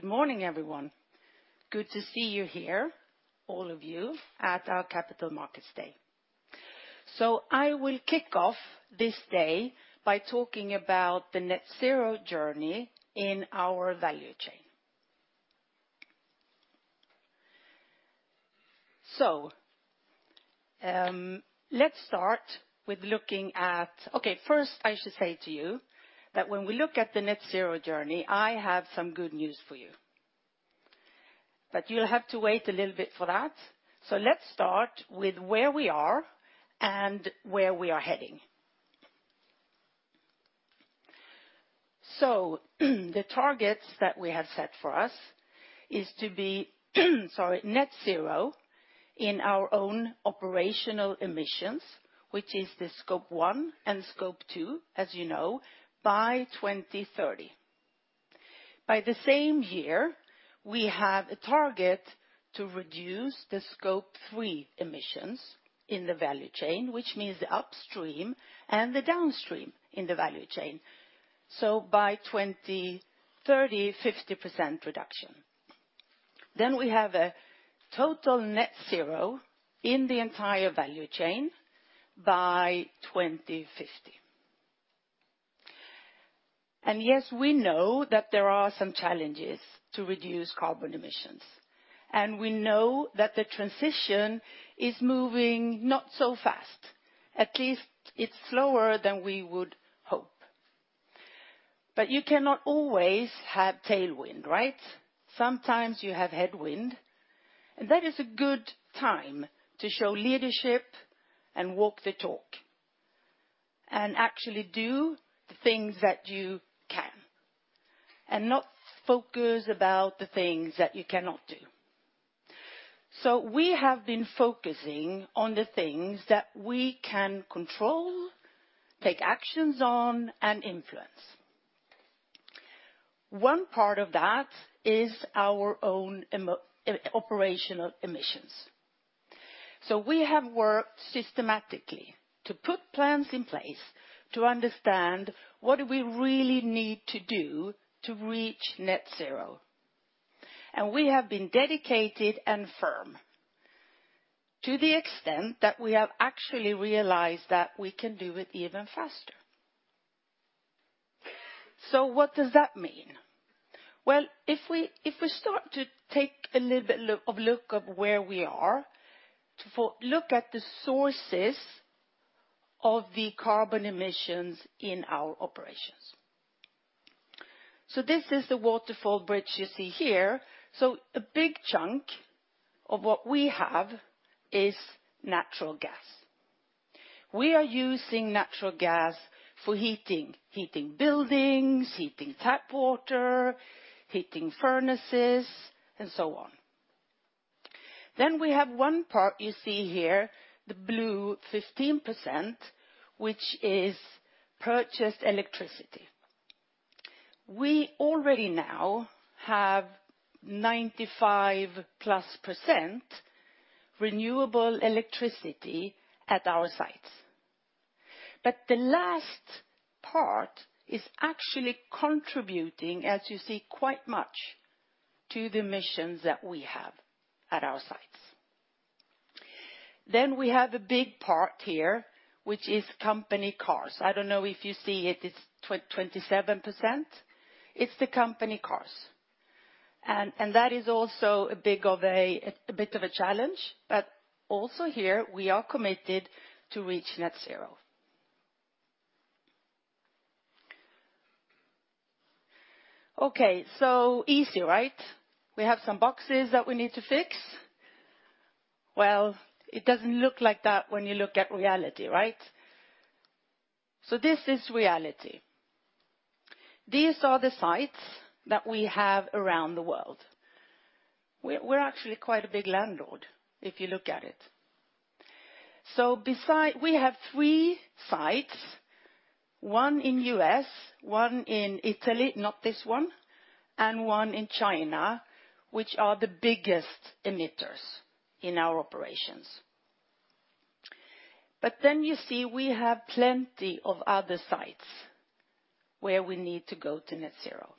Good morning, everyone. Good to see you here, all of you, at our Capital Markets Day. I will kick off this day by talking about the net zero journey in our value chain. Let's start with looking at first, I should say to you that when we look at the net zero journey, I have some good news for you, but you'll have to wait a little bit for that. Let's start with where we are and where we are heading. The targets that we have set for us is to be net zero in our own operational emissions, which is the Scope 1 and Scope 2, as you know, by 2030. By the same year, we have a target to reduce the Scope 3 emissions in the value chain, which means the upstream and the downstream in the value chain. By 2030, 50% reduction. We have a total net zero in the entire value chain by 2050. Yes, we know that there are some challenges to reduce carbon emissions, and we know that the transition is moving not so fast. At least it's slower than we would hope. You cannot always have tailwind, right? Sometimes you have headwind, and that is a good time to show leadership and walk the talk, and actually do the things that you can, and not focus about the things that you cannot do. We have been focusing on the things that we can control, take actions on, and influence. One part of that is our own operational emissions. We have worked systematically to put plans in place to understand what do we really need to do to reach net zero. We have been dedicated and firm to the extent that we have actually realized that we can do it even faster. What does that mean? Well, if we start to take a little bit of look at where we are, look at the sources of the carbon emissions in our operations. This is the waterfall bridge you see here. A big chunk of what we have is natural gas. We are using natural gas for heating buildings, heating tap water, heating furnaces, and so on. We have one part you see here, the blue 15%, which is purchased electricity. We already now have 95%+ renewable electricity at our sites. The last part is actually contributing, as you see, quite much to the emissions that we have at our sites. We have a big part here, which is company cars. I don't know if you see it. It's 27%. It's the company cars. That is also a bit of a challenge. Also here, we are committed to reach net zero. Easy, right? We have some boxes that we need to fix. It doesn't look like that when you look at reality, right? This is reality. These are the sites that we have around the world. We're actually quite a big landlord, if you look at it. We have three sites, one in U.S., one in Italy, not this one, and one in China, which are the biggest emitters in our operations. You see we have plenty of other sites where we need to go to net zero.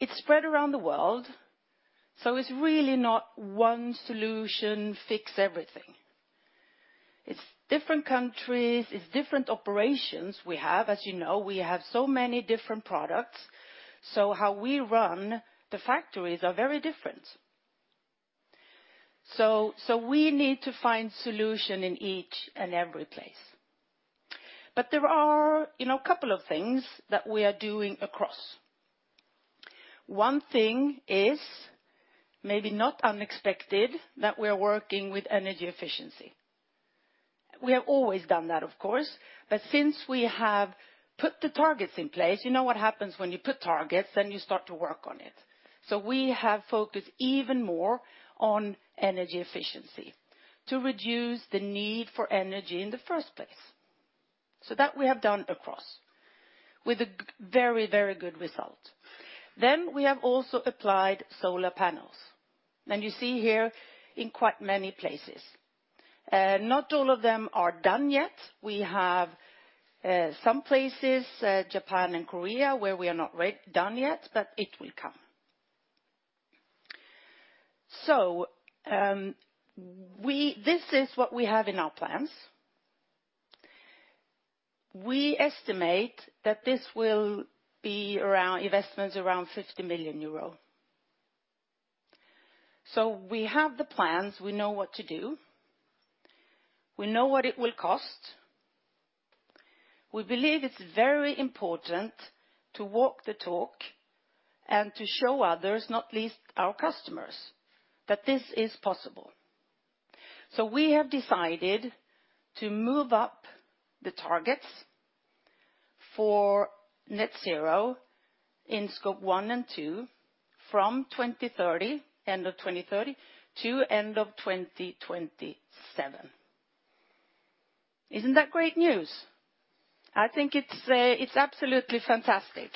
It's spread around the world, so it's really not one solution fits everything. It's different countries, it's different operations we have. As you know, we have so many different products, how we run the factories are very different. We need to find solution in each and every place. There are, you know, a couple of things that we are doing across. One thing is, maybe not unexpected, that we're working with energy efficiency. We have always done that, of course, but since we have put the targets in place, you know what happens when you put targets, then you start to work on it. We have focused even more on energy efficiency to reduce the need for energy in the first place. That we have done across with a very, very good result. We have also applied solar panels. You see here in quite many places. Not all of them are done yet. We have some places, Japan and Korea, where we are not re-done yet, but it will come. This is what we have in our plans. We estimate that this will be investments around 50 million euro. We have the plans, we know what to do, we know what it will cost. We believe it's very important to walk the talk and to show others, not least our customers, that this is possible. We have decided to move up the targets for net zero in Scope 1 and 2 from 2030, end of 2030, to end of 2027. Isn't that great news? I think it's absolutely fantastic.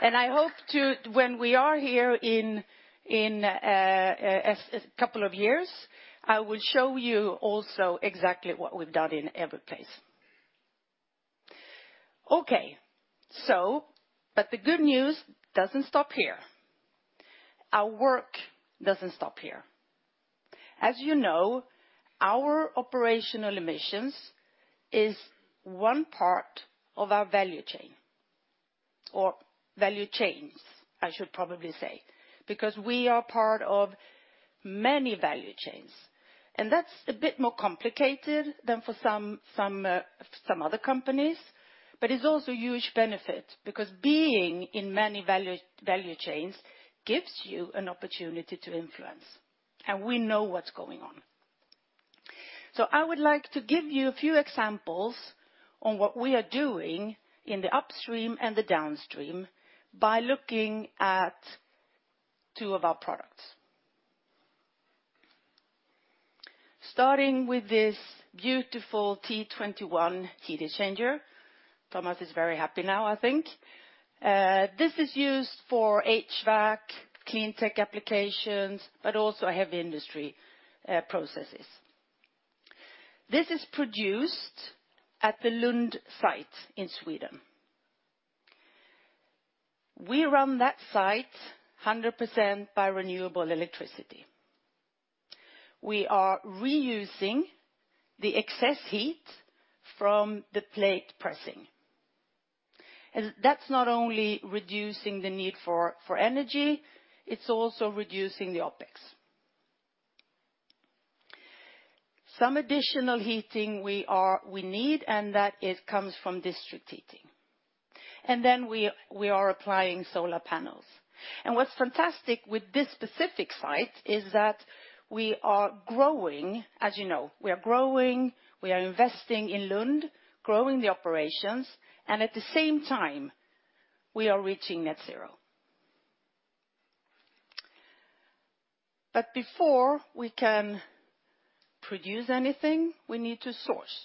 I hope when we are here in a couple of years, I will show you also exactly what we've done in every place. Okay. The good news doesn't stop here. Our work doesn't stop here. As you know, our operational emissions is one part of our value chain, or value chains, I should probably say. We are part of many value chains. That's a bit more complicated than for some other companies, but it's also a huge benefit because being in many value chains gives you an opportunity to influence, and we know what's going on. I would like to give you a few examples on what we are doing in the upstream and the downstream by looking at two of our products. Starting with this beautiful T21 heat exchanger, Thomas is very happy now, I think. This is used for HVAC, clean tech applications, but also heavy industry processes. This is produced at the Lund site in Sweden. We run that site 100% by renewable electricity. That's not only reducing the need for energy, it's also reducing the OpEx. Some additional heating we need, it comes from district heating. We are applying solar panels. What's fantastic with this specific site is that we are growing. As you know, we are growing, we are investing in Lund, growing the operations, and at the same time, we are reaching net zero. Before we can produce anything, we need to source.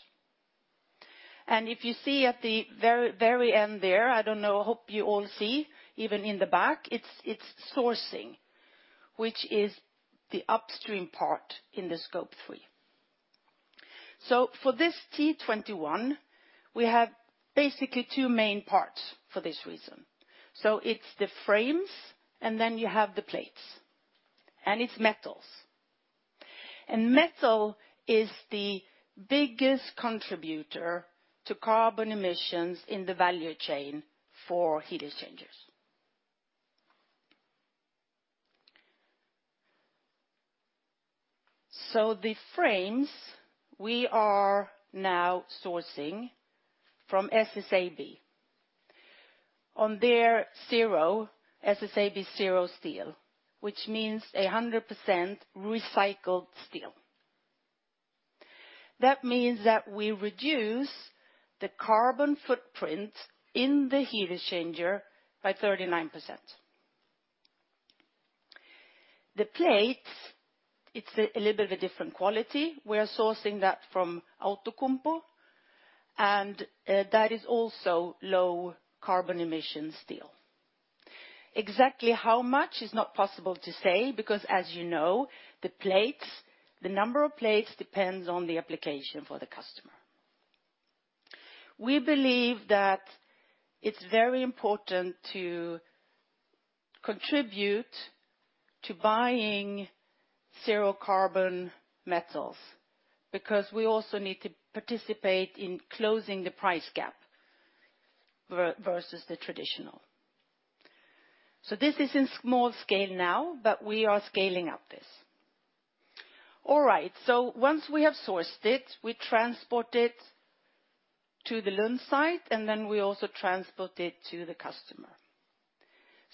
If you see at the very end there, I don't know, I hope you all see, even in the back, it's sourcing, which is the upstream part in the Scope 3. For this T21, we have basically two main parts for this reason. It's the frames, and then you have the plates. It's metals. Metal is the biggest contributor to carbon emissions in the value chain for heat exchangers. The frames we are now sourcing from SSAB. On their SSAB Zero steel, which means 100% recycled steel. That means that we reduce the carbon footprint in the heat exchanger by 39%. The plates, it's a little bit of a different quality. We are sourcing that from Outokumpu, and that is also low carbon emission steel. Exactly how much is not possible to say, because as you know, the plates, the number of plates depends on the application for the customer. We believe that it's very important to contribute to buying zero carbon metals because we also need to participate in closing the price gap versus the traditional. This is in small scale now, but we are scaling up this. All right. Once we have sourced it, we transport it to the Lund site, and then we also transport it to the customer.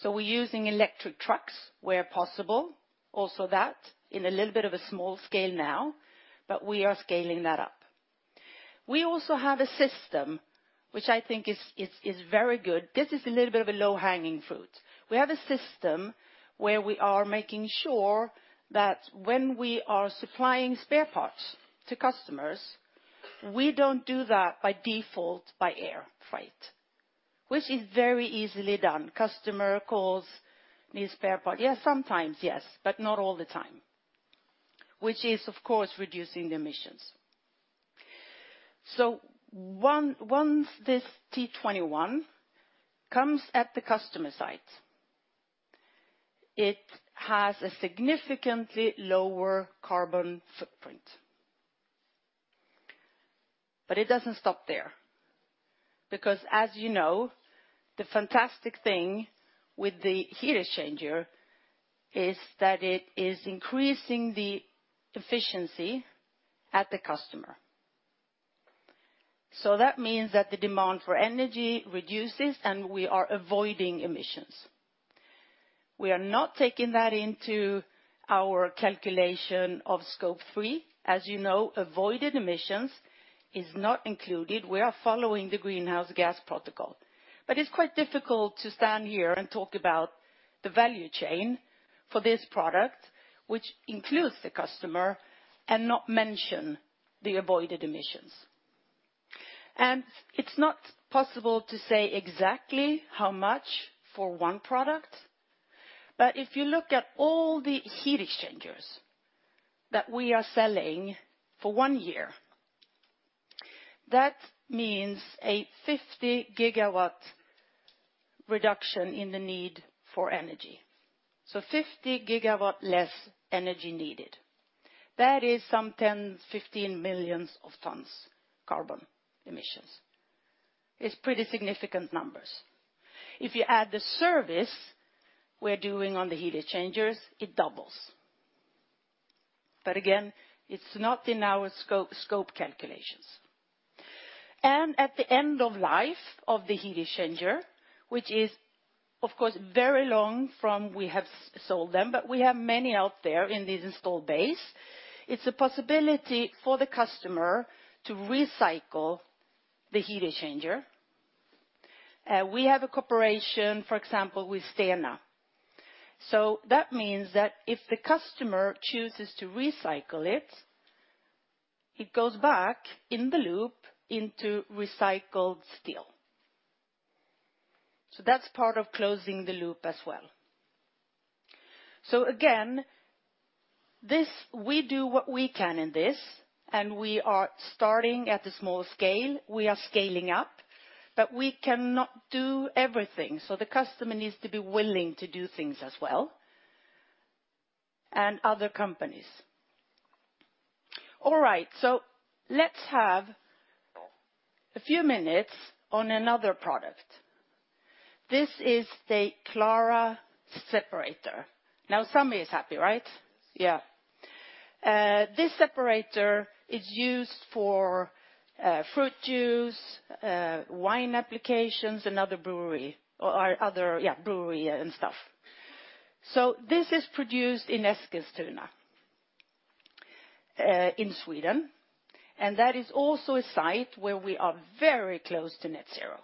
We're using electric trucks where possible. Also that in a little bit of a small scale now, but we are scaling that up. We also have a system which I think is very good. This is a little bit of a low-hanging fruit. We have a system where we are making sure that when we are supplying spare parts to customers, we don't do that by default by air freight, which is very easily done. Customer calls, needs spare part. Yeah, sometimes yes, but not all the time. Which is, of course, reducing the emissions. Once this T21 comes at the customer site, it has a significantly lower carbon footprint. It doesn't stop there because, as you know, the fantastic thing with the heat exchanger is that it is increasing the efficiency at the customer. That means that the demand for energy reduces, and we are avoiding emissions. We are not taking that into our calculation of Scope 3. As you know, avoided emissions is not included. We are following the Greenhouse Gas Protocol. It's quite difficult to stand here and talk about the value chain for this product, which includes the customer, and not mention the avoided emissions. It's not possible to say exactly how much for one product. If you look at all the heat exchangers that we are selling for one year, that means a 50 GW reduction in the need for energy. 50 GW less energy needed. That is some 10, 15 million tons carbon emissions. It's pretty significant numbers. If you add the service we're doing on the heat exchangers, it doubles. Again, it's not in our Scope calculations. At the end of life of the heat exchanger, which is, of course, very long from we have sold them, but we have many out there in the installed base, it's a possibility for the customer to recycle the heat exchanger. We have a cooperation, for example, with Stena. That means that if the customer chooses to recycle it goes back in the loop into recycled steel. That's part of closing the loop as well. Again, this we do what we can in this, and we are starting at a small scale. We are scaling up, but we cannot do everything. The customer needs to be willing to do things as well, and other companies. Let's have a few minutes on another product. This is the Clara separator. Now, somebody is happy, right? This separator is used for fruit juice, wine applications, and other brewery or other brewery and stuff. This is produced in Eskilstuna, in Sweden, and that is also a site where we are very close to net zero.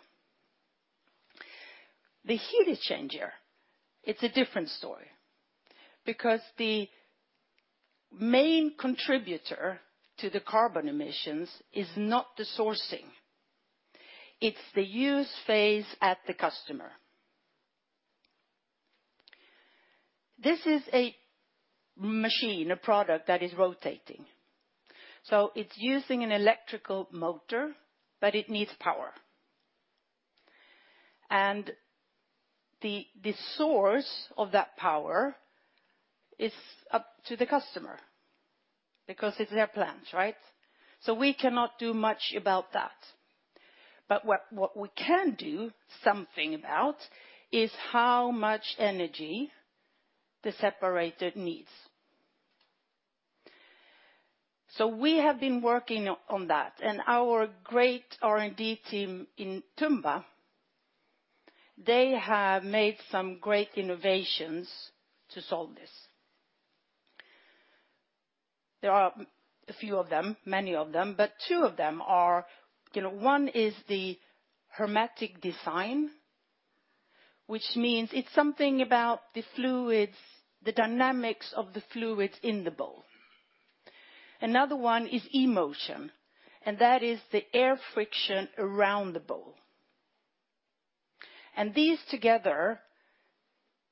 The heat exchanger, it's a different story because the main contributor to the carbon emissions is not the sourcing. It's the use phase at the customer. This is a machine, a product that is rotating. It's using an electrical motor, but it needs power. The source of that power is up to the customer because it's their plant, right? We cannot do much about that. What we can do something about is how much energy the separator needs. We have been working on that, and our great R&D team in Tumba, they have made some great innovations to solve this. There are a few of them, many of them, but two of them are, you know, one is the hermetic design, which means it's something about the fluids, the dynamics of the fluids in the bowl. Another one is eMotion, and that is the air friction around the bowl. These together,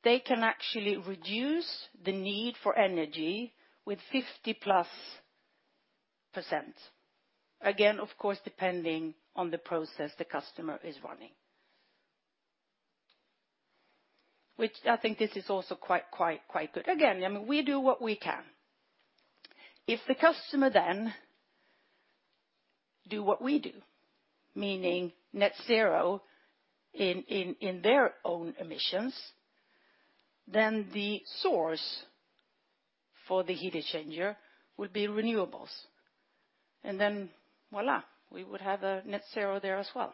they can actually reduce the need for energy with 50%+. Again, of course, depending on the process the customer is running. I think this is also quite good. Again, I mean, we do what we can. If the customer then do what we do, meaning net zero in their own emissions, the source for the heat exchanger would be renewables. Voila, we would have a net zero there as well.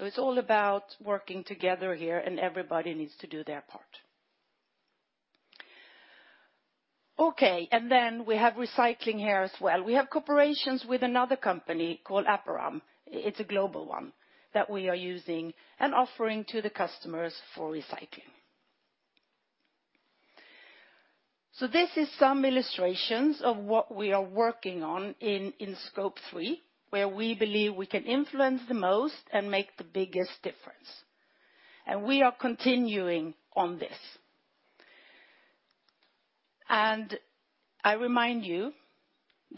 It's all about working together here, and everybody needs to do their part. We have recycling here as well. We have cooperations with another company called Aperam. It's a global one that we are using and offering to the customers for recycling. This is some illustrations of what we are working on in Scope 3, where we believe we can influence the most and make the biggest difference. We are continuing on this. I remind you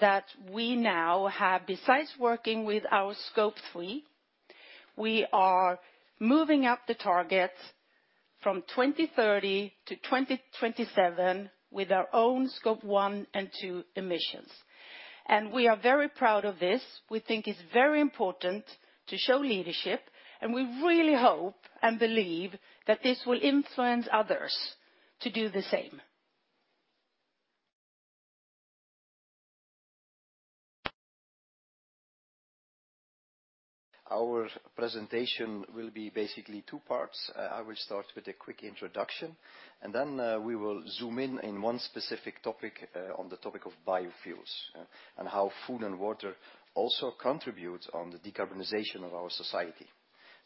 that we now have, besides working with our Scope 3, we are moving up the targets from 2030 to 2027 with our own Scope 1 and 2 emissions. We are very proud of this. We think it's very important to show leadership, and we really hope and believe that this will influence others to do the same. Our presentation will be basically two parts. I will start with a quick introduction, and then we will zoom in in one specific topic, on the topic of biofuels, and how Food & Water also contributes on the decarbonization of our society.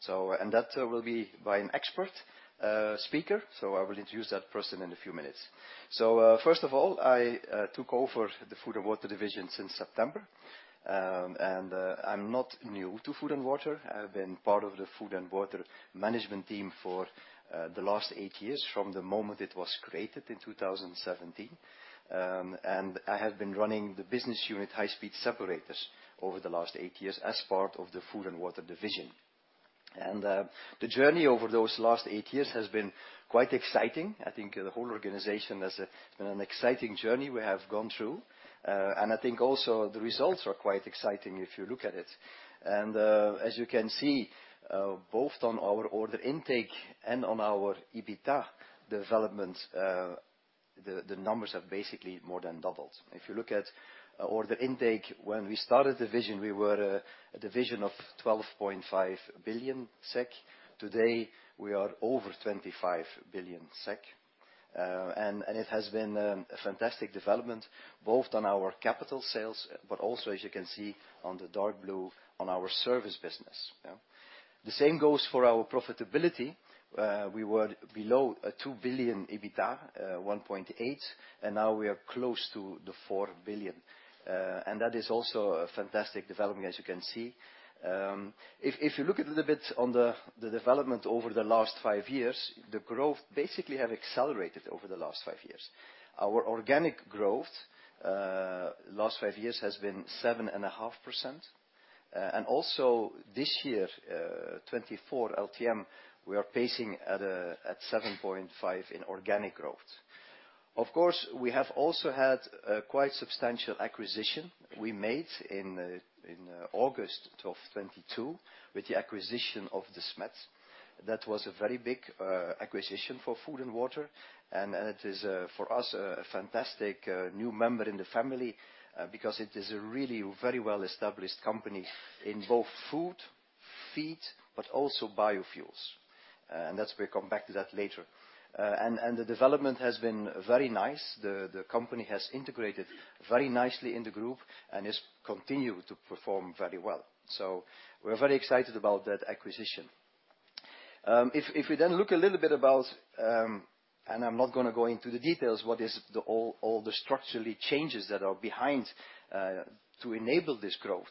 That will be by an expert speaker, so I will introduce that person in a few minutes. First of all, I took over the Food & Water division since September. I'm not new to Food & Water. I've been part of the Food & Water management team for the last eight years, from the moment it was created in 2017. I have been running the business unit High Speed Separators over the last eight years as part of the Food & Water division. The journey over those last eight years has been quite exciting. I think the whole organization has been an exciting journey we have gone through. I think also the results are quite exciting if you look at it. As you can see, both on our order intake and on our EBITDA development, the numbers have basically more than doubled. If you look at order intake, when we started division, we were a division of 12.5 billion SEK. Today, we are over 25 billion SEK . It has been a fantastic development, both on our capital sales, but also, as you can see on the dark blue, on our service business. The same goes for our profitability. We were below a 2 billion EBITDA, 1.8 billion, and now we are close to the 4 billion. That is also a fantastic development, as you can see. If you look a little bit on the development over the last five years, the growth basically have accelerated over the last five years. Our organic growth, last five years has been 7.5%. Also this year, 2024 LTM, we are pacing at 7.5% in organic growth. Of course, we have also had a quite substantial acquisition we made in August of 2022 with the acquisition of Desmet. That was a very big acquisition for Food & Water, and it is for us a fantastic new member in the family because it is a really very well-established company in both food, feed, but also biofuels. That we come back to that later. The development has been very nice. The company has integrated very nicely in the group and is continued to perform very well. We're very excited about that acquisition. If we then look a little bit about, I'm not gonna go into the details, what is all the structural changes that are behind to enable this growth.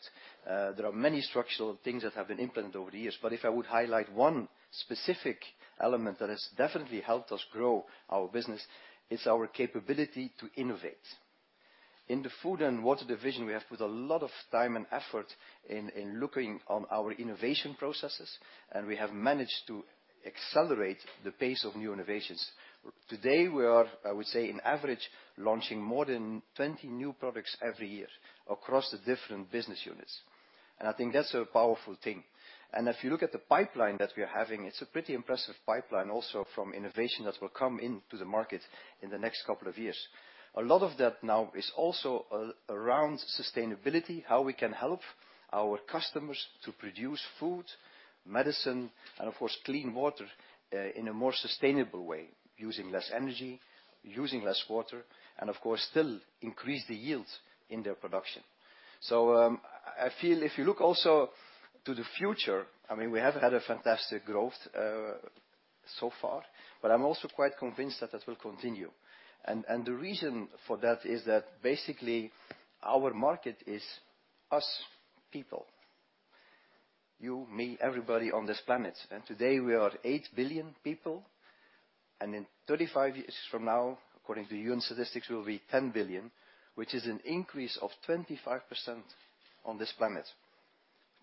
There are many structural things that have been implemented over the years, but if I would highlight one specific element that has definitely helped us grow our business, it's our capability to innovate. In the Food & Water Division, we have put a lot of time and effort in looking on our innovation processes, and we have managed to accelerate the pace of new innovations. Today, we are, I would say, on average, launching more than 20 new products every year across the different business units, and I think that's a powerful thing. If you look at the pipeline that we are having, it's a pretty impressive pipeline also from innovation that will come into the market in the next couple of years. A lot of that now is also around sustainability, how we can help our customers to produce food, medicine, and of course, clean water in a more sustainable way, using less energy, using less water, and of course, still increase the yields in their production. I feel if you look also to the future, I mean, we have had a fantastic growth so far, but I'm also quite convinced that that will continue. The reason for that is that basically our market is us people, you, me, everybody on this planet. Today, we are 8 billion people. In 35 years from now, according to UN statistics, we'll be 10 billion, which is an increase of 25% on this planet.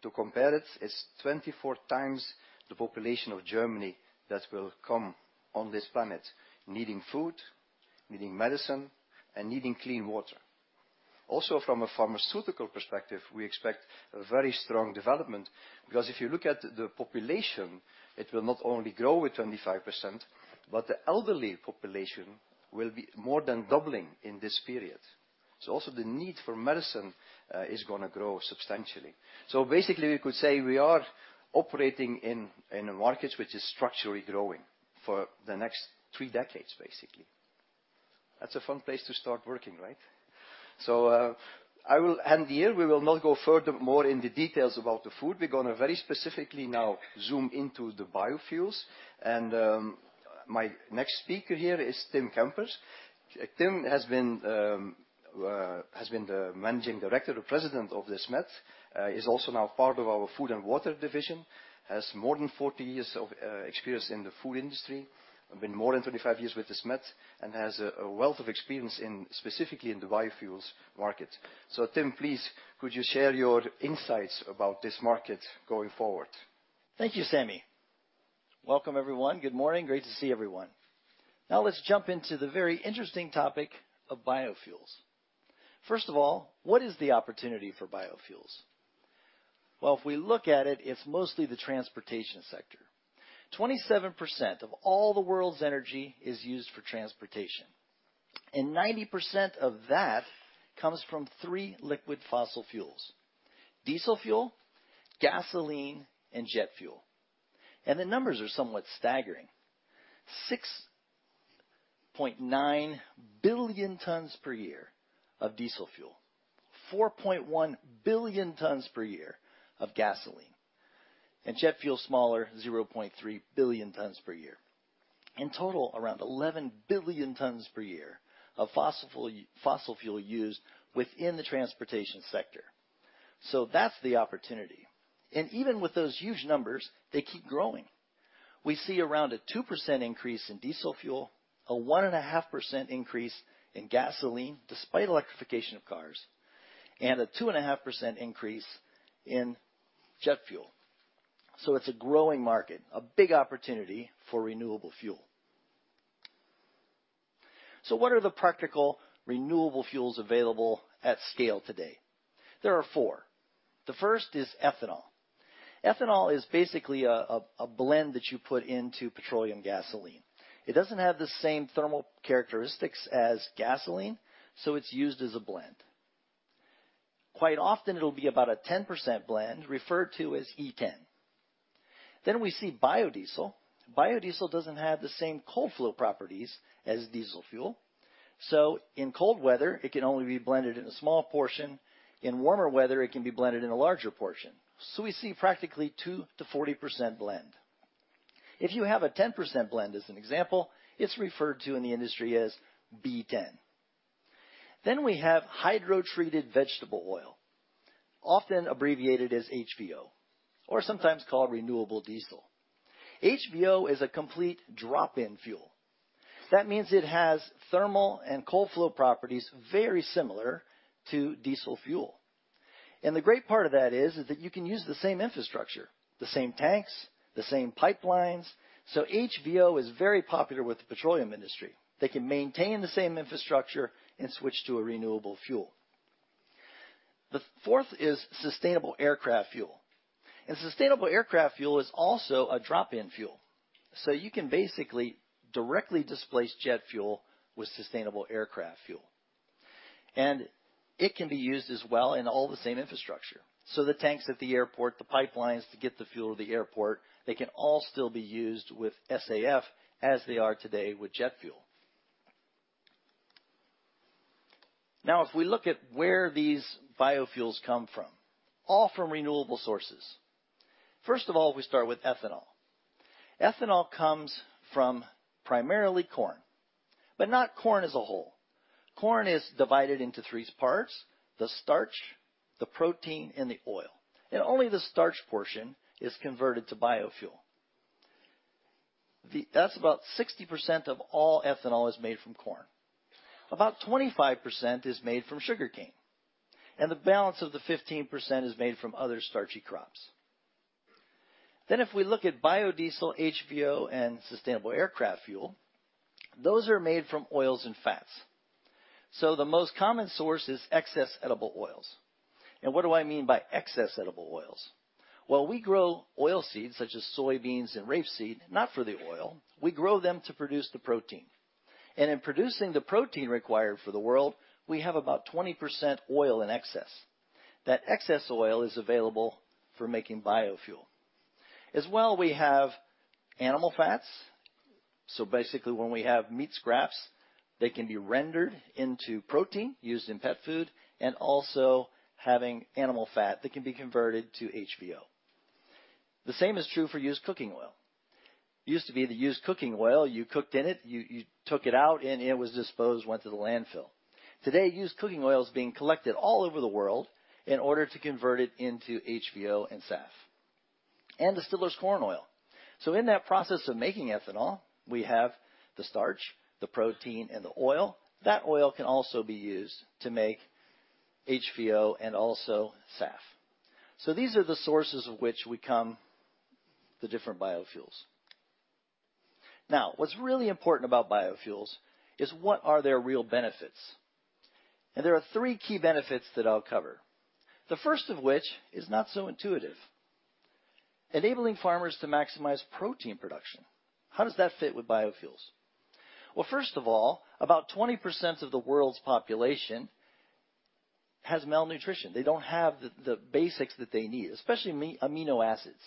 To compare it's 24 times the population of Germany that will come on this planet needing food, needing medicine, and needing clean water. From a pharmaceutical perspective, we expect a very strong development because if you look at the population, it will not only grow with 25%, but the elderly population will be more than doubling in this period. Also the need for medicine is gonna grow substantially. Basically, we could say we are operating in a market which is structurally growing for the next three decades, basically. That's a fun place to start working, right? I will end here. We will not go further more in the details about the food. We're gonna very specifically now zoom into the biofuels. My next speaker here is Tim Kemper. Tim has been the Managing Director or President of Desmet. He's also now part of our Food & Water Division. Has more than 40 years of experience in the food industry, been more than 25 years with Desmet, and has a wealth of experience in, specifically in the biofuels market. Tim, please, could you share your insights about this market going forward? Thank you, Sammy. Welcome, everyone. Good morning. Great to see everyone. Let's jump into the very interesting topic of biofuels. First of all, what is the opportunity for biofuels? Well, if we look at it's mostly the transportation sector. 27% of all the world's energy is used for transportation, 90% of that comes from three liquid fossil fuels: diesel fuel, gasoline, and jet fuel. The numbers are somewhat staggering. 6.9 billion tons per year of diesel fuel, 4.1 billion tons per year of gasoline, and jet fuel smaller, 0.3 billion tons per year. In total, around 11 billion tons per year of fossil fuel used within the transportation sector. That's the opportunity. Even with those huge numbers, they keep growing. We see around a 2% increase in diesel fuel, a 1.5% increase in gasoline, despite electrification of cars, and a 2.5% increase in jet fuel. It's a growing market, a big opportunity for renewable fuel. What are the practical renewable fuels available at scale today? There are four. The first is ethanol. Ethanol is basically a blend that you put into petroleum gasoline. It doesn't have the same thermal characteristics as gasoline, so it's used as a blend. Quite often, it'll be about a 10% blend referred to as E10. We see biodiesel. Biodiesel doesn't have the same cold flow properties as diesel fuel, so in cold weather, it can only be blended in a small portion. In warmer weather, it can be blended in a larger portion. We see practically 2%-40% blend. If you have a 10% blend as an example, it's referred to in the industry as B10. We have hydrotreated vegetable oil, often abbreviated as HVO, or sometimes called renewable diesel. HVO is a complete drop-in fuel. That means it has thermal and cold flow properties very similar to diesel fuel. The great part of that is that you can use the same infrastructure, the same tanks, the same pipelines. HVO is very popular with the petroleum industry. They can maintain the same infrastructure and switch to a renewable fuel. The fourth is sustainable aircraft fuel. Sustainable aircraft fuel is also a drop-in fuel, so you can basically directly displace jet fuel with sustainable aircraft fuel. It can be used as well in all the same infrastructure. The tanks at the airport, the pipelines to get the fuel to the airport, they can all still be used with SAF as they are today with jet fuel. If we look at where these biofuels come from, all from renewable sources. First of all, we start with ethanol. Ethanol comes from primarily corn, but not corn as a whole. Corn is divided into three parts: the starch, the protein, and the oil. Only the starch portion is converted to biofuel. That's about 60% of all ethanol is made from corn. About 25% is made from sugarcane, and the balance of the 15% is made from other starchy crops. If we look at biodiesel, HVO, and sustainable aircraft fuel, those are made from oils and fats. The most common source is excess edible oils. What do I mean by excess edible oils? Well, we grow oil seeds such as soybeans and rapeseed, not for the oil. We grow them to produce the protein. In producing the protein required for the world, we have about 20% oil in excess. That excess oil is available for making biofuel. As well, we have animal fats. Basically, when we have meat scraps, they can be rendered into protein used in pet food, and also having animal fat that can be converted to HVO. The same is true for used cooking oil. Used to be the used cooking oil, you cooked in it, you took it out, and it was disposed, went to the landfill. Today, used cooking oil is being collected all over the world in order to convert it into HVO and SAF. Distiller's corn oil. In that process of making ethanol, we have the starch, the protein, and the oil. That oil can also be used to make HVO and also SAF. These are the sources of which we come the different biofuels. What's really important about biofuels is what are their real benefits? There are three key benefits that I'll cover. The first of which is not so intuitive. Enabling farmers to maximize protein production. How does that fit with biofuels? First of all, about 20% of the world's population has malnutrition. They don't have the basics that they need, especially amino acids.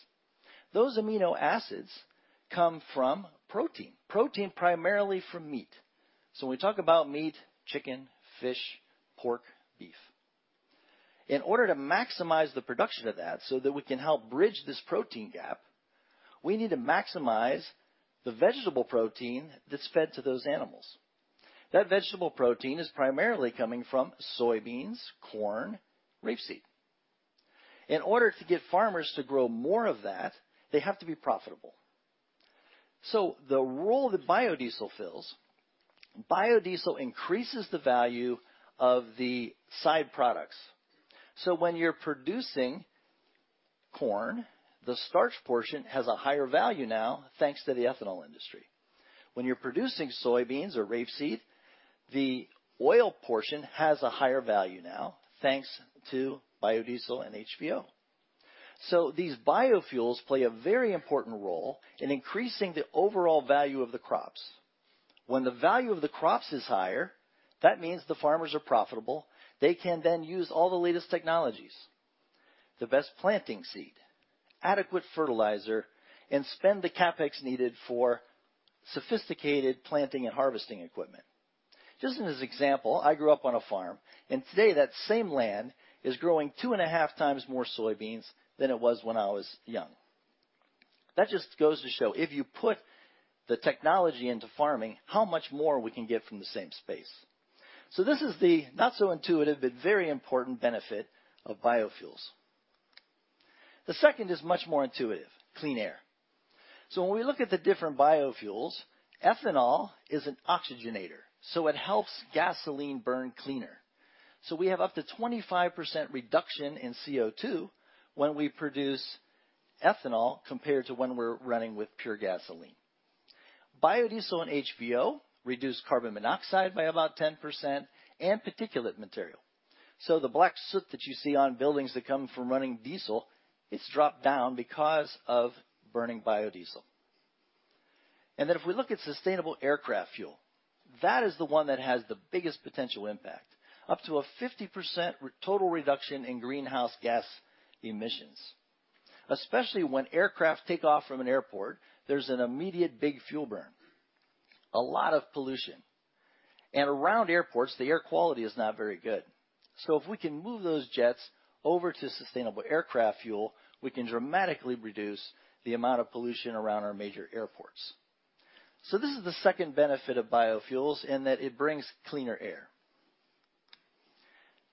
Those amino acids come from protein primarily from meat. When we talk about meat, chicken, fish, pork, beef. In order to maximize the production of that so that we can help bridge this protein gap, we need to maximize the vegetable protein that's fed to those animals. That vegetable protein is primarily coming from soybeans, corn, rapeseed. In order to get farmers to grow more of that, they have to be profitable. The role that biodiesel fills, biodiesel increases the value of the side products. When you're producing corn, the starch portion has a higher value now, thanks to the ethanol industry. When you're producing soybeans or rapeseed, the oil portion has a higher value now, thanks to biodiesel and HVO. These biofuels play a very important role in increasing the overall value of the crops. When the value of the crops is higher, that means the farmers are profitable. They can then use all the latest technologies, the best planting seed, adequate fertilizer, and spend the CapEx needed for sophisticated planting and harvesting equipment. Just as an example, I grew up on a farm, and today that same land is growing two and a half times more soybeans than it was when I was young. That just goes to show, if you put the technology into farming, how much more we can get from the same space. This is the not so intuitive but very important benefit of biofuels. The second is much more intuitive: clean air. When we look at the different biofuels, ethanol is an oxygenator, so it helps gasoline burn cleaner. We have up to 25% reduction in CO2 when we produce ethanol compared to when we're running with pure gasoline. Biodiesel and HVO reduce carbon monoxide by about 10% and particulate material. The black soot that you see on buildings that come from running diesel, it's dropped down because of burning biodiesel. If we look at sustainable aircraft fuel, that is the one that has the biggest potential impact, up to a 50% total reduction in greenhouse gas emissions. Especially when aircraft take off from an airport, there's an immediate big fuel burn, a lot of pollution. Around airports, the air quality is not very good. If we can move those jets over to sustainable aircraft fuel, we can dramatically reduce the amount of pollution around our major airports. This is the second benefit of biofuels in that it brings cleaner air.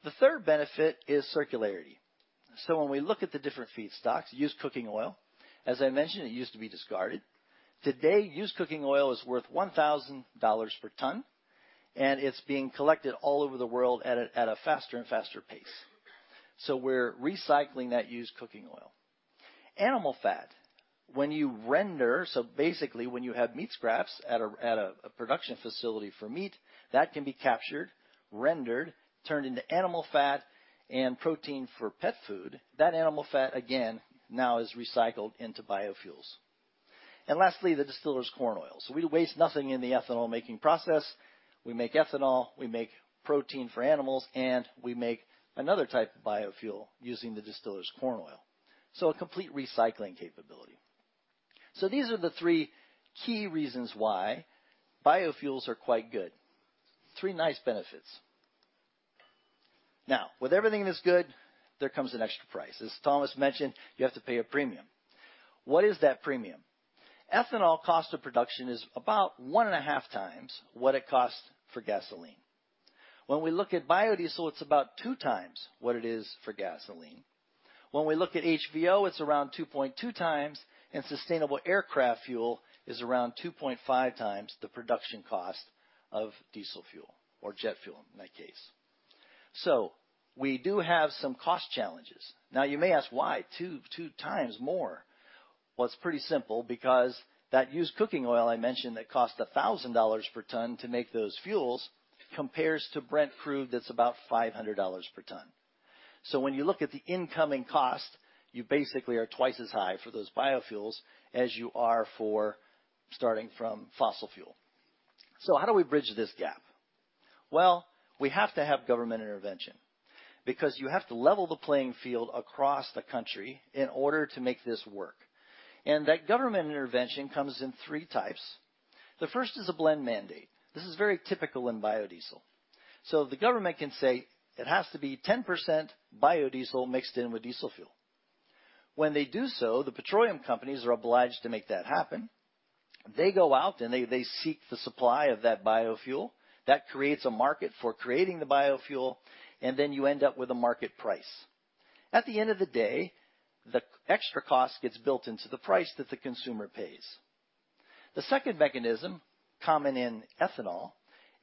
The third benefit is circularity. When we look at the different feedstocks, used cooking oil, as I mentioned, it used to be discarded. Today, used cooking oil is worth $1,000 per ton, and it's being collected all over the world at a faster and faster pace. We're recycling that used cooking oil. Animal fat. When you render, when you have meat scraps at a production facility for meat, that can be captured, rendered, turned into animal fat and protein for pet food. That animal fat, again, now is recycled into biofuels. Lastly, the distiller's corn oil. We waste nothing in the ethanol-making process. We make ethanol, we make protein for animals, and we make another type of biofuel using the distiller's corn oil. A complete recycling capability. These are the three key reasons why biofuels are quite good. Three nice benefits. With everything that's good, there comes an extra price. As Thomas mentioned, you have to pay a premium. What is that premium? Ethanol cost of production is about 1.5x what it costs for gasoline. When we look at biodiesel, it's about 2x what it is for gasoline. When we look at HVO, it's around 2.2x, and sustainable aircraft fuel is around 2.5x the production cost of diesel fuel or jet fuel in that case. We do have some cost challenges. You may ask why 2x more. It's pretty simple, because that used cooking oil I mentioned that cost $1,000 per ton to make those fuels compares to Brent Crude that's about $500 per ton. When you look at the incoming cost, you basically are twice as high for those biofuels as you are for starting from fossil fuel. How do we bridge this gap? Well, we have to have government intervention because you have to level the playing field across the country in order to make this work. That government intervention comes in three types. The first is a blend mandate. This is very typical in biodiesel. The government can say it has to be 10% biodiesel mixed in with diesel fuel. When they do so, the petroleum companies are obliged to make that happen. They go out, and they seek the supply of that biofuel. That creates a market for creating the biofuel, and then you end up with a market price. At the end of the day, the extra cost gets built into the price that the consumer pays. The second mechanism, common in ethanol,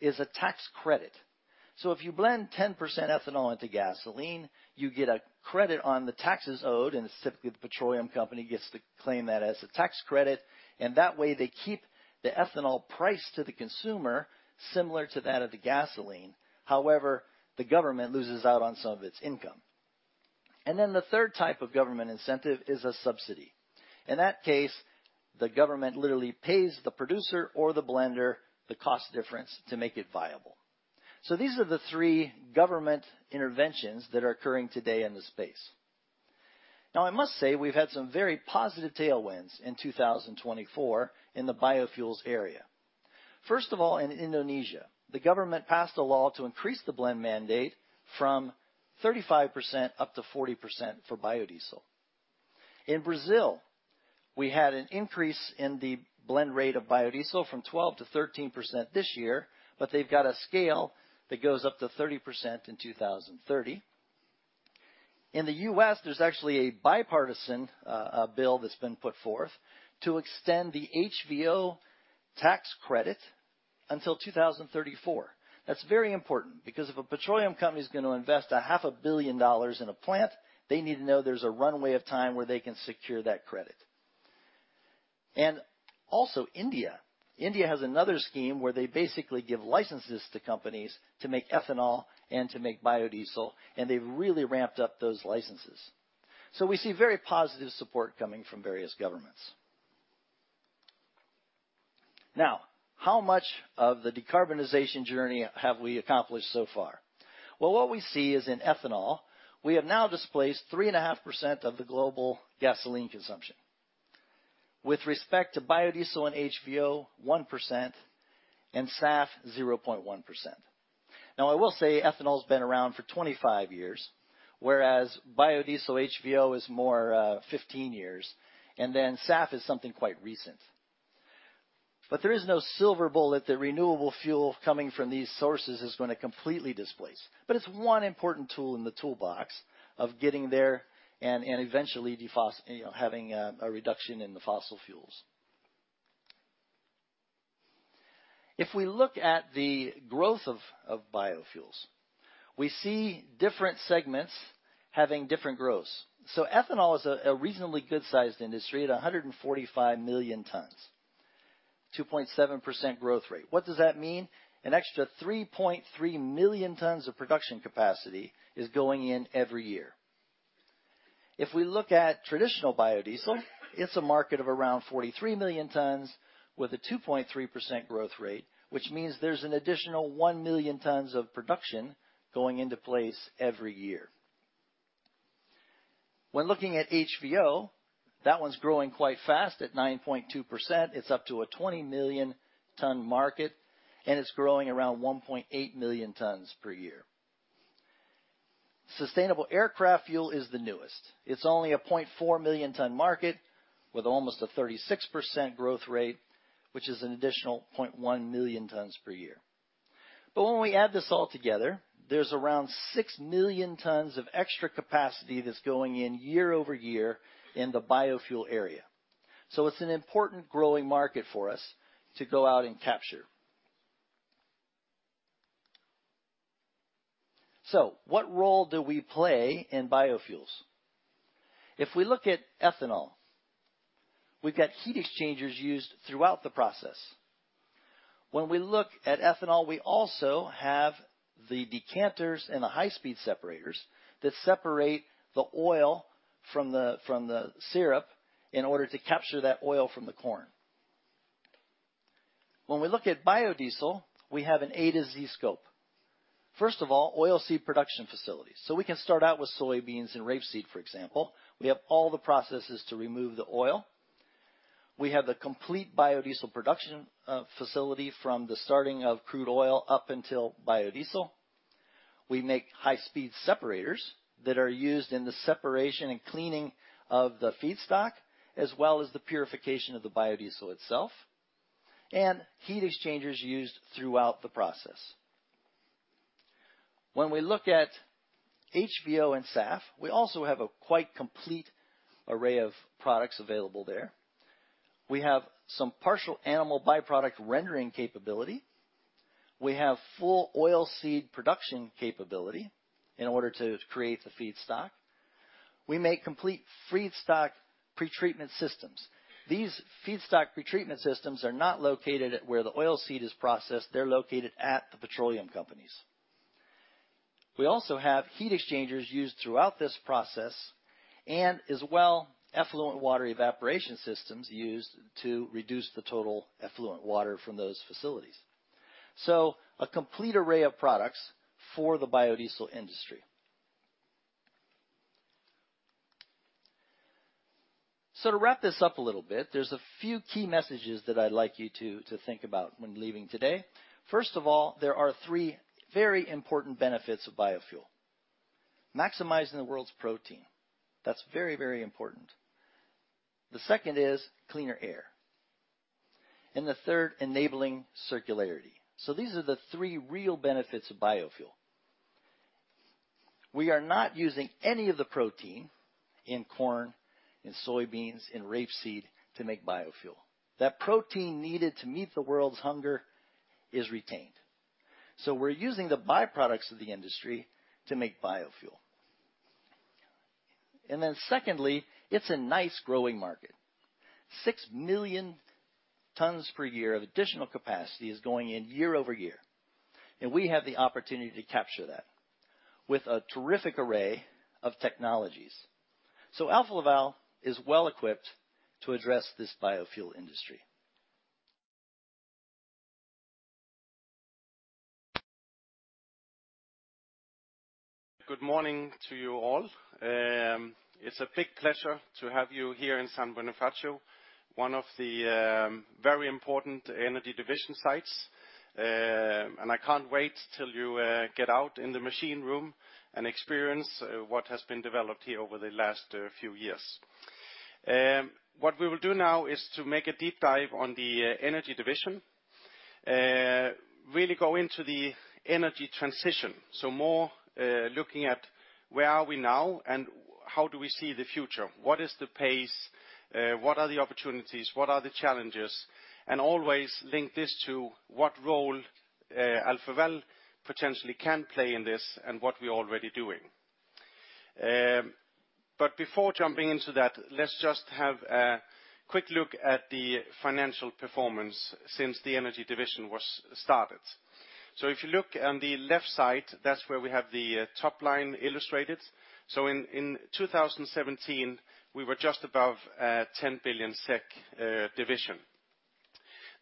is a tax credit. If you blend 10% ethanol into gasoline, you get a credit on the taxes owed, and typically, the petroleum company gets to claim that as a tax credit. That way, they keep the ethanol price to the consumer similar to that of the gasoline. However, the government loses out on some of its income. The third type of government incentive is a subsidy. In that case, the government literally pays the producer or the blender the cost difference to make it viable. These are the three government interventions that are occurring today in the space. I must say we've had some very positive tailwinds in 2024 in the biofuels area. First of all, in Indonesia, the government passed a law to increase the blend mandate from 35% up to 40% for biodiesel. In Brazil, we had an increase in the blend rate of biodiesel from 12% to 13% this year. They've got a scale that goes up to 30% in 2030. In the U.S., there's actually a bipartisan bill that's been put forth to extend the HVO tax credit until 2034. That's very important because if a petroleum company is gonna invest $500 million in a plant, they need to know there's a runway of time where they can secure that credit. Also India. India has another scheme where they basically give licenses to companies to make ethanol and to make biodiesel. They've really ramped up those licenses. We see very positive support coming from various governments. How much of the decarbonization journey have we accomplished so far? What we see is in ethanol, we have now displaced 3.5% of the global gasoline consumption. With respect to biodiesel and HVO, 1%, and SAF, 0.1%. I will say ethanol's been around for 25 years, whereas biodiesel, HVO is more, 15 years, and then SAF is something quite recent. There is no silver bullet that renewable fuel coming from these sources is gonna completely displace. It's one important tool in the toolbox of getting there and, you know, having a reduction in the fossil fuels. If we look at the growth of biofuels, we see different segments having different growths. Ethanol is a reasonably good-sized industry at 145 million tons, 2.7% growth rate. What does that mean? An extra 3.3 million tons of production capacity is going in every year. If we look at traditional biodiesel, it's a market of around 43 million tons with a 2.3% growth rate, which means there's an additional 1 million tons of production going into place every year. When looking at HVO, that one's growing quite fast at 9.2%. It's up to a 20 million ton market, and it's growing around 1.8 million tons per year. Sustainable aircraft fuel is the newest. It's only a 0.4 million ton market with almost a 36% growth rate, which is an additional 0.1 million tons per year. When we add this all together, there's around 6 million tons of extra capacity that's going in year-over-year in the biofuel area. It's an important growing market for us to go out and capture. What role do we play in biofuels? If we look at ethanol, we've got heat exchangers used throughout the process. When we look at ethanol, we also have the decanters and the high-speed separators that separate the oil from the syrup in order to capture that oil from the corn. When we look at biodiesel, we have an A to Z scope. First of all, oil seed production facilities. We can start out with soybeans and rapeseed, for example. We have all the processes to remove the oil. We have the complete biodiesel production facility from the starting of crude oil up until biodiesel. We make high-speed separators that are used in the separation and cleaning of the feedstock, as well as the purification of the biodiesel itself, and heat exchangers used throughout the process. When we look at HVO and SAF, we also have a quite complete array of products available there. We have some partial animal byproduct rendering capability. We have full oil seed production capability in order to create the feedstock. We make complete feedstock pretreatment systems. These feedstock pretreatment systems are not located at where the oil seed is processed. They're located at the petroleum companies. We also have heat exchangers used throughout this process and as well effluent water evaporation systems used to reduce the total effluent water from those facilities. A complete array of products for the biodiesel industry. To wrap this up a little bit, there's a few key messages that I'd like you to think about when leaving today. First of all, there are three very important benefits of biofuel. Maximizing the world's protein. That's very important. The second is cleaner air. The third, enabling circularity. These are the three real benefits of biofuel. We are not using any of the protein in corn, in soybeans, in rapeseed to make biofuel. That protein needed to meet the world's hunger is retained. We're using the byproducts of the industry to make biofuel. Secondly, it's a nice growing market. 6 million tons per year of additional capacity is going in year-over-year, and we have the opportunity to capture that with a terrific array of technologies. Alfa Laval is well-equipped to address this biofuel industry. Good morning to you all. It's a big pleasure to have you here in San Bonifacio, one of the very important Energy Division sites. I can't wait till you get out in the machine room and experience what has been developed here over the last few years. What we will do now is to make a deep dive on the Energy Division. Really go into the energy transition. More looking at where are we now and how do we see the future. What is the pace? What are the opportunities? What are the challenges? Always link this to what role Alfa Laval potentially can play in this, and what we're already doing. Before jumping into that, let's just have a quick look at the financial performance since the Energy Division was started. If you look on the left side, that's where we have the top line illustrated. In 2017, we were just above 10 billion SEK division.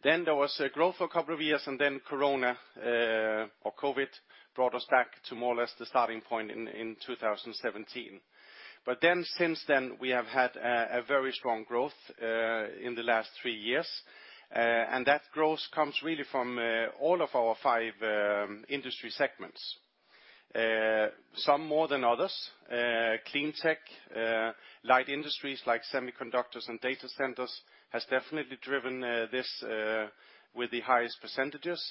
There was growth for a couple of years, and then corona or COVID brought us back to more or less the starting point in 2017. Since then, we have had a very strong growth in the last three years. That growth comes really from all of our five industry segments. Some more than others. Clean tech, light industries like semiconductors and data centers has definitely driven this with the highest percentages.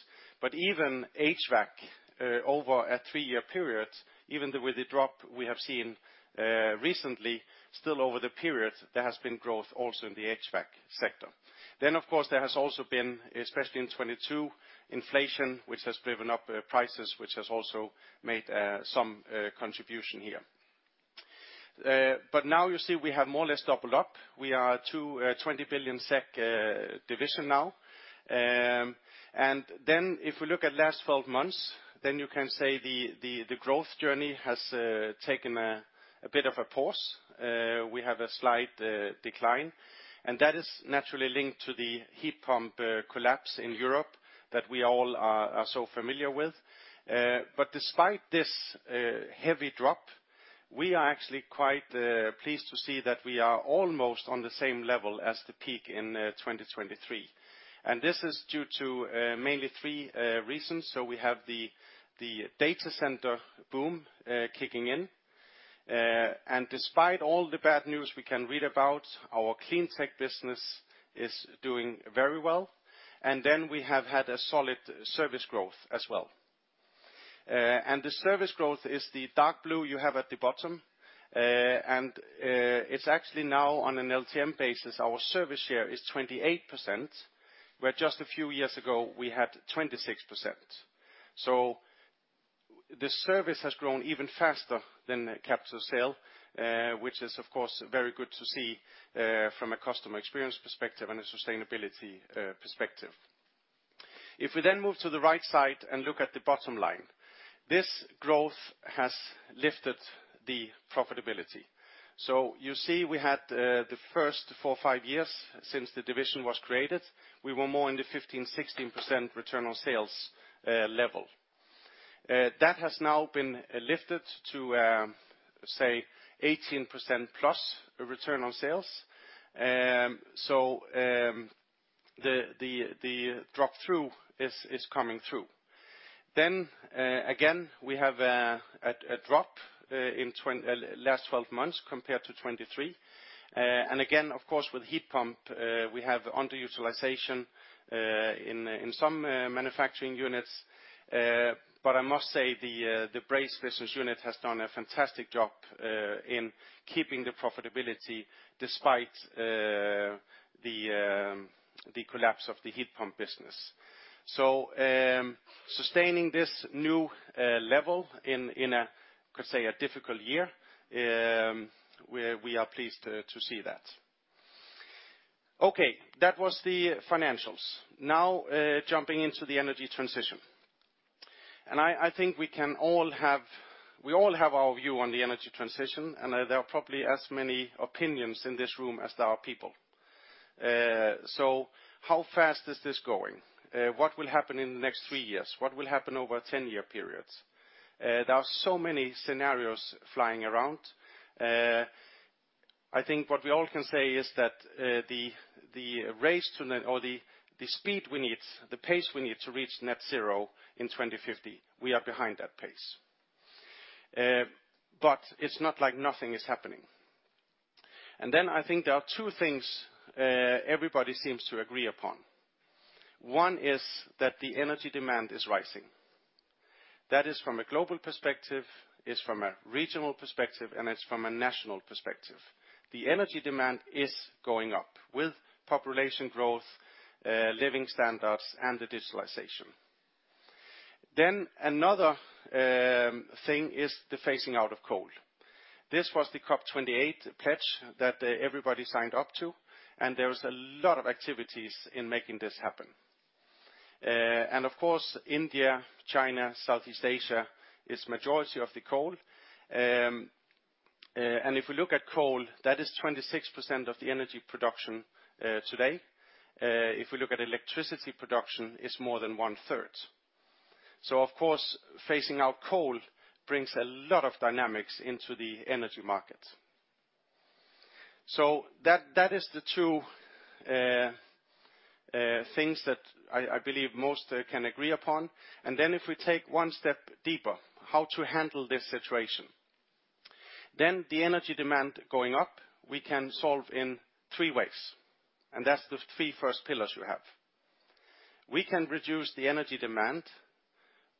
Even HVAC, over a three-year period, even with the drop we have seen recently, still over the period, there has been growth also in the HVAC sector. Of course, there has also been, especially in 2022, inflation, which has driven up prices, which has also made some contribution here. Now you see we have more or less doubled up. We are 20 billion SEK division now. If we look at last 12 months, you can say the growth journey has taken a bit of a pause. We have a slight decline, and that is naturally linked to the heat pump collapse in Europe that we all are so familiar with. But despite this heavy drop, we are actually quite pleased to see that we are almost on the same level as the peak in 2023, and this is due to mainly three reasons. We have the data center boom kicking in. Despite all the bad news we can read about, our clean tech business is doing very well. We have had a solid service growth as well. The service growth is the dark blue you have at the bottom. It's actually now on an LTM basis, our service share is 28%, where just a few years ago we had 26%. The service has grown even faster than capital sale, which is of course, very good to see, from a customer experience perspective and a sustainability perspective. This growth has lifted the profitability. You see, we had the first four or five years since the division was created, we were more in the 15%, 16% return on sales level. That has now been lifted to, say 18%+ return on sales. The drop-through is coming through. Again, we have a drop in last 12 months compared to 2023. Again, of course, with heat pump, we have underutilization in some manufacturing units. I must say the Braze business unit has done a fantastic job in keeping the profitability despite the collapse of the heat pump business. Sustaining this new level in a difficult year, we are pleased to see that. Okay, that was the financials. Now, jumping into the energy transition. I think we all have our view on the energy transition, and there are probably as many opinions in this room as there are people. How fast is this going? What will happen in the next three years? What will happen over a 10-year period? There are so many scenarios flying around. I think what we all can say is that the race to net or the speed we need, the pace we need to reach net zero in 2050, we are behind that pace. It's not like nothing is happening. I think there are two things everybody seems to agree upon. One is that the energy demand is rising. That is from a global perspective, it's from a regional perspective, and it's from a national perspective. The energy demand is going up with population growth, living standards, and the digitalization. Another thing is the phasing out of coal. This was the COP28 pledge that everybody signed up to, and there is a lot of activities in making this happen. Of course, India, China, Southeast Asia is majority of the coal. If we look at coal, that is 26% of the energy production today. If we look at electricity production, it's more than one-third. Of course, phasing out coal brings a lot of dynamics into the energy market. That is the two things that I believe most can agree upon. If we take one step deeper, how to handle this situation. The energy demand going up, we can solve in three ways, and that's the three first pillars you have. We can reduce the energy demand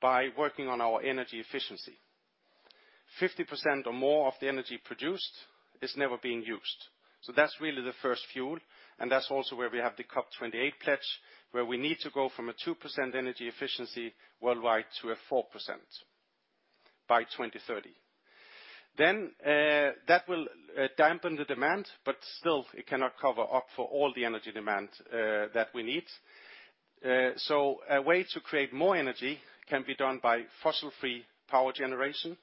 by working on our energy efficiency. 50% or more of the energy produced is never being used. That's really the first fuel, and that's also where we have the COP28 pledge, where we need to go from a 2% energy efficiency worldwide to a 4% by 2030. That will dampen the demand, but still, it cannot cover up for all the energy demand that we need. A way to create more energy can be done by fossil-free power generation.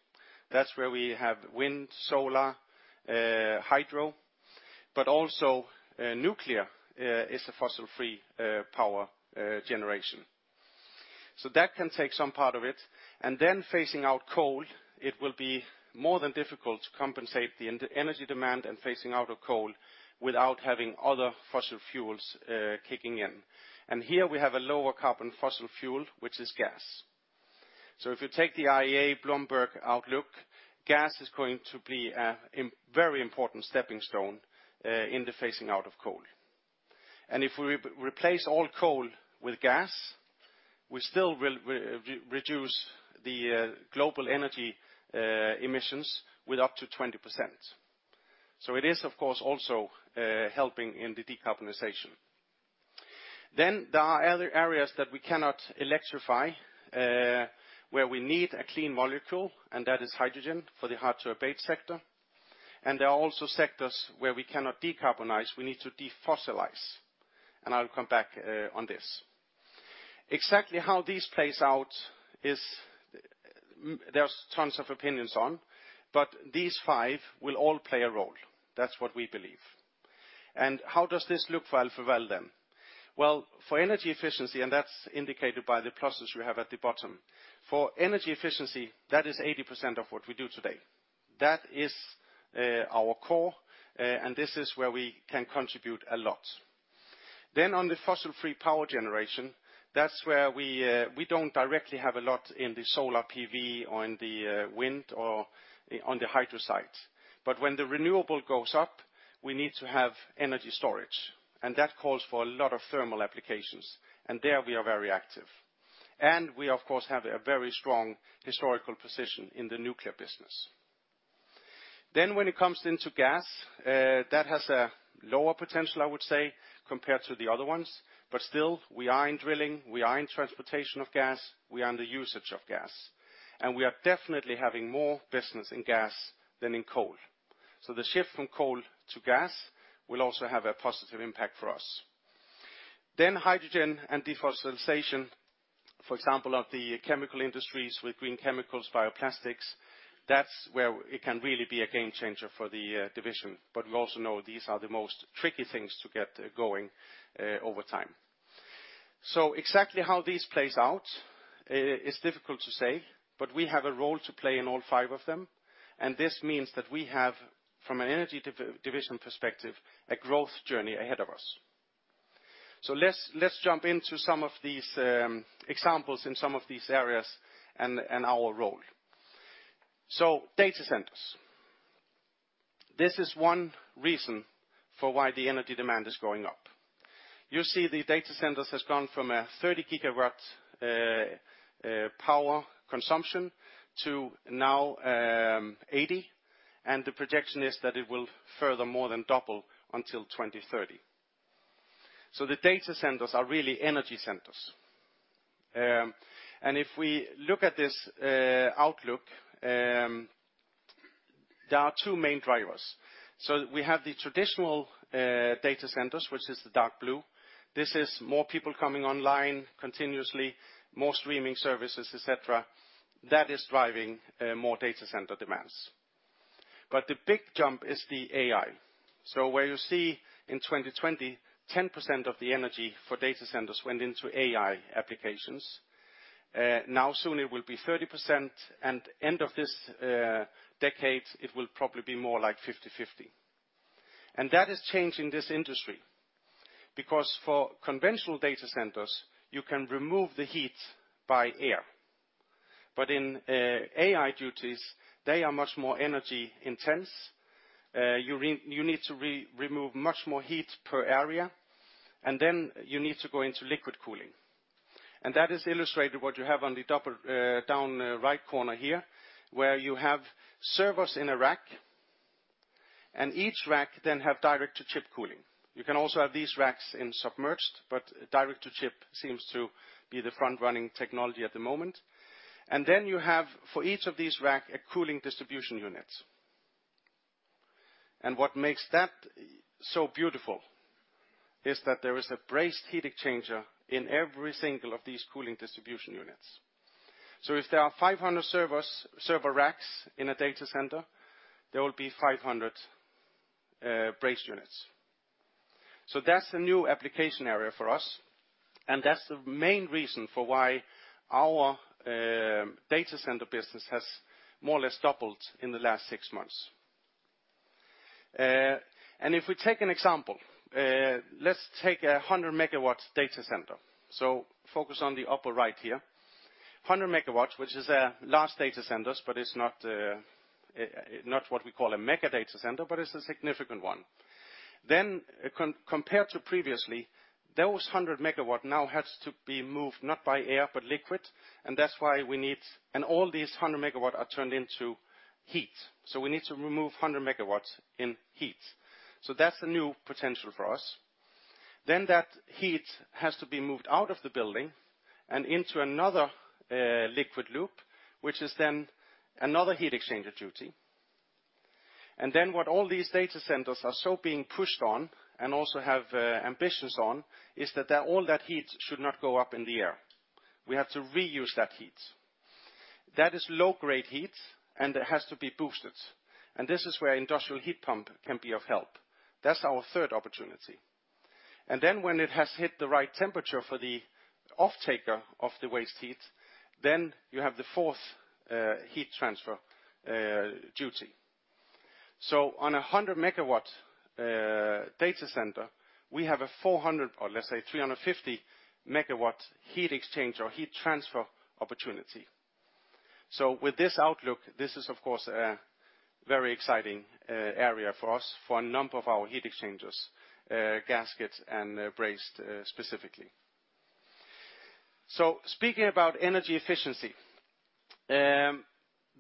That's where we have wind, solar, hydro, but also nuclear is a fossil-free power generation. That can take some part of it. Phasing out coal, it will be more than difficult to compensate the energy demand and phasing out of coal without having other fossil fuels kicking in. Here we have a lower carbon fossil fuel, which is gas. If you take the IEA Bloomberg outlook, gas is going to be a very important stepping stone in the phasing out of coal. If we replace all coal with gas, we still will reduce the global energy emissions with up to 20%. It is, of course, also helping in the decarbonization. There are other areas that we cannot electrify, where we need a clean molecule, and that is hydrogen for the hard-to-abate sector. There are also sectors where we cannot decarbonize. We need to defossilize, and I'll come back on this. Exactly how this plays out is, there's tons of opinions on, but these five will all play a role. That's what we believe. How does this look for Alfa Laval then? Well, for energy efficiency, and that's indicated by the pluses we have at the bottom. For energy efficiency, that is 80% of what we do today. That is our core, and this is where we can contribute a lot. On the fossil-free power generation, that's where we don't directly have a lot in the solar PV or in the wind or on the hydro side. When the renewable goes up, we need to have energy storage, and that calls for a lot of thermal applications, and there we are very active. We, of course, have a very strong historical position in the nuclear business. When it comes into gas, that has a lower potential, I would say, compared to the other ones. Still, we are in drilling, we are in transportation of gas, we are in the usage of gas, and we are definitely having more business in gas than in coal. The shift from coal to gas will also have a positive impact for us. Hydrogen and defossilization, for example, of the chemical industries with green chemicals, bioplastics, that's where it can really be a game changer for the Energy Division. We also know these are the most tricky things to get going over time. Exactly how this plays out is difficult to say, but we have a role to play in all five of them. This means that we have, from an Energy Division perspective, a growth journey ahead of us. Let's jump into some of these examples in some of these areas and our role. Data centers. This is one reason for why the energy demand is going up. You see the data centers has gone from a 30 GW power consumption to now 80, and the projection is that it will further more than double until 2030. The data centers are really energy centers. If we look at this outlook, there are two main drivers. We have the traditional data centers, which is the dark blue. This is more people coming online continuously, more streaming services, et cetera. That is driving more data center demands. The big jump is the AI. Where you see in 2020, 10% of the energy for data centers went into AI applications. Now soon it will be 30%, and end of this decade, it will probably be more like 50-50. That is changing this industry because for conventional data centers, you can remove the heat by air. In AI duties, they are much more energy-intense. You need to remove much more heat per area, and then you need to go into liquid cooling. That is illustrated what you have on the top, down right corner here, where you have servers in a rack. Each rack then have direct to chip cooling. You can also have these racks in submerged, but direct to chip seems to be the front-running technology at the moment. Then you have, for each of these rack, a cooling distribution unit. What makes that so beautiful is that there is a brazed heat exchanger in every single of these cooling distribution units. If there are 500 servers, server racks in a data center, there will be 500 brazed units. That's a new application area for us, and that's the main reason for why our data center business has more or less doubled in the last six months. If we take an example, let's take a 100 MW data center. Focus on the upper right here. 100 MW, which is a large data centers, but it's not what we call a mega data center, but it's a significant one. Compared to previously, those 100 MW now has to be moved not by air, but liquid, and that's why we need All these 100 MW are turned into heat, we need to remove 100 MW in heat. That's a new potential for us. That heat has to be moved out of the building and into another liquid loop, which is then another heat exchanger duty. What all these data centers are so being pushed on and also have ambitions on is that all that heat should not go up in the air. We have to reuse that heat. That is low-grade heat, it has to be boosted, and this is where industrial heat pump can be of help. That is our third opportunity. When it has hit the right temperature for the offtaker of the waste heat, you have the fourth heat transfer duty. On a 100 MW data center, we have a 400 or let's say 350 MW heat exchange or heat transfer opportunity. With this outlook, this is, of course, a very exciting area for us, for a number of our heat exchangers, gaskets and brazed specifically. Speaking about energy efficiency,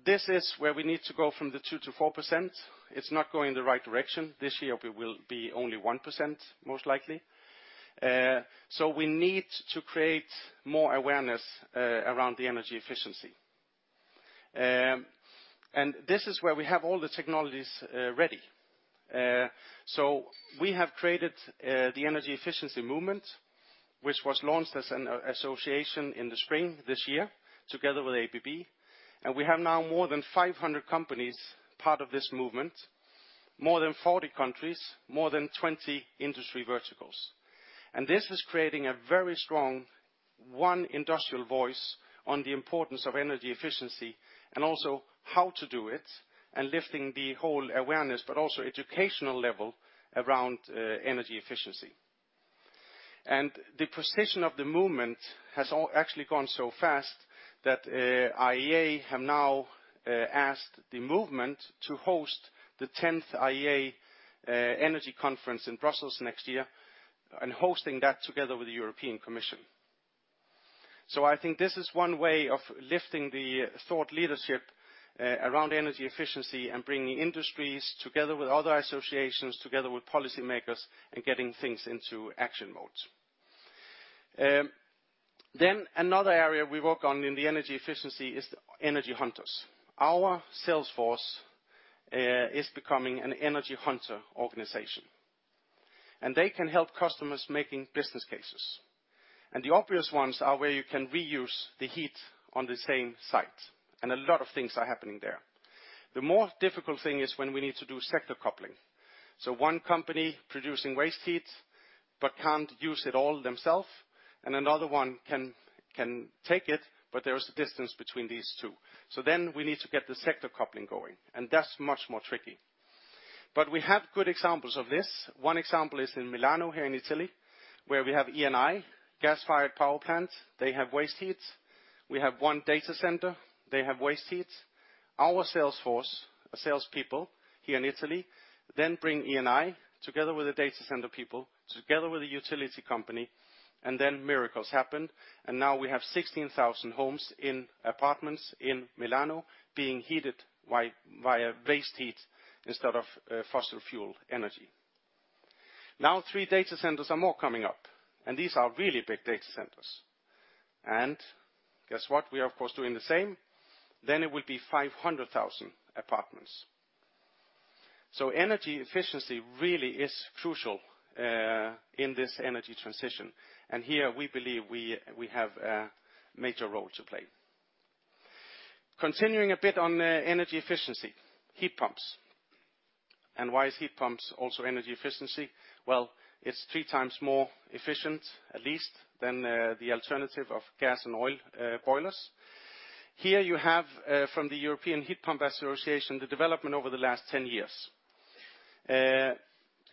this is where we need to go from the 2%-4%. It's not going the right direction. This year it will be only 1%, most likely. We need to create more awareness around the energy efficiency. This is where we have all the technologies ready. We have created the Energy Efficiency Movement, which was launched as an association in the spring this year together with ABB. We have now more than 500 companies part of this movement, more than 40 countries, more than 20 industry verticals. This is creating a very strong one industrial voice on the importance of energy efficiency and also how to do it and lifting the whole awareness, but also educational level around energy efficiency. The precision of the movement has all actually gone so fast that IEA have now asked the movement to host the 10th IEA energy conference in Brussels next year and hosting that together with the European Commission. I think this is one way of lifting the thought leadership around energy efficiency and bringing industries together with other associations, together with policy makers and getting things into action mode. Another area we work on in the energy efficiency is the Energy Hunters. Our sales force is becoming an Energy Hunter organization, and they can help customers making business cases. The obvious ones are where you can reuse the heat on the same site, and a lot of things are happening there. The more difficult thing is when we need to do sector coupling. One company producing waste heat but can't use it all themself, and another one can take it, but there is a distance between these two. Then we need to get the sector coupling going, and that's much more tricky. We have good examples of this. One example is in Milan, here in Italy, where we have Eni gas-fired power plant. They have waste heat. We have one data center. They have waste heat. Our sales force, sales people here in Italy then bring Eni together with the data center people, together with the utility company. Then miracles happen. Now we have 16,000 homes in apartments in Milano being heated by, via waste heat instead of fossil fuel energy. Now, three data centers are more coming up. These are really big data centers. Guess what? We are, of course, doing the same. It will be 500,000 apartments. Energy efficiency really is crucial in this energy transition. Here we believe we have a major role to play. Continuing a bit on energy efficiency, heat pumps. Why is heat pumps also energy efficiency? It's three times more efficient, at least, than the alternative of gas and oil boilers. Here you have from the European Heat Pump Association, the development over the last 10 years.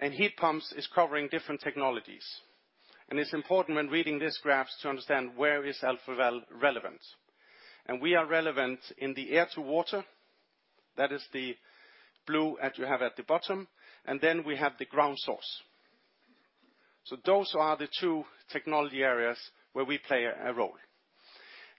Heat pumps is covering different technologies. It's important when reading this graph to understand where is Alfa Laval relevant. We are relevant in the air-to-water. That is the blue that you have at the bottom. We have the ground source. So those are the two technology areas where we play a role.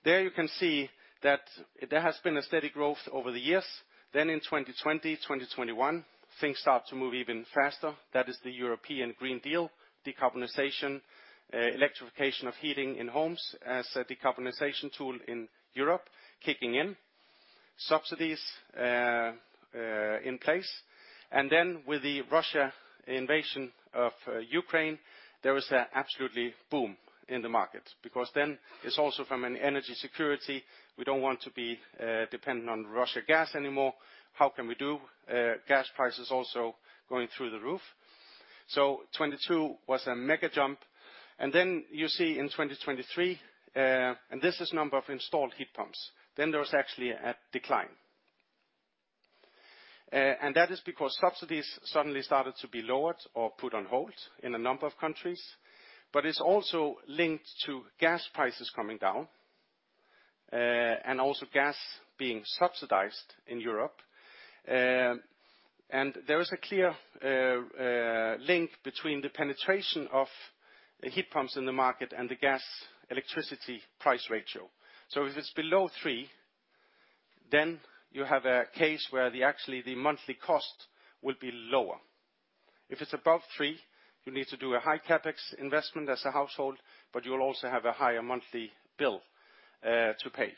There you can see that there has been a steady growth over the years. In 2020, 2021, things start to move even faster. That is the European Green Deal, decarbonization, electrification of heating in homes as a decarbonization tool in Europe kicking in. Subsidies in place. With the Russia invasion of Ukraine, there was a absolutely boom in the market because then it's also from an energy security, we don't want to be dependent on Russia gas anymore. How can we do? Gas prices also going through the roof. 2022 was a mega jump. You see in 2023, and this is number of installed heat pumps, then there was actually a decline. That is because subsidies suddenly started to be lowered or put on hold in a number of countries. It's also linked to gas prices coming down, and also gas being subsidized in Europe. There is a clear link between the penetration of heat pumps in the market and the gas electricity price ratio. If it's below three, you have a case where the monthly cost will be lower. If it's above three, you need to do a high CapEx investment as a household, but you will also have a higher monthly bill to pay.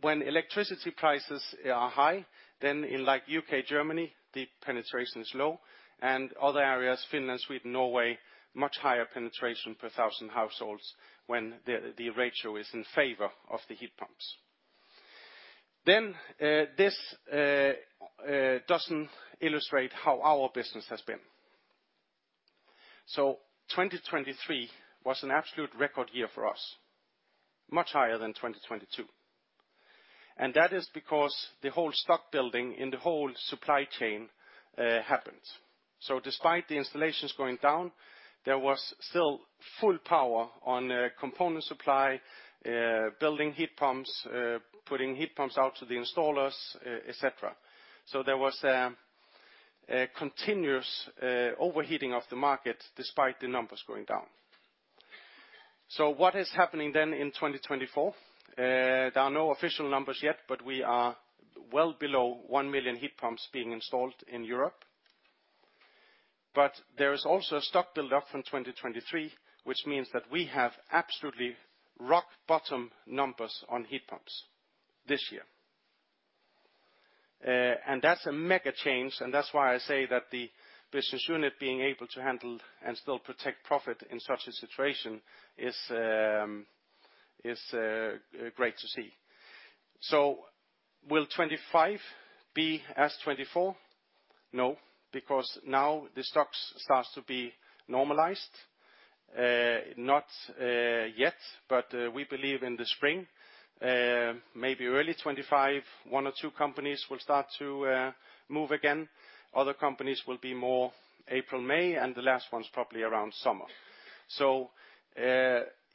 When electricity prices are high, in U.K., Germany, the penetration is low, and other areas, Finland, Sweden, Norway, much higher penetration per 1,000 households when the ratio is in favor of the heat pumps. This doesn't illustrate how our business has been. 2023 was an absolute record year for us, much higher than 2022, and that is because the whole stock building in the whole supply chain happened. Despite the installations going down, there was still full power on component supply, building heat pumps, putting heat pumps out to the installers. There was a continuous overheating of the market despite the numbers going down. What is happening then in 2024? There are no official numbers yet, but we are well below 1 million heat pumps being installed in Europe. There is also a stock build up from 2023, which means that we have absolutely rock bottom numbers on heat pumps this year. And that's a mega change, and that's why I say that the business unit being able to handle and still protect profit in such a situation is great to see. Will 2025 be as 2024? No, because now the stocks starts to be normalized. Not yet, we believe in the spring, maybe early 2025, one or two companies will start to move again. Other companies will be more April, May, and the last one's probably around summer.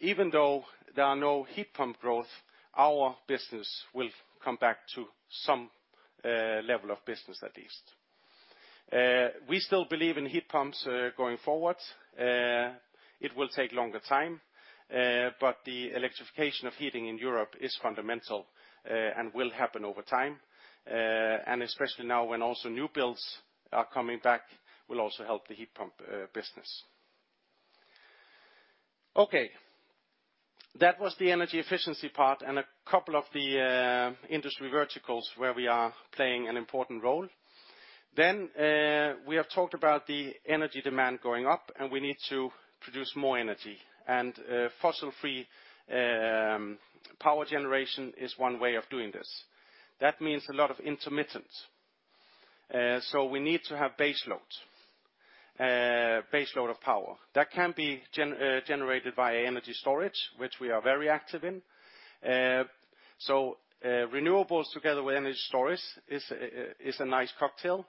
Even though there are no heat pump growth, our business will come back to some level of business at least. We still believe in heat pumps going forward. It will take longer time, the electrification of heating in Europe is fundamental and will happen over time, and especially now when also new builds are coming back will also help the heat pump business. Okay. That was the energy efficiency part and a couple of the industry verticals where we are playing an important role. We have talked about the energy demand going up, and we need to produce more energy, and fossil-free power generation is one way of doing this. That means a lot of intermittent. We need to have base load of power. That can be generated via energy storage, which we are very active in. Renewables together with energy storage is a nice cocktail.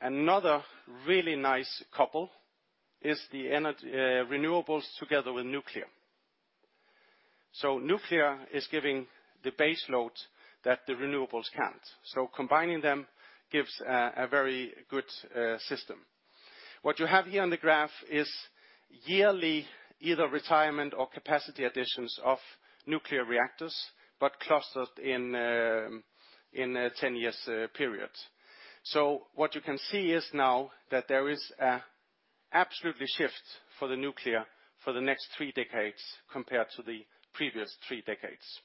Another really nice couple is the renewables together with nuclear. Nuclear is giving the base load that the renewables can't. Combining them gives a very good system. What you have here on the graph is yearly either retirement or capacity additions of nuclear reactors, but clustered in a 10 years period. What you can see is now that there is a absolutely shift for the nuclear for the next three decades compared to the previous three decades.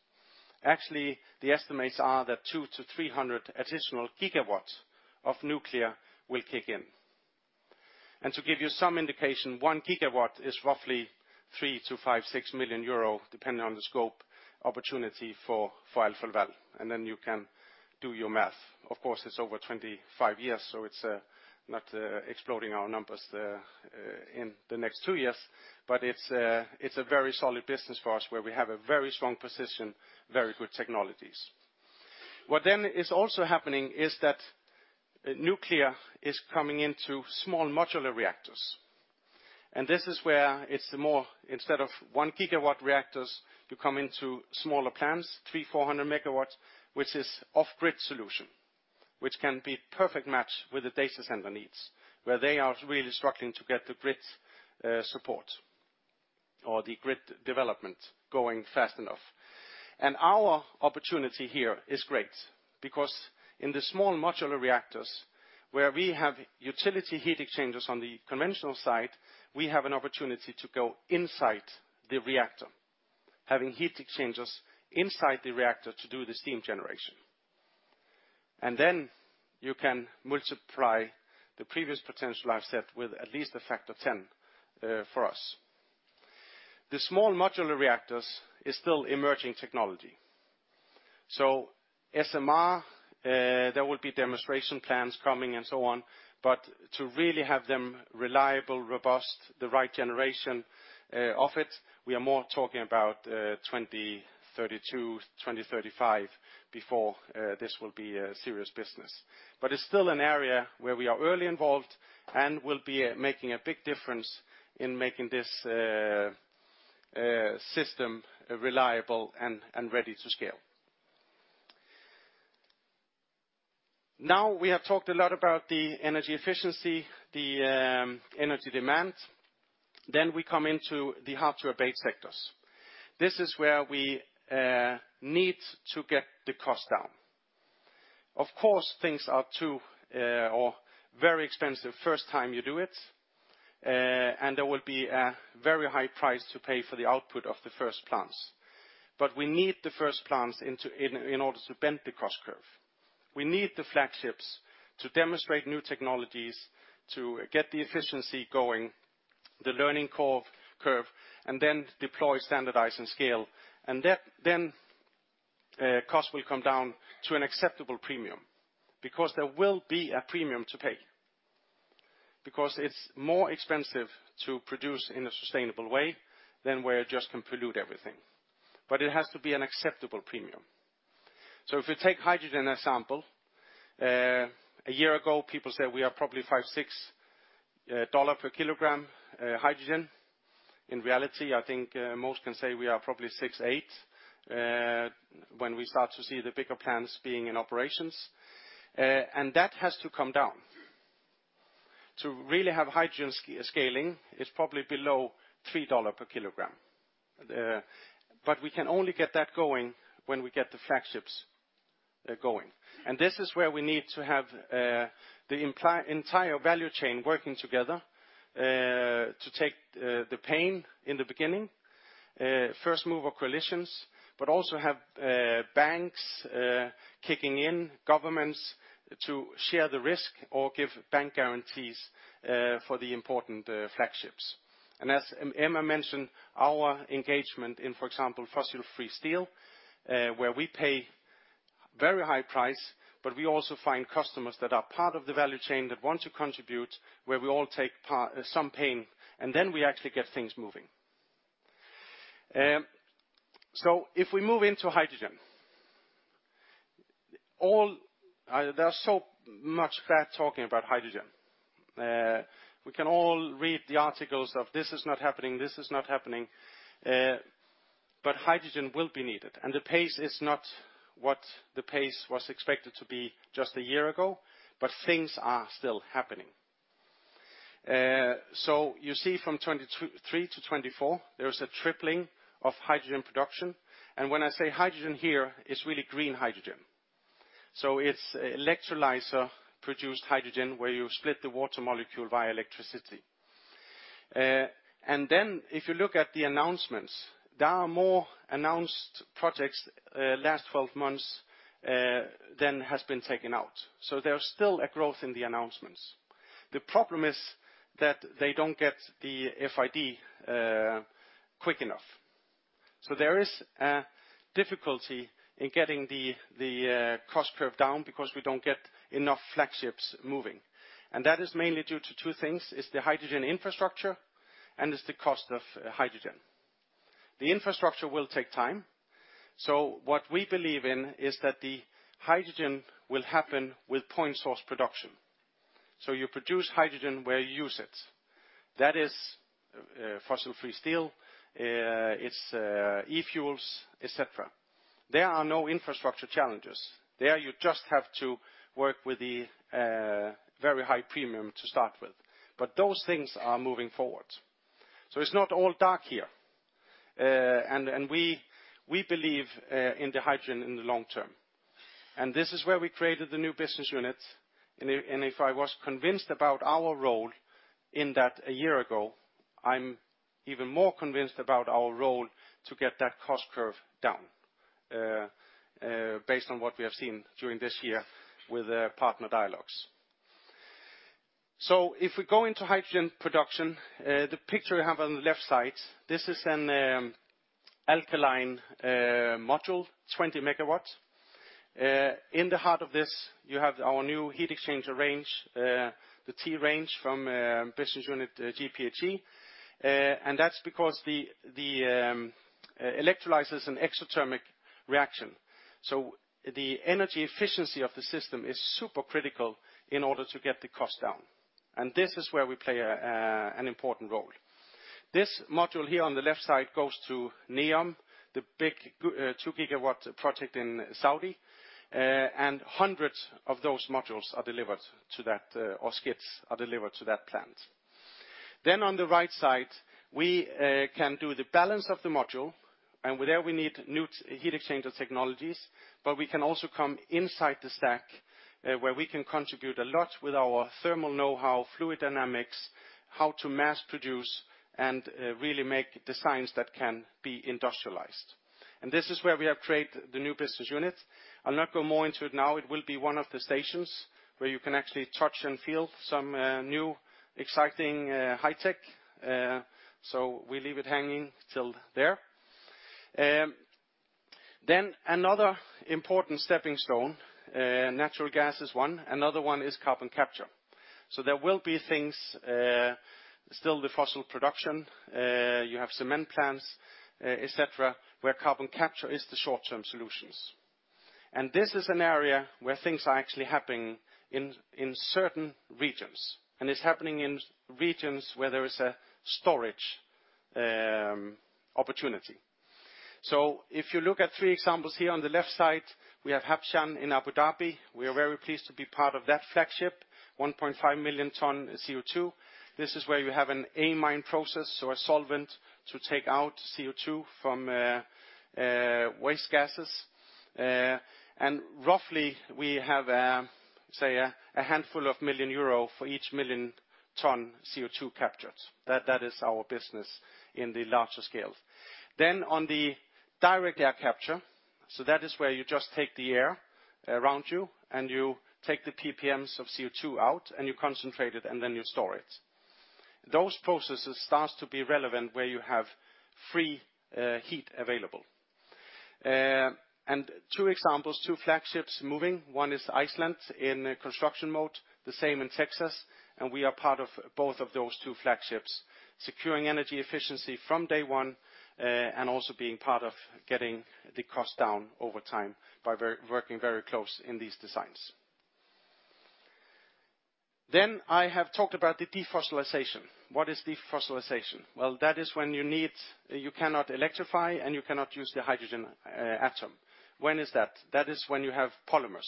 Actually, the estimates are that 200-300 additional gigawatts of nuclear will kick in. To give you some indication, 1 GW is roughly 3 million- 5 million, 6 million euro, depending on the scope opportunity for Alfa Laval, then you can do your math. Of course, it's over 25 years, it's not exploding our numbers in the next two years, but it's a very solid business for us where we have a very strong position, very good technologies. What is also happening is that nuclear is coming into small modular reactors, and this is where it's more instead of 1 GW reactors, you come into smaller plants, 300-400 MW, which is off-grid solution, which can be perfect match with the data center needs, where they are really struggling to get the grid support or the grid development going fast enough. Our opportunity here is great because in the small modular reactors where we have utility heat exchangers on the conventional side, we have an opportunity to go inside the reactor, having heat exchangers inside the reactor to do the steam generation. You can multiply the previous potential I've set with at least a factor 10 for us. The small modular reactors is still emerging technology. SMR, there will be demonstration plans coming and so on, but to really have them reliable, robust, the right generation of it, we are more talking about 2032, 2035 before this will be a serious business. It's still an area where we are early involved and will be making a big difference in making this system reliable and ready to scale. We have talked a lot about the energy efficiency, the energy demand. We come into the hard-to-abate sectors. This is where we need to get the cost down. Of course, things are too or very expensive first time you do it, and there will be a very high price to pay for the output of the first plants. We need the first plants in order to bend the cost curve. We need the flagships to demonstrate new technologies, to get the efficiency going, the learning curve, and then deploy, standardize, and scale. Then, cost will come down to an acceptable premium because there will be a premium to pay. It's more expensive to produce in a sustainable way than where it just can pollute everything. It has to be an acceptable premium. If you take hydrogen as sample, a year ago, people said we are probably $5, $6 per kilogram hydrogen. In reality, I think, most can say we are probably $6, $8 when we start to see the bigger plants being in operations. That has to come down. To really have hydrogen scaling is probably below $3 per kilogram. We can only get that going when we get the flagships going. This is where we need to have the entire value chain working together to take the pain in the beginning, first mover coalitions, but also have banks kicking in, governments to share the risk or give bank guarantees for the important flagships. As Emma mentioned, our engagement in, for example, fossil-free steel, where we pay very high price, but we also find customers that are part of the value chain that want to contribute, where we all take some pain, and then we actually get things moving. If we move into hydrogen, there's so much crap talking about hydrogen. We can all read the articles of this is not happening, this is not happening, hydrogen will be needed. The pace is not what the pace was expected to be just a year ago, things are still happening. You see from 2023 to 2024, there is a tripling of hydrogen production. When I say hydrogen here, it's really green hydrogen. It's electrolyzer-produced hydrogen where you split the water molecule via electricity. If you look at the announcements, there are more announced projects, last 12 months, than has been taken out. There's still a growth in the announcements. The problem is that they don't get the FID quick enough. There is a difficulty in getting the cost curve down because we don't get enough flagships moving. That is mainly due to two things. It's the hydrogen infrastructure, and it's the cost of hydrogen. The infrastructure will take time. What we believe in is that the hydrogen will happen with point source production. You produce hydrogen where you use it. That is fossil-free steel, it's e-fuels, et cetera. There are no infrastructure challenges. There, you just have to work with the very high premium to start with. Those things are moving forward. It's not all dark here. We believe in the hydrogen in the long term. This is where we created the new business unit. If I was convinced about our role in that a year ago, I'm even more convinced about our role to get that cost curve down based on what we have seen during this year with the partner dialogues. If we go into hydrogen production, the picture we have on the left side, this is an alkaline module, 20 MW. In the heart of this, you have our new heat exchanger range, the T-range from business unit GPHE. That's because the electrolyzer is an exothermic reaction. The energy efficiency of the system is super critical in order to get the cost down. This is where we play an important role. This module here on the left side goes to NEOM, the big 2 GW project in Saudi. Hundreds of those modules are delivered to that, or skids are delivered to that plant. On the right side, we can do the balance of the module, there we need new heat exchanger technologies. We can also come inside the stack, where we can contribute a lot with our thermal know-how, fluid dynamics, how to mass produce, really make designs that can be industrialized. This is where we have created the new business unit. I'll not go more into it now. It will be one of the stations where you can actually touch and feel some new, exciting, high tech. We leave it hanging till there. Another important stepping stone, natural gas is one. Another one is carbon capture. There will be things still with fossil production, you have cement plants, et cetera, where carbon capture is the short-term solutions. This is an area where things are actually happening in certain regions, and it's happening in regions where there is a storage opportunity. If you look at three examples here on the left side, we have Habshan in Abu Dhabi. We are very pleased to be part of that flagship, 1.5 million tons CO2. This is where you have an amine process, so a solvent to take out CO2 from waste gases. Roughly we have say a handful of million euro for each million tons CO2 captured. That is our business in the larger scale. On the direct air capture, that is where you just take the air around you, and you take the ppms of CO2 out, and you concentrate it, and then you store it. Those processes starts to be relevant where you have free heat available. Two examples, two flagships moving. One is Iceland in construction mode, the same in Texas, and we are part of both of those two flagships, securing energy efficiency from day one, and also being part of getting the cost down over time by working very close in these designs. I have talked about the defossilization. What is defossilization? Well, that is when you cannot electrify, and you cannot use the hydrogen atom. When is that? That is when you have polymers.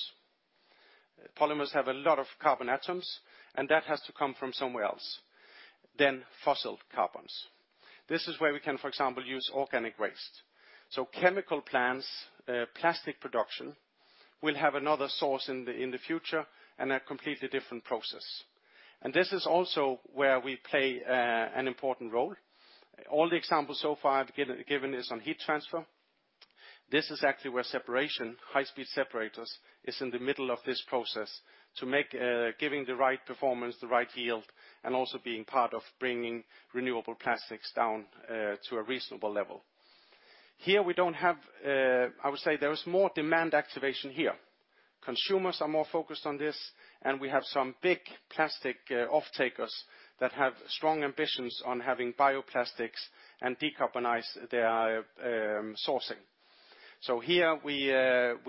Polymers have a lot of carbon atoms, that has to come from somewhere else than fossil carbons. This is where we can, for example, use organic waste. Chemical plants, plastic production will have another source in the future and a completely different process. This is also where we play an important role. All the examples so far I've given is on heat transfer. This is actually where separation, High Speed Separators, is in the middle of this process to make giving the right performance, the right yield, and also being part of bringing renewable plastics down to a reasonable level. Here we don't have I would say there is more demand activation here. Consumers are more focused on this, we have some big plastic off-takers that have strong ambitions on having bioplastics and decarbonize their sourcing. Here we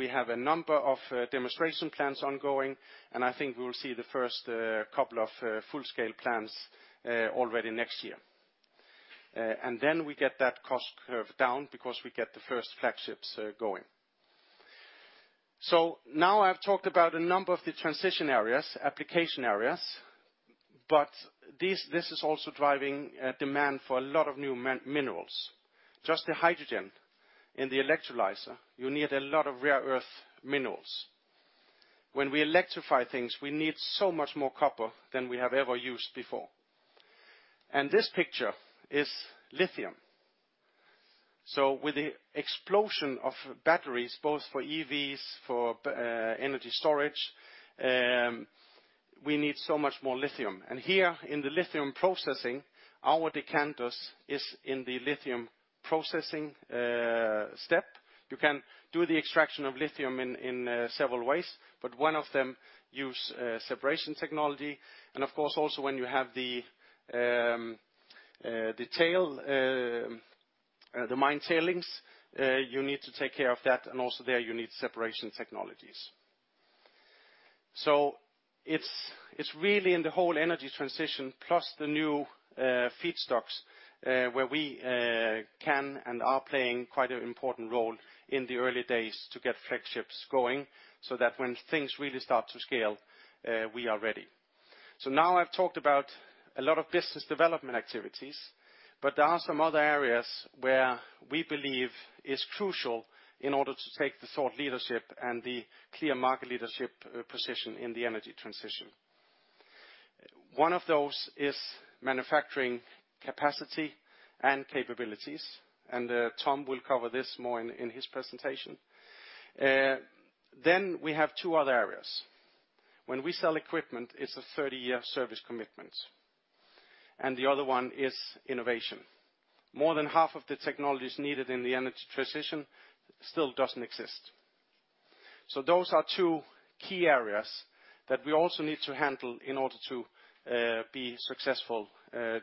have a number of demonstration plans ongoing, and I think we will see the first couple of full-scale plans already next year. Then we get that cost curve down because we get the first flagships going. Now I've talked about a number of the transition areas, application areas, but this is also driving demand for a lot of new minerals. Just the hydrogen in the electrolyzer, you need a lot of rare earth minerals. When we electrify things, we need so much more copper than we have ever used before. This picture is lithium. With the explosion of batteries, both for EVs, for energy storage, we need so much more lithium. Here in the lithium processing, our decanters is in the lithium processing step. You can do the extraction of lithium in several ways, but one of them use separation technology. Of course, also when you have the tail, the mine tailings, you need to take care of that, and also there you need separation technologies. It's really in the whole energy transition plus the new feedstocks, where we can and are playing quite an important role in the early days to get flagships going, so that when things really start to scale, we are ready. Now I've talked about a lot of business development activities, but there are some other areas where we believe is crucial in order to take the thought leadership and the clear market leadership, position in the energy transition. One of those is manufacturing capacity and capabilities. Tom will cover this more in his presentation. We have two other areas. When we sell equipment, it's a 30-year service commitment. The other one is innovation. More than half of the technologies needed in the energy transition still doesn't exist. Those are two key areas that we also need to handle in order to be successful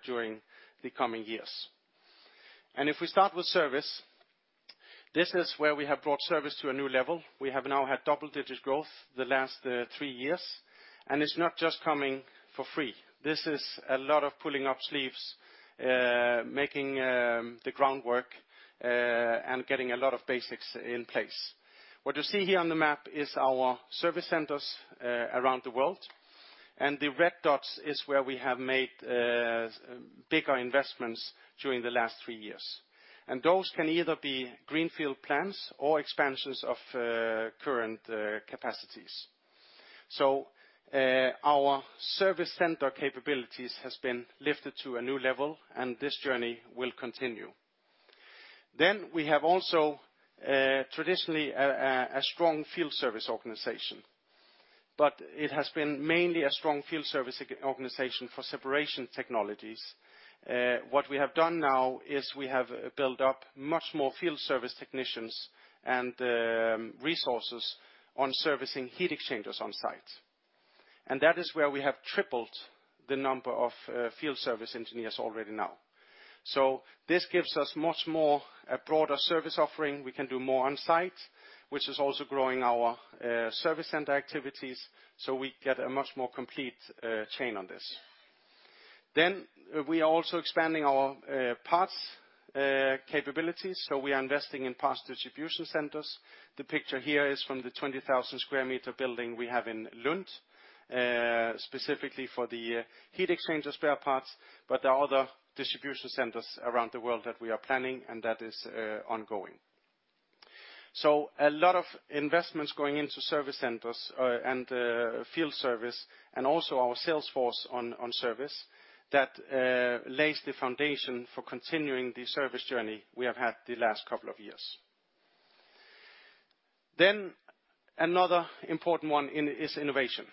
during the coming years. If we start with service. This is where we have brought service to a new level. We have now had double-digit growth the last three years. It's not just coming for free. This is a lot of pulling up sleeves, making the groundwork, getting a lot of basics in place. What you see here on the map is our service centers around the world. The red dots is where we have made bigger investments during the last three years. Those can either be greenfield plants or expansions of current capacities. Our service center capabilities has been lifted to a new level. This journey will continue. We have also traditionally a strong field service organization. It has been mainly a strong field service organization for separation technologies. What we have done now is we have built up much more field service technicians and resources on servicing heat exchangers on site. That is where we have tripled the number of field service engineers already now. This gives us much more, a broader service offering. We can do more on-site, which is also growing our service center activities, so we get a much more complete chain on this. We are also expanding our parts capabilities, so we are investing in parts distribution centers. The picture here is from the 20,000 sq m building we have in Lund specifically for the heat exchanger spare parts. There are other distribution centers around the world that we are planning, and that is ongoing. A lot of investments going into service centers and field service and also our sales force on service that lays the foundation for continuing the service journey we have had the last couple of years. Another important one in, is innovation.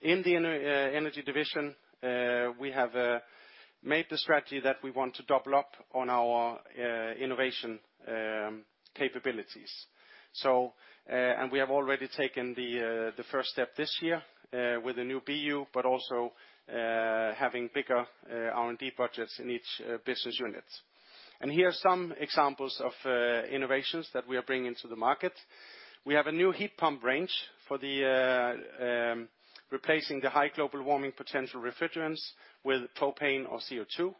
In the Energy Division, we have made the strategy that we want to double up on our innovation capabilities. We have already taken the first step this year with the new BU, but also having bigger R&D budgets in each business unit. Here are some examples of innovations that we are bringing to the market. We have a new heat pump range for the replacing the high global warming potential refrigerants with propane or CO2.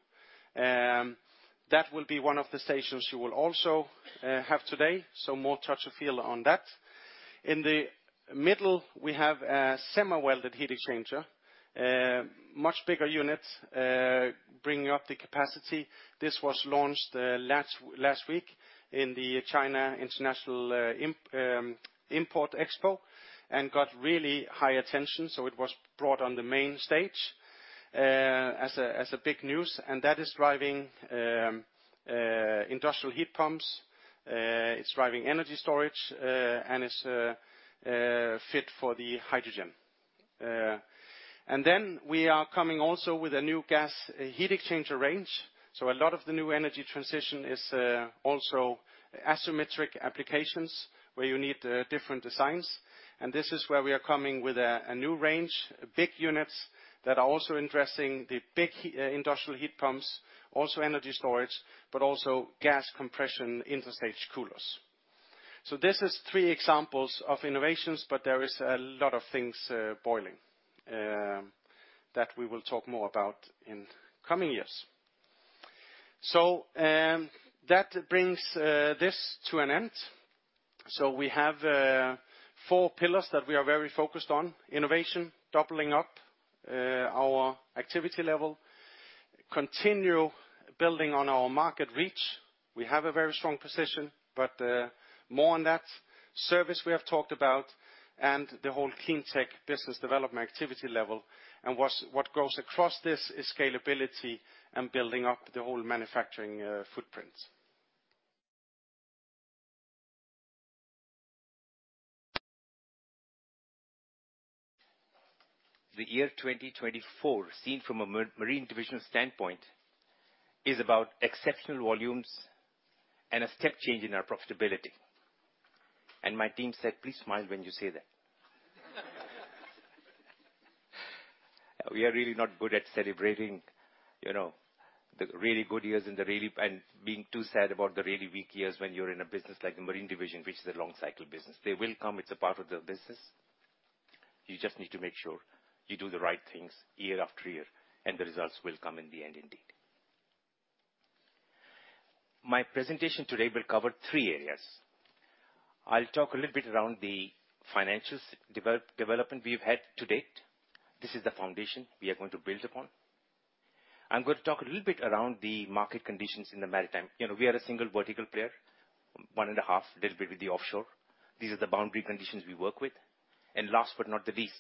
That will be one of the stations you will also have today, so more touch and feel on that. In the middle, we have a semi-welded heat exchanger, a much bigger unit, bringing up the capacity. This was launched last week in the China International Import Expo and got really high attention. It was brought on the main stage as a big news, and that is driving industrial heat pumps. It's driving energy storage, and it's fit for the hydrogen. We are coming also with a new gas heat exchanger range. A lot of the new energy transition is also asymmetric applications where you need different designs. This is where we are coming with a new range, big units that are also addressing the big industrial heat pumps, also energy storage, but also gas compression interstage coolers. This is three examples of innovations, but there is a lot of things boiling that we will talk more about in coming years. That brings this to an end. We have four pillars that we are very focused on. Innovation, doubling up our activity level. Continue building on our market reach. We have a very strong position, but more on that. Service we have talked about, and the whole cleantech business development activity level. What goes across this is scalability and building up the whole manufacturing footprint. The year 2024, seen from a Marine Division standpoint, is about exceptional volumes and a step change in our profitability. My team said, "Please smile when you say that." We are really not good at celebrating, you know, the really good years and the really being too sad about the really weak years when you're in a business like the Marine Division, which is a long cycle business. They will come. It's a part of the business. You just need to make sure you do the right things year after year, the results will come in the end indeed. My presentation today will cover three areas. I'll talk a little bit around the financials development we've had to date. This is the foundation we are going to build upon. I'm going to talk a little bit around the market conditions in the maritime. You know, we are a single vertical player, one and a half, little bit with the offshore. These are the boundary conditions we work with. Last but not the least,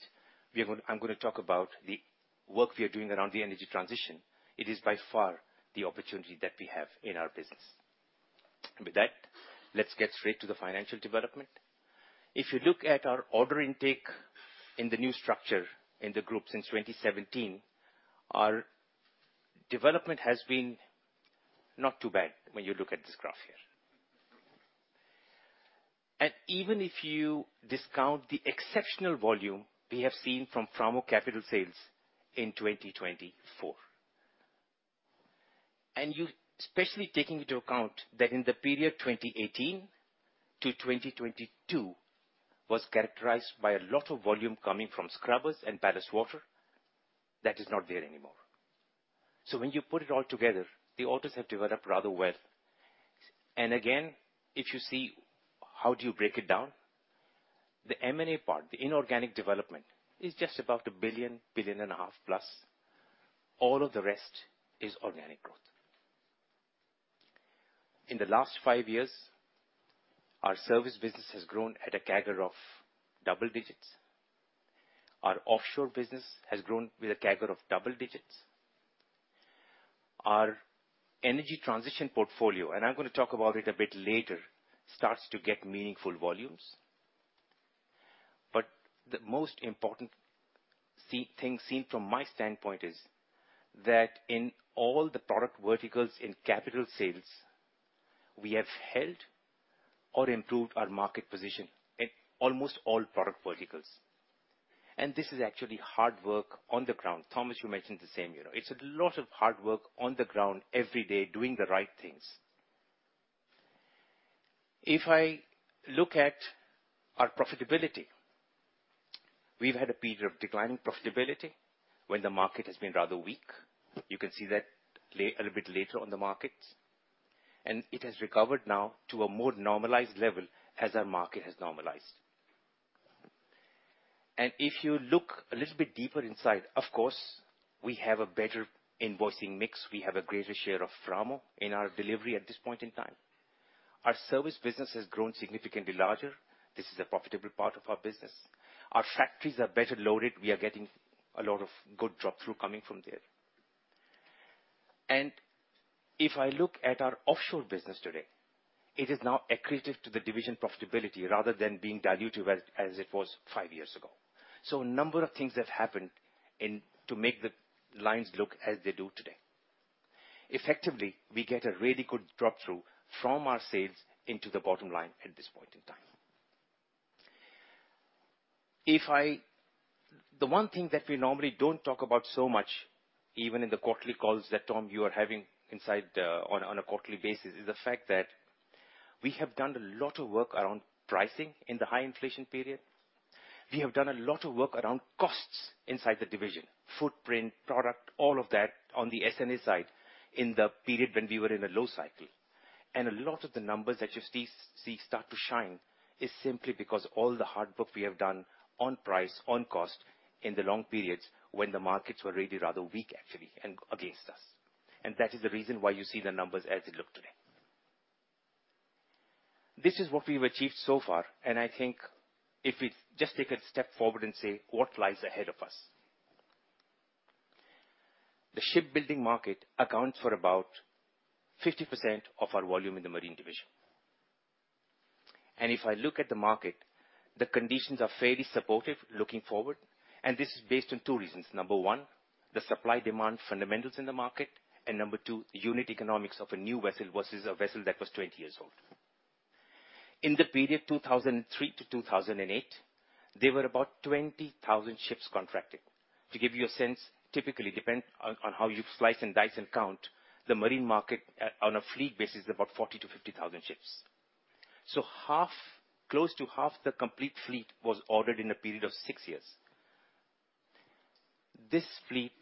I'm gonna talk about the work we are doing around the energy transition. It is by far the opportunity that we have in our business. With that, let's get straight to the financial development. If you look at our order intake in the new structure in the group since 2017, our development has been not too bad when you look at this graph here. Even if you discount the exceptional volume we have seen from Framo capital sales in 2024. You, especially taking into account that in the period 2018-2022 was characterized by a lot of volume coming from scrubbers and ballast water, that is not there anymore. When you put it all together, the orders have developed rather well. Again, if you see how do you break it down, the M&A part, the inorganic development, is just about 1 billion, 1.5 billion plus. All of the rest is organic growth. In the last five years, our service business has grown at a CAGR of double digits. Our offshore business has grown with a CAGR of double digits. Our energy transition portfolio, and I'm gonna talk about it a bit later, starts to get meaningful volumes. The most important thing seen from my standpoint is that in all the product verticals in capital sales, we have held or improved our market position in almost all product verticals. This is actually hard work on the ground. Thomas, you mentioned the same, you know. It's a lot of hard work on the ground every day doing the right things. If I look at our profitability, we've had a period of declining profitability when the market has been rather weak. You can see that a little bit later on the markets. It has recovered now to a more normalized level as our market has normalized. If you look a little bit deeper inside, of course, we have a better invoicing mix. We have a greater share of Framo in our delivery at this point in time. Our service business has grown significantly larger. This is a profitable part of our business. Our factories are better loaded. We are getting a lot of good drop-through coming from there. If I look at our offshore business today, it is now accretive to the division profitability rather than being dilutive as it was five years ago. A number of things have happened to make the lines look as they do today. Effectively, we get a really good drop-through from our sales into the bottom line at this point in time. The one thing that we normally don't talk about so much, even in the quarterly calls that, Tom, you are having on a quarterly basis, is the fact that we have done a lot of work around pricing in the high inflation period. We have done a lot of work around costs inside the division, footprint, product, all of that on the S&A side in the period when we were in a low cycle. A lot of the numbers that you see start to shine is simply because all the hard work we have done on price, on cost in the long periods when the markets were really rather weak actually and against us. That is the reason why you see the numbers as they look today. This is what we've achieved so far, and I think if we just take a step forward and say what lies ahead of us. The shipbuilding market accounts for about 50% of our volume in the Marine Division. If I look at the market, the conditions are fairly supportive looking forward, and this is based on two reasons. Number one, the supply-demand fundamentals in the market, and number two, unit economics of a new vessel versus a vessel that was 20 years old. In the period 2003 to 2008, there were about 20,000 ships contracted. To give you a sense, typically depend on how you slice and dice and count, the marine market on a fleet basis is about 40,000 to 50,000 ships. Half, close to half the complete fleet was ordered in a period of six years. This fleet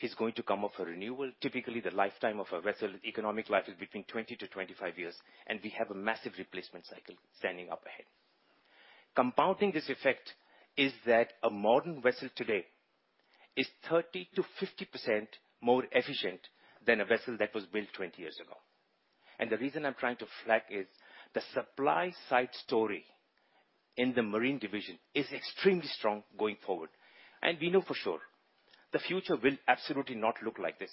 is going to come up for renewal. Typically, the lifetime of a vessel, economic life is between 20 to 25 years, and we have a massive replacement cycle standing up ahead. Compounding this effect is that a modern vessel today is 30% to 50% more efficient than a vessel that was built 20 years ago. The reason I'm trying to flag is the supply side story in the Marine Division is extremely strong going forward. We know for sure the future will absolutely not look like this,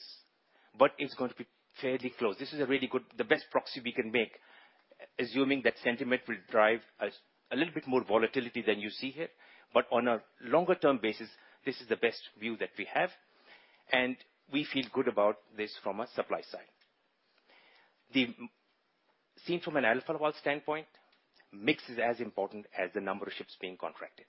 but it's going to be fairly close. This is a really good, the best proxy we can make, assuming that sentiment will drive a little bit more volatility than you see here. On a longer-term basis, this is the best view that we have, and we feel good about this from a supply side. Seen from an Alfa Laval standpoint, mix is as important as the number of ships being contracted.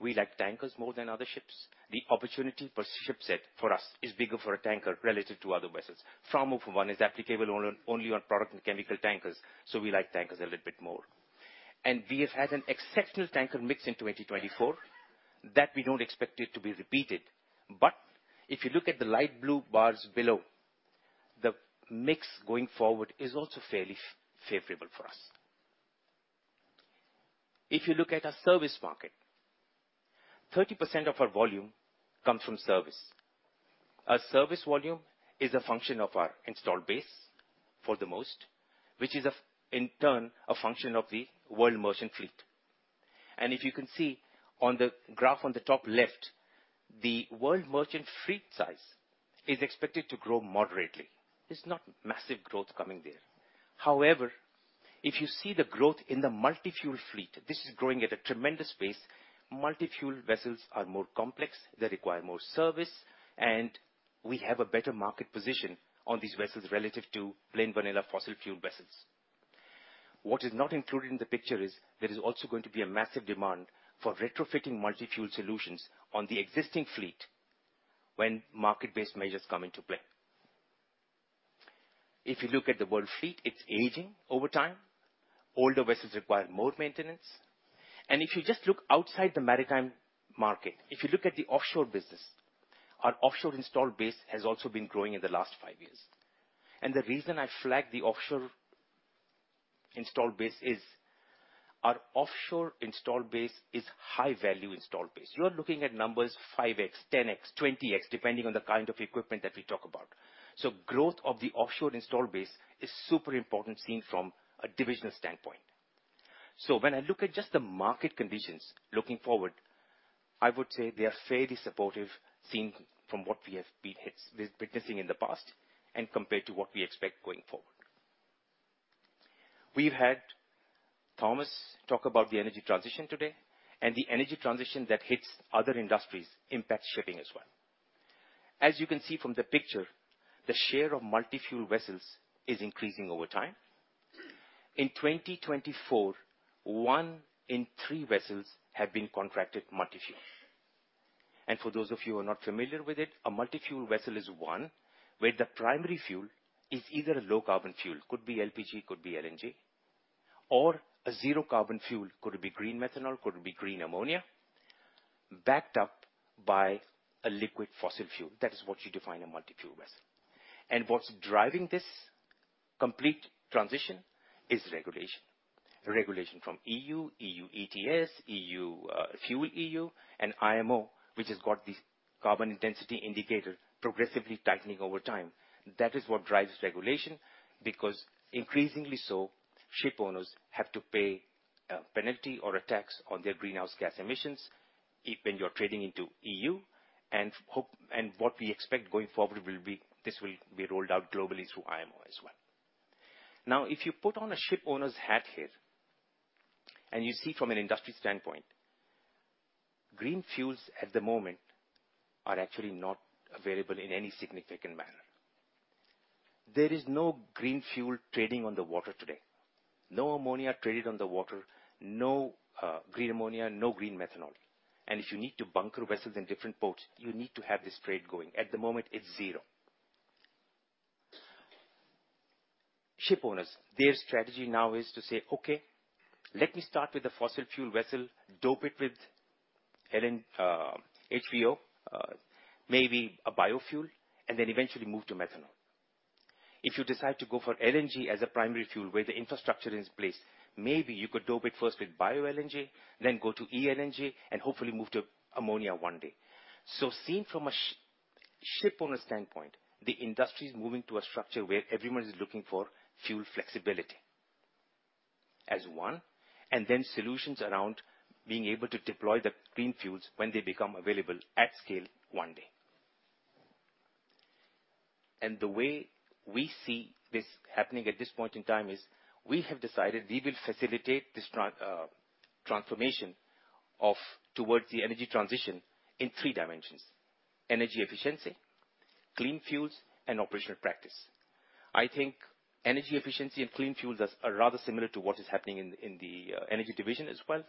We like tankers more than other ships. The opportunity per ship set for us is bigger for a tanker related to other vessels. Framo, for one, is applicable only on product and chemical tankers, so we like tankers a little bit more. We have had an exceptional tanker mix in 2024. That we don't expect it to be repeated. If you look at the light blue bars below, the mix going forward is also fairly favorable for us. If you look at our service market, 30% of our volume comes from service. Our service volume is a function of our installed base for the most, which is a, in turn, a function of the world merchant fleet. If you can see on the graph on the top left, the world merchant fleet size is expected to grow moderately. It's not massive growth coming there. However, if you see the growth in the multi-fuel fleet, this is growing at a tremendous pace. Multi-fuel vessels are more complex. They require more service and we have a better market position on these vessels relative to plain vanilla fossil fuel vessels. What is not included in the picture is there is also going to be a massive demand for retrofitting multi-fuel solutions on the existing fleet when market-based measures come into play. If you look at the world fleet, it's aging over time. Older vessels require more maintenance. If you just look outside the maritime market, if you look at the offshore business, our offshore installed base has also been growing in the last five years. The reason I flagged the offshore installed base is our offshore installed base is high-value installed base. You are looking at numbers 5x, 10x, 20x, depending on the kind of equipment that we talk about. Growth of the offshore installed base is super important, seen from a divisional standpoint. When I look at just the market conditions looking forward, I would say they are fairly supportive, seen from what we have been witnessing in the past and compared to what we expect going forward. We've had Thomas talk about the energy transition today, the energy transition that hits other industries impacts shipping as well. As you can see from the picture, the share of multi-fuel vessels is increasing over time. In 2024, one in three vessels have been contracted multi-fuel. For those of you who are not familiar with it, a multi-fuel vessel is one where the primary fuel is either a low carbon fuel, could be LPG, could be LNG, or a zero carbon fuel, could be green methanol, could be green ammonia, backed up by a liquid fossil fuel. That is what you define a multi-fuel vessel. What's driving this complete transition is regulation. Regulation from EU ETS, FuelEU, and IMO, which has got this carbon intensity indicator progressively tightening over time. That is what drives regulation, because increasingly so, ship owners have to pay a penalty or a tax on their greenhouse gas emissions if when you're trading into EU. What we expect going forward will be, this will be rolled out globally through IMO as well. If you put on a ship owner's hat here, and you see from an industry standpoint, green fuels at the moment are actually not available in any significant manner. There is no green fuel trading on the water today. No ammonia traded on the water, no green ammonia, no green methanol. If you need to bunker vessels in different ports, you need to have this trade going. At the moment, it's zero. Ship owners, their strategy now is to say, "Okay, let me start with a fossil fuel vessel, dope it with HVO, maybe a biofuel, then eventually move to methanol." If you decide to go for LNG as a primary fuel where the infrastructure is in place, maybe you could dope it first with bioLNG, then go to e-LNG hopefully move to ammonia one day. Seen from a ship owner standpoint, the industry is moving to a structure where everyone is looking for fuel flexibility as one, then solutions around being able to deploy the clean fuels when they become available at scale one day. The way we see this happening at this point in time is we have decided we will facilitate this transformation of towards the energy transition in three dimensions: energy efficiency, clean fuels, and operational practice. I think energy efficiency and clean fuels are rather similar to what is happening in the Energy Division as well.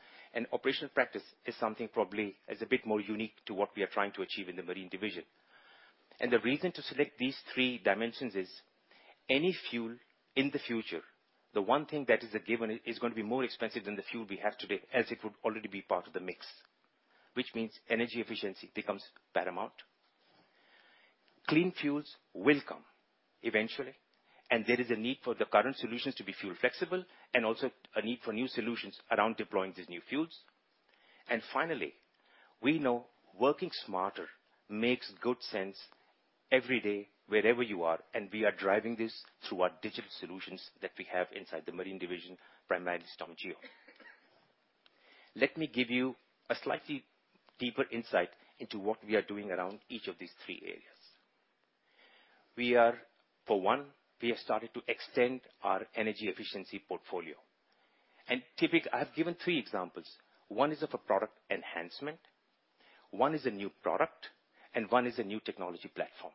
Operational practice is something probably is a bit more unique to what we are trying to achieve in the Marine Division. The reason to select these three dimensions is any fuel in the future, the one thing that is a given is going to be more expensive than the fuel we have today, as it would already be part of the mix, which means energy efficiency becomes paramount. Clean fuels will come eventually. There is a need for the current solutions to be fuel-flexible and also a need for new solutions around deploying these new fuels. Finally, we know working smarter makes good sense every day, wherever you are, and we are driving this through our digital solutions that we have inside the Marine Division, primarily StormGeo. Let me give you a slightly deeper insight into what we are doing around each of these three areas. For one, we have started to extend our energy efficiency portfolio. I have given three examples. One is of a product enhancement, one is a new product, and one is a new technology platform.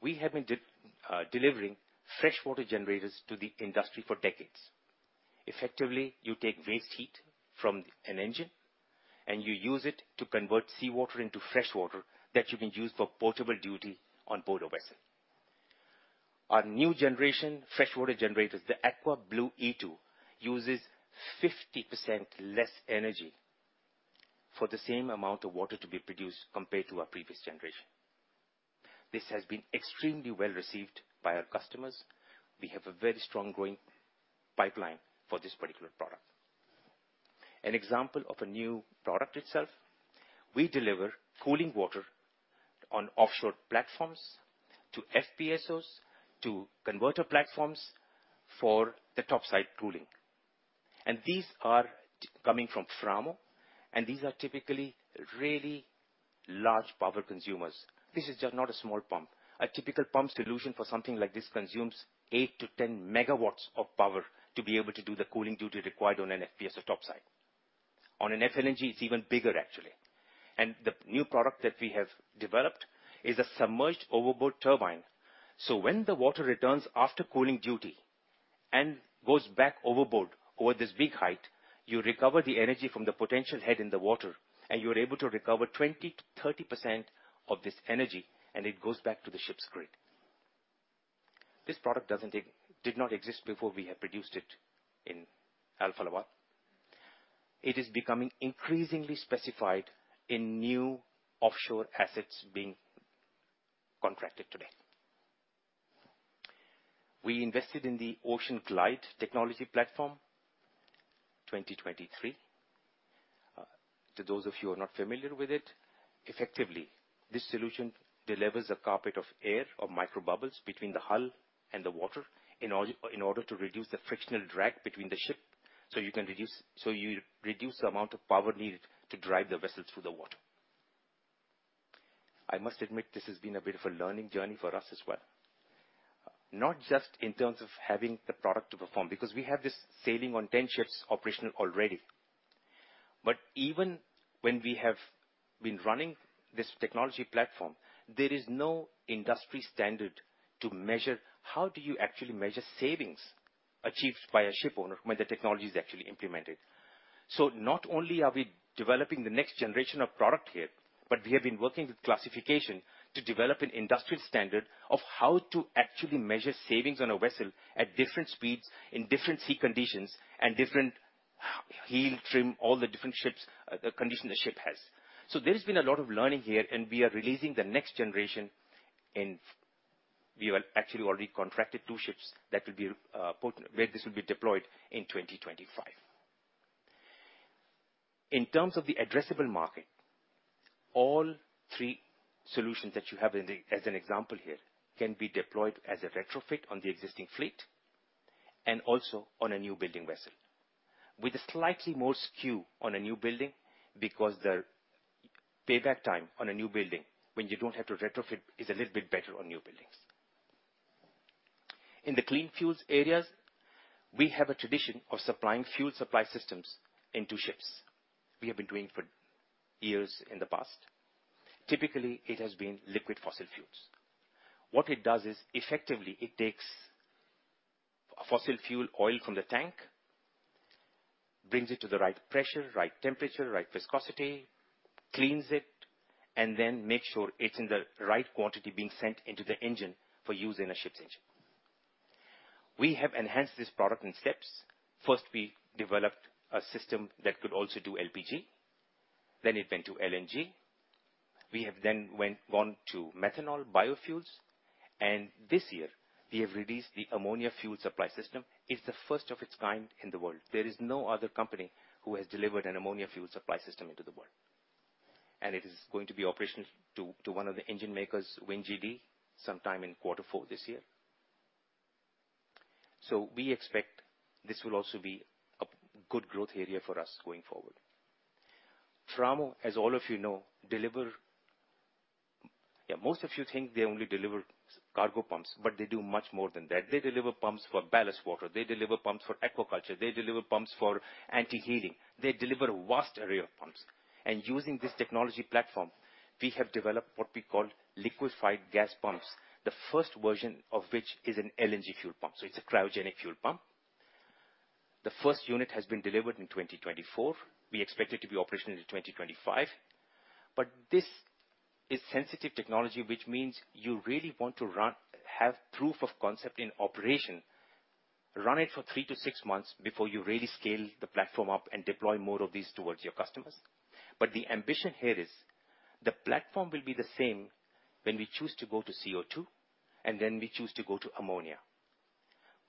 We have been delivering freshwater generators to the industry for decades. Effectively, you take waste heat from an engine, and you use it to convert seawater into fresh water that you can use for portable duty on board a vessel. Our new generation freshwater generators, the AQUA Blue E2, uses 50% less energy for the same amount of water to be produced compared to our previous generation. This has been extremely well received by our customers. We have a very strong growing pipeline for this particular product. An example of a new product itself, we deliver cooling water on offshore platforms to FPSOs, to converter platforms for the topside cooling. These are Coming from Framo, and these are typically really large power consumers. This is just not a small pump. A typical pump solution for something like this consumes 8-10 MW of power to be able to do the cooling duty required on an FPSO top side. On an FLNG, it's even bigger actually. The new product that we have developed is a submerged overboard turbine. When the water returns after cooling duty and goes back overboard over this big height, you recover the energy from the potential head in the water, and you are able to recover 20%-30% of this energy, and it goes back to the ship's grid. This product did not exist before we have produced it in Alfa Laval. It is becoming increasingly specified in new offshore assets being contracted today. We invested in the OceanGlide technology platform, 2023. To those of you who are not familiar with it, effectively, this solution delivers a carpet of air or microbubbles between the hull and the water in order to reduce the frictional drag between the ship, so you reduce the amount of power needed to drive the vessel through the water. I must admit, this has been a bit of a learning journey for us as well, not just in terms of having the product to perform, because we have this sailing on 10 ships operational already. Even when we have been running this technology platform, there is no industry standard to measure how do you actually measure savings achieved by a shipowner when the technology is actually implemented. Not only are we developing the next generation of product here, but we have been working with classification to develop an industrial standard of how to actually measure savings on a vessel at different speeds in different sea conditions and different heel trim, all the different ships, condition the ship has. There has been a lot of learning here, and we are releasing the next generation. We have actually already contracted two ships that will be where this will be deployed in 2025. In terms of the addressable market, all three solutions that you have in the, as an example here, can be deployed as a retrofit on the existing fleet and also on a new building vessel. With a slightly more skew on a new building because the payback time on a new building when you don't have to retrofit is a little bit better on new buildings. In the clean fuels areas, we have a tradition of supplying fuel supply systems into ships. We have been doing for years in the past. Typically, it has been liquid fossil fuels. What it does is effectively it takes fossil fuel oil from the tank, brings it to the right pressure, right temperature, right viscosity, cleans it, and then make sure it's in the right quantity being sent into the engine for use in a ship's engine. We have enhanced this product in steps. First, we developed a system that could also do LPG. It went to LNG. We have then went on to methanol biofuels, and this year we have released the ammonia fuel supply system. It's the first of its kind in the world. There is no other company who has delivered an ammonia fuel supply system into the world. It is going to be operational to one of the engine makers, WinGD, sometime in quarter four this year. We expect this will also be a good growth area for us going forward. Framo, as all of you know, deliver most of you think they only deliver cargo pumps, they do much more than that. They deliver pumps for ballast water. They deliver pumps for aquaculture. They deliver pumps for anti-heeling. They deliver a vast array of pumps. Using this technology platform, we have developed what we call liquefied gas pumps, the first version of which is an LNG fuel pump. It's a cryogenic fuel pump. The first unit has been delivered in 2024. We expect it to be operational in 2025. This is sensitive technology, which means you really want to run, have proof of concept in operation, run it for three to six months before you really scale the platform up and deploy more of these towards your customers. The ambition here is the platform will be the same when we choose to go to CO2, and then we choose to go to ammonia.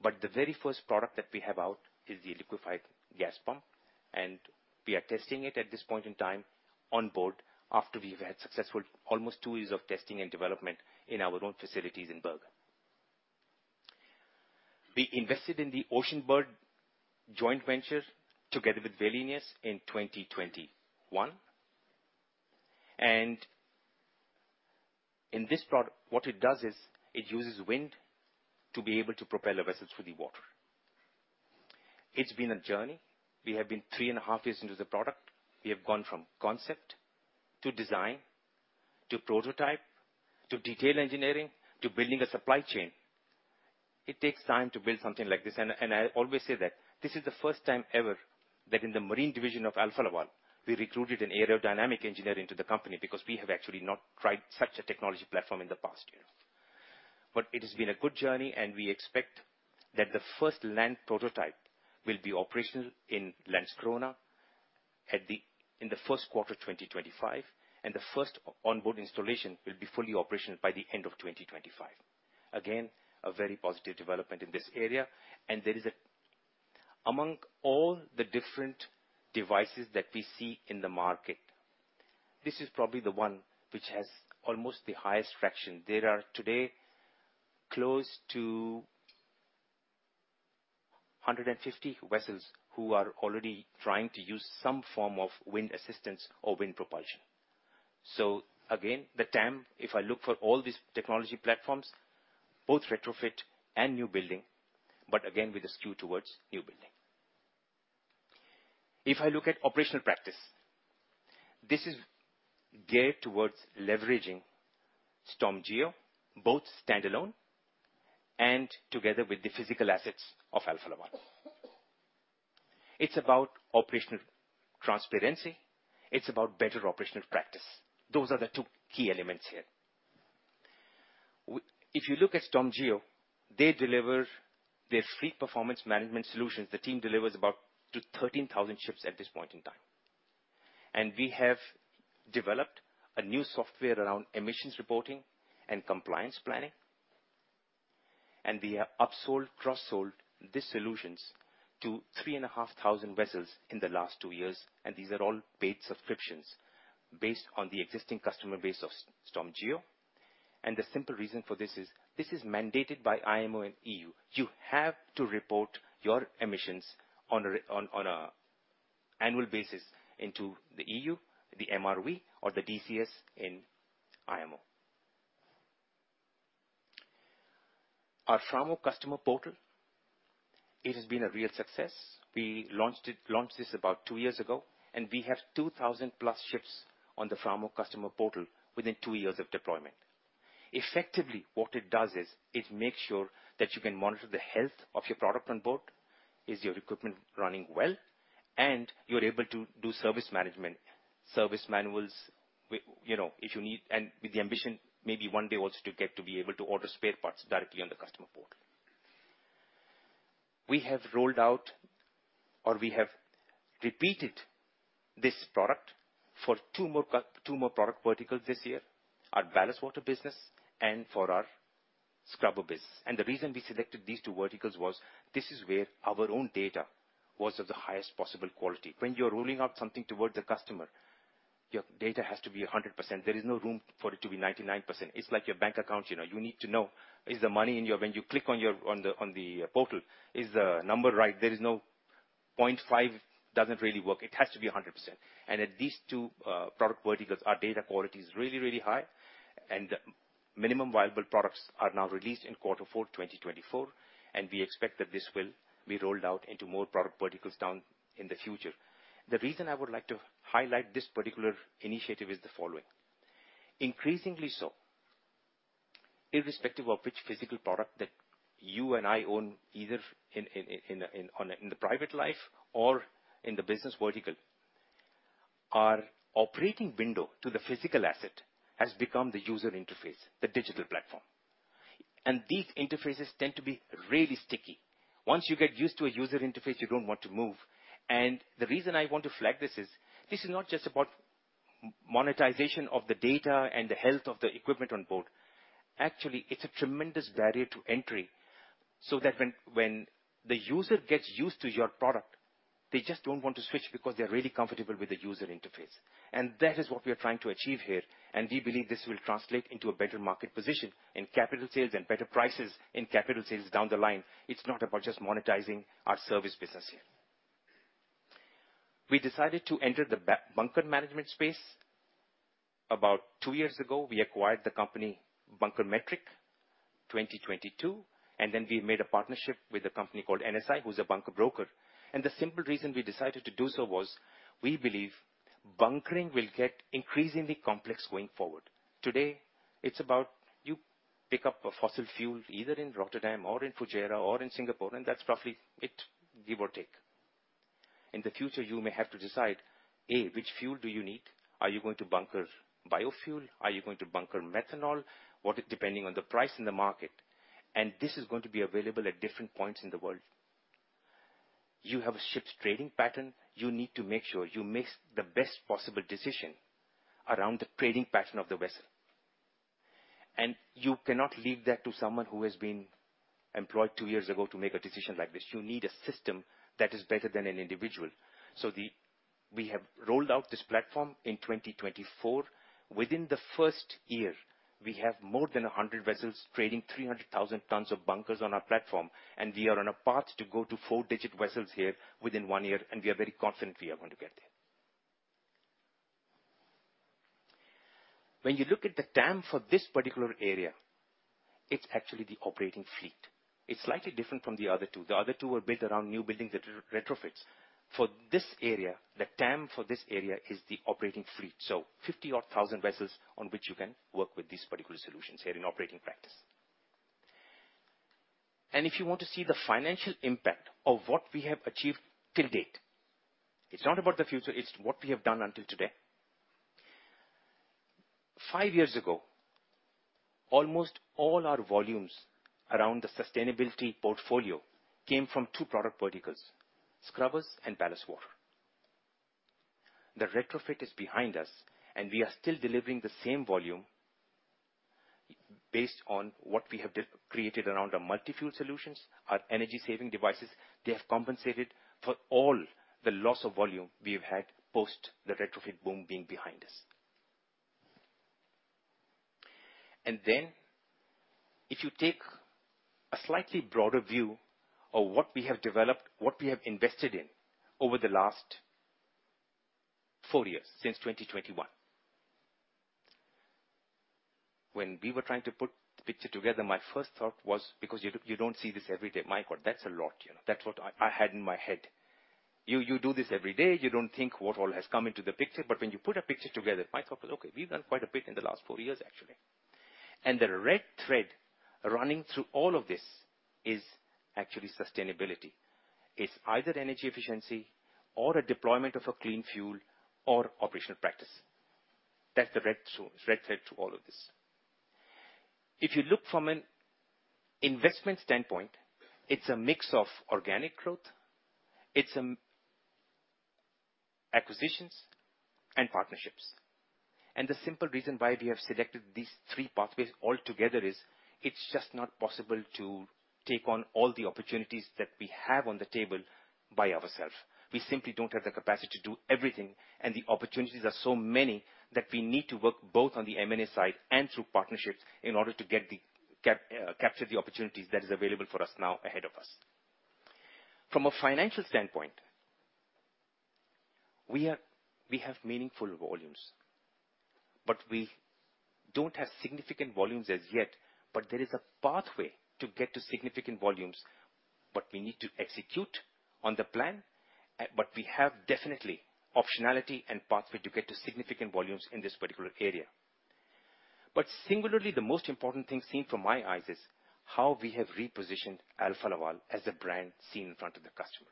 The very first product that we have out is the liquefied gas pump, and we are testing it at this point in time on board after we've had successful almost two years of testing and development in our own facilities in Bergen. We invested in the Oceanbird joint venture together with Wallenius in 2021. In this product, what it does is it uses wind to be able to propel a vessel through the water. It's been a journey. We have been three and a half years into the product. We have gone from concept to design to prototype to detail engineering to building a supply chain. It takes time to build something like this. I always say that this is the first time ever that in the Marine Division of Alfa Laval we recruited an aerodynamic engineer into the company because we have actually not tried such a technology platform in the past years. It has been a good journey, and we expect that the first land prototype will be operational in Landskrona in the first quarter 2025, and the first onboard installation will be fully operational by the end of 2025. Again, a very positive development in this area. Among all the different devices that we see in the market, this is probably the one which has almost the highest fraction. There are today close to 150 vessels who are already trying to use some form of wind assistance or wind propulsion. Again, the TAM, if I look for all these technology platforms, both retrofit and new building, but again, with a skew towards new building. If I look at operational practice, this is geared towards leveraging StormGeo, both standalone and together with the physical assets of Alfa Laval. It's about operational transparency. It's about better operational practice. Those are the two key elements here. If you look at StormGeo, they deliver their fleet performance management solutions. The team delivers about to 13,000 ships at this point in time. We have developed a new software around emissions reporting and compliance planning. We have upsold, cross-sold these solutions to 3,500 vessels in the last two years, and these are all paid subscriptions based on the existing customer base of StormGeo. The simple reason for this is, this is mandated by IMO and EU. You have to report your emissions on an annual basis into the EU, the MRV or the DCS in IMO. Our Framo customer portal, it has been a real success. We launched this about two years ago, and we have 2,000 plus ships on the Framo customer portal within two years of deployment. Effectively, what it does is, it makes sure that you can monitor the health of your product on board. Is your equipment running well? You're able to do service management, service manuals, you know, if you need, and with the ambition, maybe one day also to get to be able to order spare parts directly on the customer portal. We have rolled out or we have repeated this product for two more product verticals this year, our ballast water business and for our scrubber business. The reason we selected these two verticals was this is where our own data was of the highest possible quality. When you're rolling out something towards the customer, your data has to be 100%. There is no room for it to be 99%. It's like your bank account, you know. You need to know, when you click on your, on the, on the portal, is the number right? There is no 0.5. Doesn't really work. It has to be 100%. At these two product verticals, our data quality is really, really high. Minimum viable products are now released in Q4 2024, and we expect that this will be rolled out into more product verticals down in the future. The reason I would like to highlight this particular initiative is the following. Increasingly so, irrespective of which physical product that you and I own, either in the private life or in the business vertical, our operating window to the physical asset has become the user interface, the digital platform. These interfaces tend to be really sticky. Once you get used to a user interface, you don't want to move. The reason I want to flag this is, this is not just about monetization of the data and the health of the equipment on board. Actually, it's a tremendous barrier to entry, so that when the user gets used to your product, they just don't want to switch because they're really comfortable with the user interface. That is what we are trying to achieve here, and we believe this will translate into a better market position in capital sales and better prices in capital sales down the line. It's not about just monetizing our service business here. We decided to enter the bunker management space. About two years ago, we acquired the company BunkerMetric, 2022, and then we made a partnership with a company called NSI, who's a bunker broker. The simple reason we decided to do so was we believe bunkering will get increasingly complex going forward. Today, it's about you pick up a fossil fuel either in Rotterdam or in Fujairah or in Singapore, and that's roughly it, give or take. In the future, you may have to decide, A, which fuel do you need? Are you going to bunker biofuel? Are you going to bunker methanol? Depending on the price in the market. This is going to be available at different points in the world. You have a ship's trading pattern. You need to make sure you make the best possible decision around the trading pattern of the vessel. You cannot leave that to someone who has been employed two years ago to make a decision like this. You need a system that is better than an individual. We have rolled out this platform in 2024. Within the first year, we have more than 100 vessels trading 300,000 tons of bunkers on our platform, and we are on a path to go to four digit vessels here within one year, and we are very confident we are going to get there. When you look at the TAM for this particular area, it's actually the operating fleet. It's slightly different from the other two. The other two are built around new buildings that are retrofits. For this area, the TAM for this area is the operating fleet. 50 odd thousand vessels on which you can work with these particular solutions here in operating practice. If you want to see the financial impact of what we have achieved till date, it's not about the future, it's what we have done until today. Five years ago, almost all our volumes around the sustainability portfolio came from two product verticals, scrubbers and ballast water. The retrofit is behind us, and we are still delivering the same volume based on what we have created around our multi-fuel solutions, our energy-saving devices. They have compensated for all the loss of volume we've had post the retrofit boom being behind us. If you take a slightly broader view of what we have developed, what we have invested in over the last four years, since 2021. When we were trying to put the picture together, my first thought was, because you don't see this every day, "My God, that's a lot," you know. That's what I had in my head. You do this every day, you don't think what all has come into the picture, but when you put a picture together, my thought was, "Okay, we've done quite a bit in the last four years, actually." The red thread running through all of this is actually sustainability. It's either energy efficiency or a deployment of a clean fuel or operational practice. That's the red thread to all of this. If you look from an investment standpoint, it's a mix of organic growth, it's acquisitions and partnerships. The simple reason why we have selected these three pathways altogether is it's just not possible to take on all the opportunities that we have on the table by ourselves. We simply don't have the capacity to do everything, and the opportunities are so many that we need to work both on the M&A side and through partnerships in order to get, capture the opportunities that is available for us now ahead of us. From a financial standpoint, we have meaningful volumes, but we don't have significant volumes as yet. There is a pathway to get to significant volumes. We need to execute on the plan, but we have definitely optionality and pathway to get to significant volumes in this particular area. Singularly, the most important thing seen from my eyes is how we have repositioned Alfa Laval as a brand seen in front of the customer.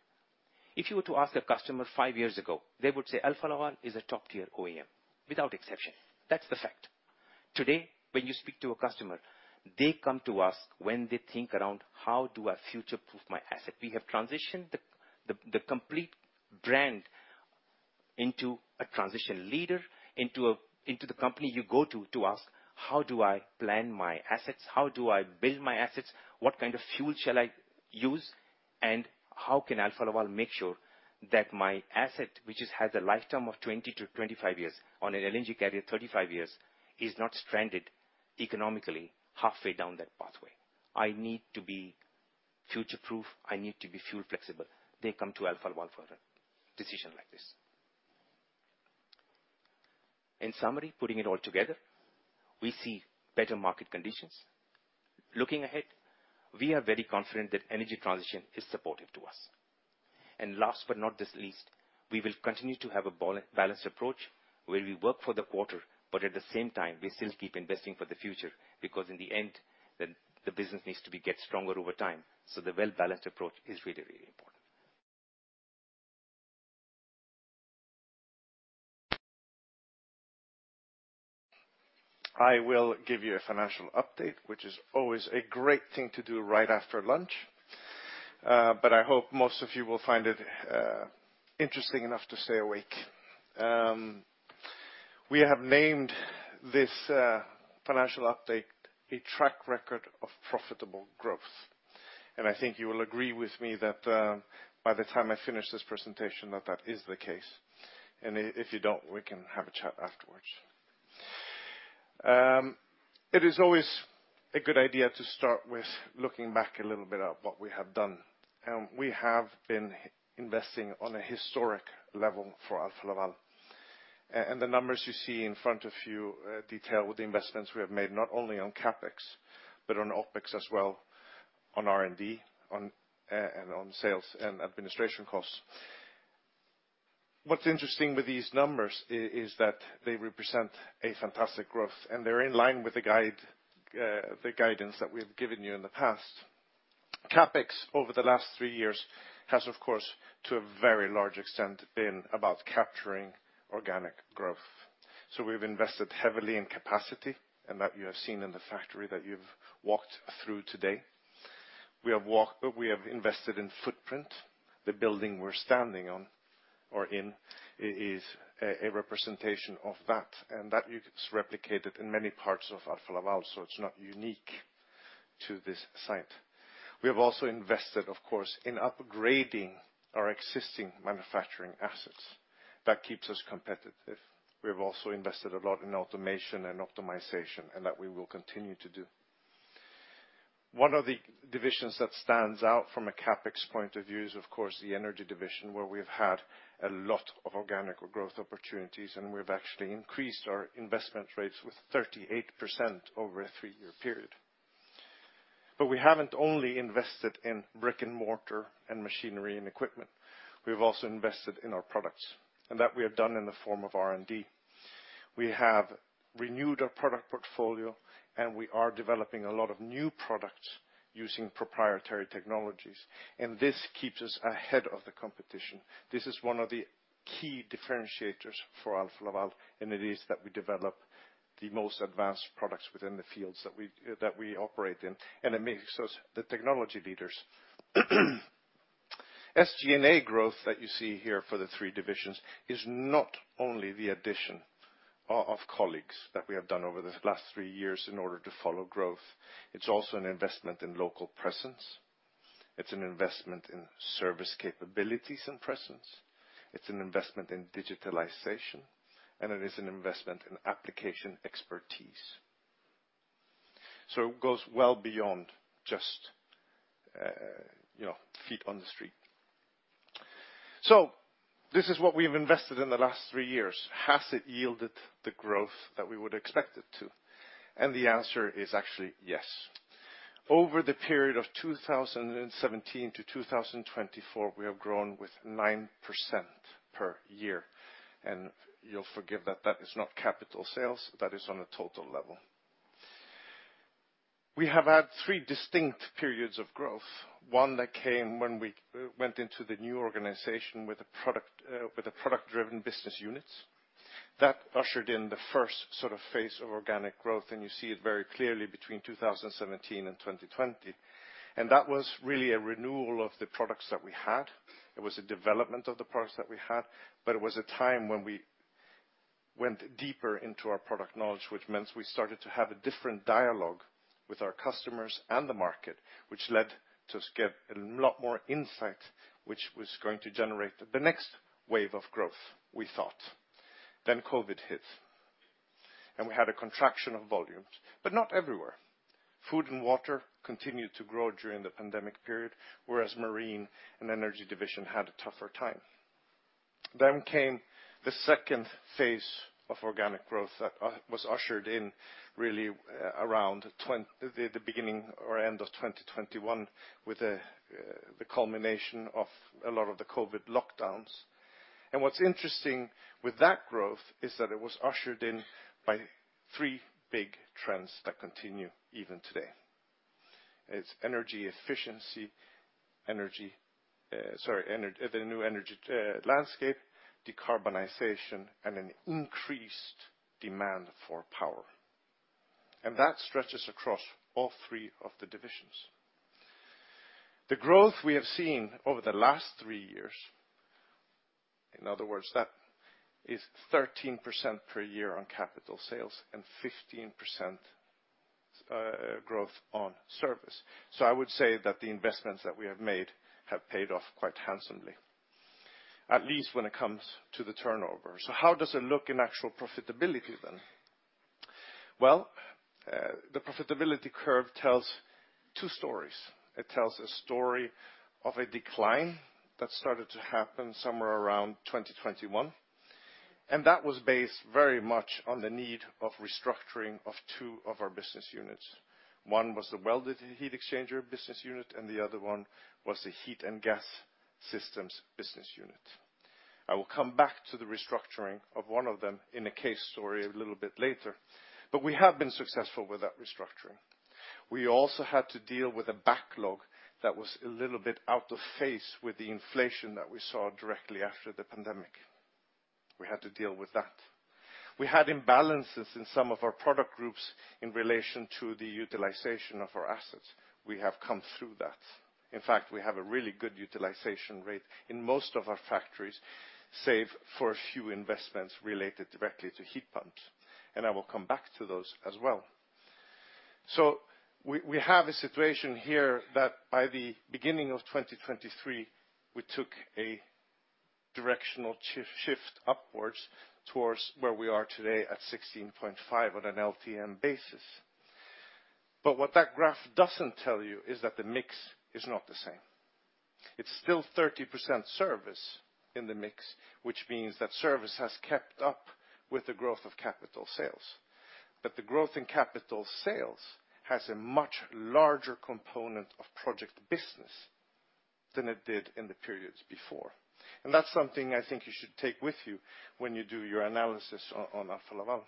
If you were to ask a customer five years ago, they would say, "Alfa Laval is a top-tier OEM," without exception. That's the fact. Today, when you speak to a customer, they come to us when they think around how do I future-proof my asset? We have transitioned the complete brand into the company you go to to ask, "How do I plan my assets? How do I build my assets? What kind of fuel shall I use? How can Alfa Laval make sure that my asset, which has a lifetime of 20-25 years, on an LNG carrier, 35 years, is not stranded economically halfway down that pathway? I need to be future-proof. I need to be fuel flexible." They come to Alfa Laval for a decision like this. In summary, putting it all together, we see better market conditions. Looking ahead, we are very confident that energy transition is supportive to us. Last but not least, we will continue to have a balanced approach where we work for the quarter, but at the same time, we still keep investing for the future, because in the end, the business needs to be get stronger over time. The well-balanced approach is really, really important. I will give you a financial update, which is always a great thing to do right after lunch. I hope most of you will find it interesting enough to stay awake. We have named this financial update A Track Record of Profitable Growth. I think you will agree with me that by the time I finish this presentation, that that is the case. If you don't, we can have a chat afterwards. It is always a good idea to start with looking back a little bit at what we have done. We have been investing on a historic level for Alfa Laval. The numbers you see in front of you detail the investments we have made, not only on CapEx, but on OpEx as well, on R&D, and on sales and administration costs. What's interesting with these numbers is that they represent a fantastic growth, they're in line with the guidance that we've given you in the past. CapEx over the last three years has, of course, to a very large extent been about capturing organic growth. We've invested heavily in capacity, that you have seen in the factory that you've walked through today. We have walked, we have invested in footprint. The building we're standing on or in is a representation of that is replicated in many parts of Alfa Laval, it's not unique to this site. We have also invested, of course, in upgrading our existing manufacturing assets. That keeps us competitive. We have also invested a lot in automation and optimization, that we will continue to do. One of the divisions that stands out from a CapEx point of view is, of course, the Energy Division, where we've had a lot of organic or growth opportunities. We've actually increased our investment rates with 38% over a three year period. We haven't only invested in brick and mortar and machinery and equipment. We've also invested in our products. That we have done in the form of R&D. We have renewed our product portfolio. We are developing a lot of new products using proprietary technologies. This keeps us ahead of the competition. This is one of the key differentiators for Alfa Laval. It is that we develop the most advanced products within the fields that we operate in. It makes us the technology leaders. SG&A growth that you see here for the three divisions is not only the addition of colleagues that we have done over the last three years in order to follow growth. It's also an investment in local presence. It's an investment in service capabilities and presence. It is an investment in digitalization, it is an investment in application expertise. It goes well beyond just, you know, feet on the street. This is what we've invested in the last three years. Has it yielded the growth that we would expect it to? The answer is actually yes. Over the period of 2017 to 2024, we have grown with 9% per year. You'll forgive that that is not capital sales, that is on a total level. We have had three distinct periods of growth. One that came when we went into the new organization with a product, with a product-driven business units. That ushered in the first sort of phase of organic growth, and you see it very clearly between 2017 and 2020. That was really a renewal of the products that we had. It was a development of the products that we had, but it was a time when we went deeper into our product knowledge, which meant we started to have a different dialogue with our customers and the market, which led to get a lot more insight, which was going to generate the next wave of growth, we thought. COVID hit, and we had a contraction of volumes, but not everywhere. Food & Water continued to grow during the pandemic period, whereas Marine Division and Energy Division had a tougher time. Came the second phase of organic growth that was ushered in really, around the beginning or end of 2021 with the culmination of a lot of the COVID lockdowns. What's interesting with that growth is that it was ushered in by three big trends that continue even today. It's energy efficiency, energy, sorry, the new energy landscape, decarbonization, and an increased demand for power. That stretches across all three of the divisions. The growth we have seen over the last three years, in other words, that is 13% per year on capital sales and 15% growth on service. I would say that the investments that we have made have paid off quite handsomely, at least when it comes to the turnover. How does it look in actual profitability then? Well, the profitability curve tells two stories. It tells a story of a decline that started to happen somewhere around 2021, and that was based very much on the need of restructuring of two of our business units. One was the Welded Heat Exchanger Business Unit, and the other one was the Heat & Gas Systems. I will come back to the restructuring of one of them in a case story a little bit later. We have been successful with that restructuring. We also had to deal with a backlog that was a little bit out of phase with the inflation that we saw directly after the pandemic. We had to deal with that. We had imbalances in some of our product groups in relation to the utilization of our assets. We have come through that. In fact, we have a really good utilization rate in most of our factories, save for a few investments related directly to heat pumps, and I will come back to those as well. We have a situation here that by the beginning of 2023, we took a directional shift upwards towards where we are today at 16.5 on an LTM basis. What that graph doesn't tell you is that the mix is not the same. It's still 30% service in the mix, which means that service has kept up with the growth of capital sales. The growth in capital sales has a much larger component of project business than it did in the periods before. That's something I think you should take with you when you do your analysis on Alfa Laval.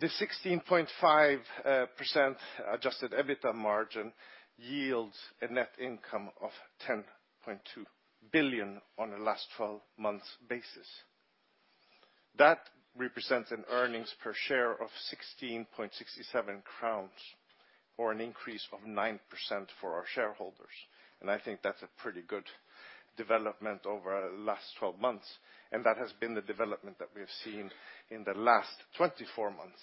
The 16.5% adjusted EBITDA margin yields a net income of 10.2 billion on a last 12 months basis. That represents an earnings per share of 16.67 crowns or an increase of 9% for our shareholders. I think that's a pretty good development over the last 12 months, and that has been the development that we have seen in the last 24 months.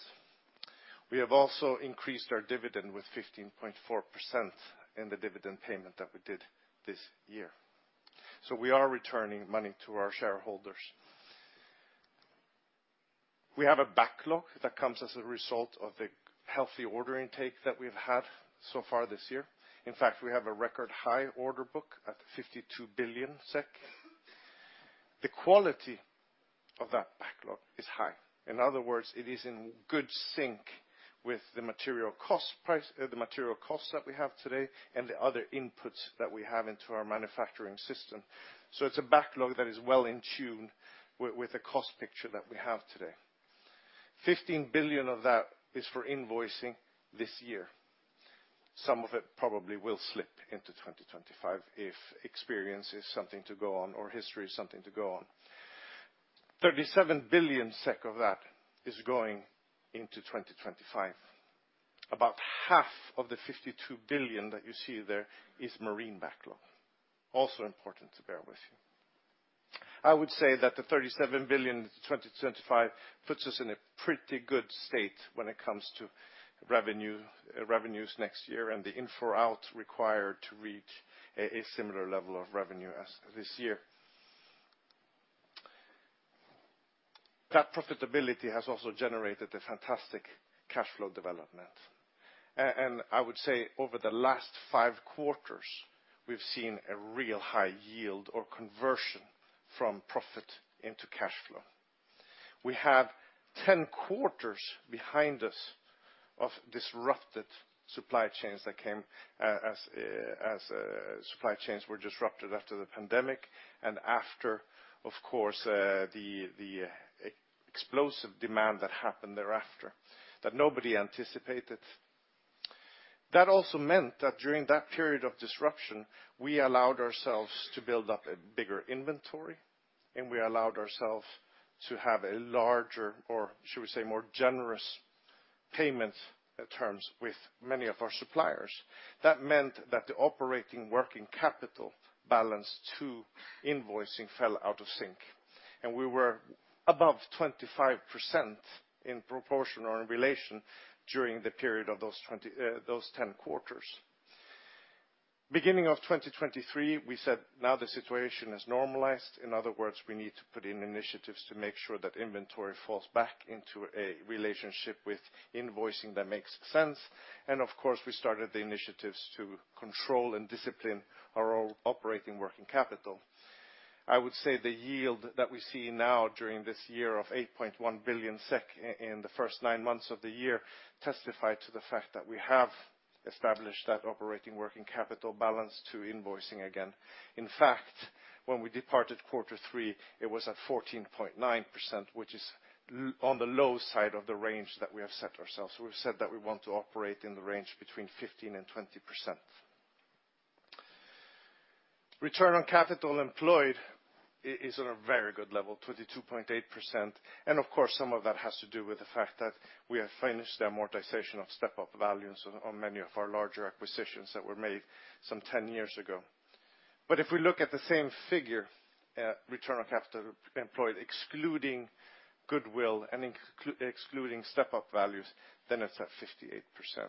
We have also increased our dividend with 15.4% in the dividend payment that we did this year. We are returning money to our shareholders. We have a backlog that comes as a result of the healthy order intake that we've had so far this year. In fact, we have a record high order book at 52 billion SEK. The quality of that backlog is high. In other words, it is in good sync with the material cost price, the material costs that we have today and the other inputs that we have into our manufacturing system. It's a backlog that is well in tune with the cost picture that we have today. 15 billion of that is for invoicing this year. Some of it probably will slip into 2025 if experience is something to go on or history is something to go on. 37 billion SEK of that is going into 2025. About half of the 52 billion that you see there is marine backlog. Also important to bear with you, I would say that the 37 billion 2025 puts us in a pretty good state when it comes to revenue, revenues next year and the in for out required to reach a similar level of revenue as this year. That profitability has also generated a fantastic cash flow development. I would say over the last five quarters, we've seen a real high yield or conversion from profit into cash flow. We have 10 quarters behind us of disrupted supply chains that came as supply chains were disrupted after the pandemic and after, of course, the explosive demand that happened thereafter that nobody anticipated. That also meant that during that period of disruption, we allowed ourselves to build up a bigger inventory, and we allowed ourselves to have a larger, or should we say, more generous payment terms with many of our suppliers. That meant that the operating working capital balance to invoicing fell out of sync. We were above 25% in proportion or in relation during the period of those 10 quarters. Beginning of 2023, we said, now the situation is normalized. In other words, we need to put in initiatives to make sure that inventory falls back into a relationship with invoicing that makes sense. Of course, we started the initiatives to control and discipline our operating working capital. I would say the yield that we see now during this year of 8.1 billion SEK in the first nine months of the year testify to the fact that we have established that operating working capital balance to invoicing again. When we departed Q3, it was at 14.9%, which is on the low side of the range that we have set ourselves. We've said that we want to operate in the range between 15%-20%. Return on capital employed is on a very good level, 22.8%. Of course, some of that has to do with the fact that we have finished the amortization of step-up values on many of our larger acquisitions that were made some 10 years ago. If we look at the same figure, return on capital employed, excluding goodwill and excluding step-up values, then it's at 58%.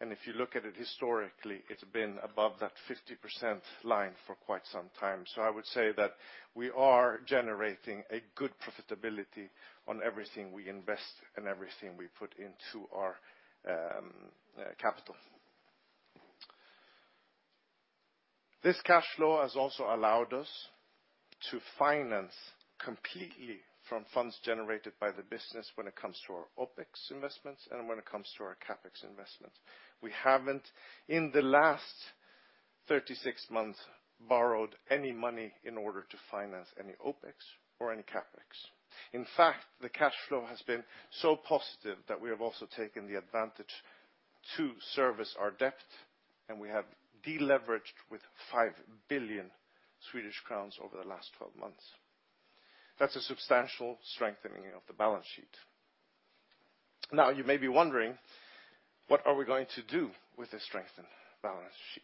If you look at it historically, it's been above that 50% line for quite some time. I would say that we are generating a good profitability on everything we invest and everything we put into our capital. This cash flow has also allowed us to finance completely from funds generated by the business when it comes to our OpEx investments and when it comes to our CapEx investments. We haven't, in the last 36 months, borrowed any money in order to finance any OpEx or any CapEx. The cash flow has been so positive that we have also taken the advantage to service our debt, and we have deleveraged with 5 billion Swedish crowns over the last 12 months. That's a substantial strengthening of the balance sheet. You may be wondering, what are we going to do with this strengthened balance sheet?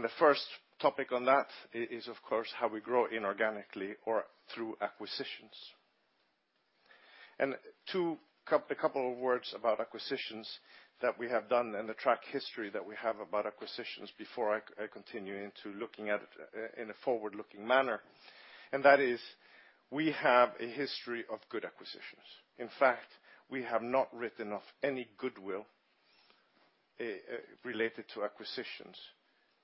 The first topic on that is, of course, how we grow inorganically or through acquisitions. A couple of words about acquisitions that we have done and the track history that we have about acquisitions before I continue into looking at in a forward-looking manner. That is we have a history of good acquisitions. In fact, we have not written off any goodwill related to acquisitions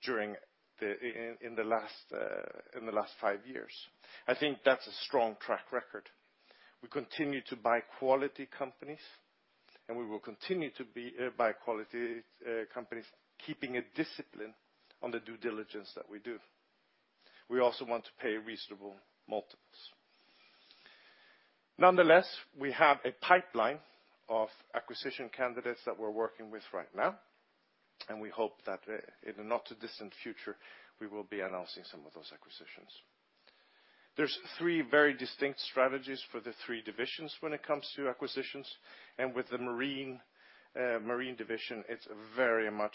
during the last five years. I think that's a strong track record. We continue to buy quality companies, and we will continue to be buy quality companies, keeping a discipline on the due diligence that we do. We also want to pay reasonable multiples. Nonetheless, we have a pipeline of acquisition candidates that we're working with right now, and we hope that in the not too distant future, we will be announcing some of those acquisitions. There's three very distinct strategies for the three divisions when it comes to acquisitions. With the Marine Division, it's very much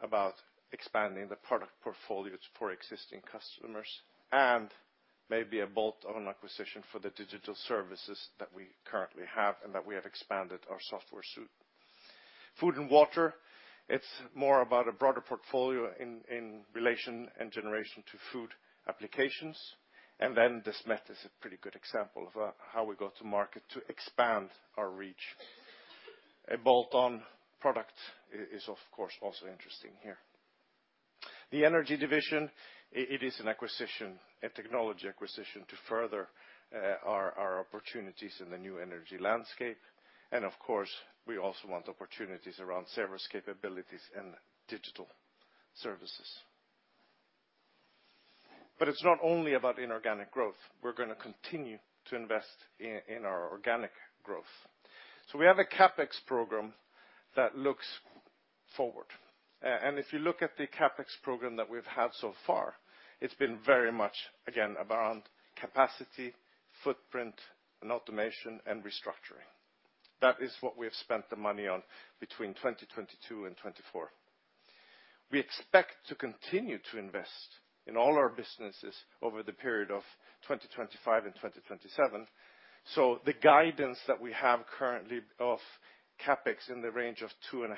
about expanding the product portfolios for existing customers and maybe a bolt-on acquisition for the digital services that we currently have and that we have expanded our software suite. Food & Water, it's more about a broader portfolio in relation and generation to food applications. Desmet is a pretty good example of how we go to market to expand our reach. A bolt-on product is, of course, also interesting here. The Energy Division, it is an acquisition, a technology acquisition to further our opportunities in the new energy landscape. Of course, we also want opportunities around service capabilities and digital services. It's not only about inorganic growth. We're gonna continue to invest in our organic growth. We have a CapEx program that looks forward. If you look at the CapEx program that we've had so far, it's been very much, again, around capacity, footprint, and automation and restructuring. That is what we have spent the money on between 2022 and 2024. We expect to continue to invest in all our businesses over the period of 2025 and 2027. The guidance that we have currently of CapEx in the range of 2.5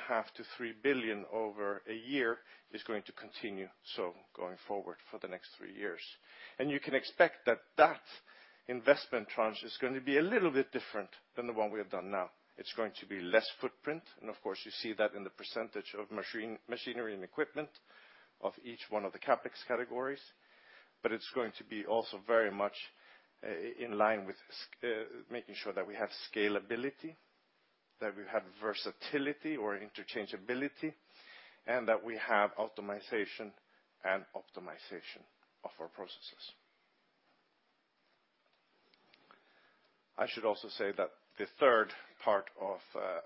billion-3 billion over a year is going to continue, going forward for the next three years. You can expect that that investment tranche is going to be a little bit different than the one we have done now. It's going to be less footprint, and of course, you see that in the percentage of machinery and equipment of each one of the CapEx categories. It's going to be also very much in line with making sure that we have scalability, that we have versatility or interchangeability, and that we have automatization and optimization of our processes. I should also say that the third part of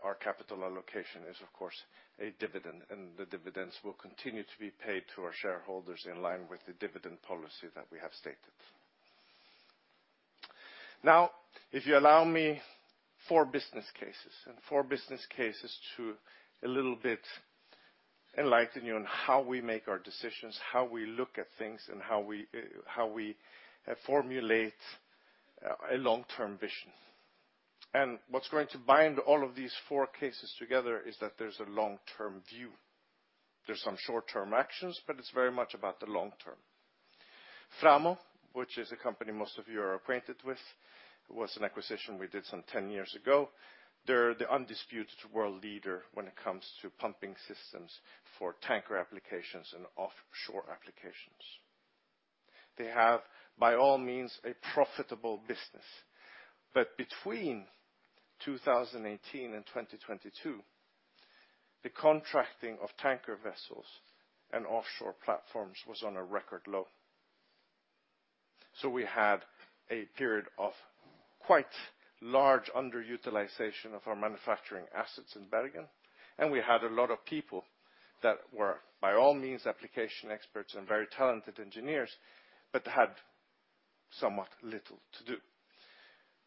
our capital allocation is, of course, a dividend, and the dividends will continue to be paid to our shareholders in line with the dividend policy that we have stated. Now, if you allow me four business cases, and four business cases to a little bit enlighten you on how we make our decisions, how we look at things, and how we, how we formulate a long-term vision. What's going to bind all of these four cases together is that there's a long-term view. There's some short-term actions, but it's very much about the long term. Framo, which is a company most of you are acquainted with, was an acquisition we did some 10 years ago. They're the undisputed world leader when it comes to pumping systems for tanker applications and offshore applications. They have, by all means, a profitable business. Between 2018 and 2022, the contracting of tanker vessels and offshore platforms was on a record low. We had a period of quite large underutilization of our manufacturing assets in Bergen, and we had a lot of people that were, by all means, application experts and very talented engineers, but had somewhat little to do.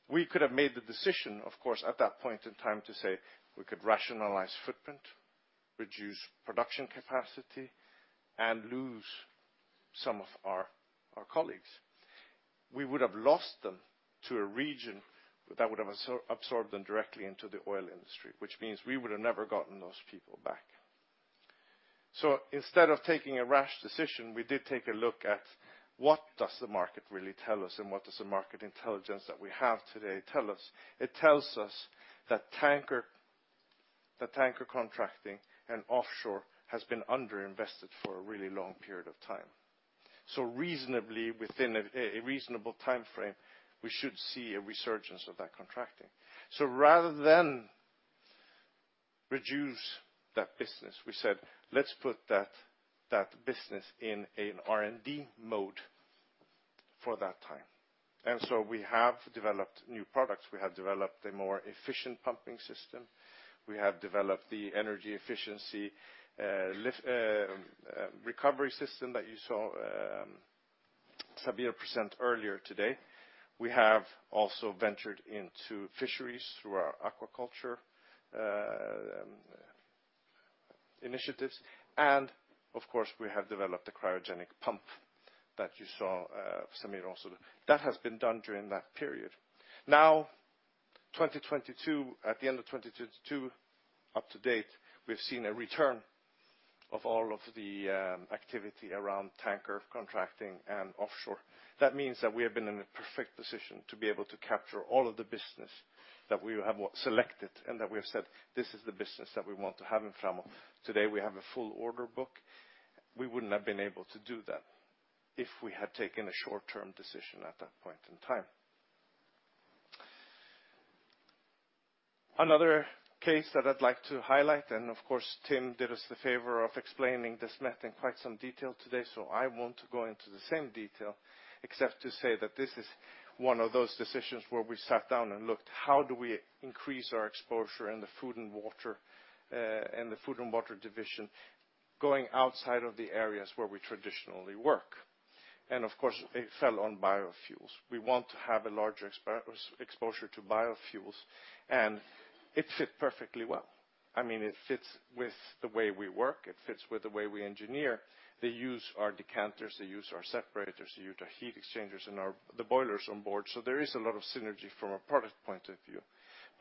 We could have made the decision, of course, at that point in time to say we could rationalize footprint, reduce production capacity, and lose some of our colleagues. We would have lost them to a region that would have absorbed them directly into the oil industry, which means we would have never gotten those people back. Instead of taking a rash decision, we did take a look at what does the market really tell us, and what does the market intelligence that we have today tell us? It tells us that tanker contracting and offshore has been underinvested for a really long period of time. Reasonably, within a reasonable timeframe, we should see a resurgence of that contracting. Rather than reduce that business, we said, "Let's put that business in an R&D mode for that time." We have developed new products. We have developed a more efficient pumping system. We have developed the energy efficiency lift recovery system that you saw Sammy present earlier today. We have also ventured into fisheries through our aquaculture initiatives. Of course, we have developed a cryogenic pump that you saw Sammy also do. That has been done during that period. Now, 2022, at the end of 2022 up to date, we've seen a return of all of the activity around tanker contracting and offshore. That means that we have been in the perfect position to be able to capture all of the business that we have selected and that we have said, "This is the business that we want to have in Framo." Today, we have a full order book. We wouldn't have been able to do that if we had taken a short-term decision at that point in time. Another case that I'd like to highlight, of course, Tim did us the favor of explaining Desmet in quite some detail today, so I won't go into the same detail, except to say that this is one of those decisions where we sat down and looked how do we increase our exposure in the Food & Water Division going outside of the areas where we traditionally work. Of course, it fell on biofuels. We want to have a larger exposure to biofuels, it fit perfectly well. I mean, it fits with the way we work. It fits with the way we engineer. They use our decanters. They use our separators. They use our heat exchangers and our boilers on board. There is a lot of synergy from a product point of view.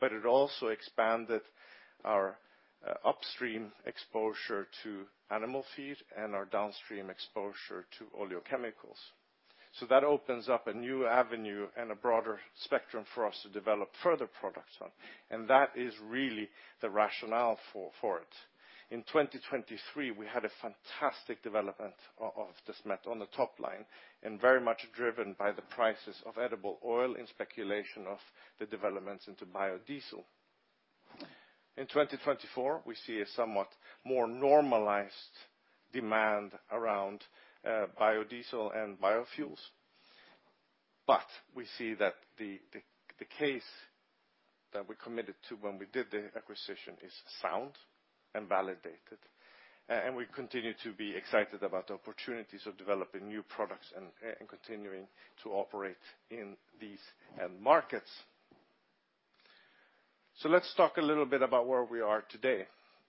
It also expanded our upstream exposure to animal feed and our downstream exposure to oleochemicals. That opens up a new avenue and a broader spectrum for us to develop further products on. That is really the rationale for it. In 2023, we had a fantastic development of Desmet on the top line and very much driven by the prices of edible oil and speculation of the developments into biodiesel. In 2024, we see a somewhat more normalized demand around biodiesel and biofuels. We see that the case that we committed to when we did the acquisition is sound and validated, and we continue to be excited about the opportunities of developing new products and continuing to operate in these markets. Let's talk a little bit about where we are today,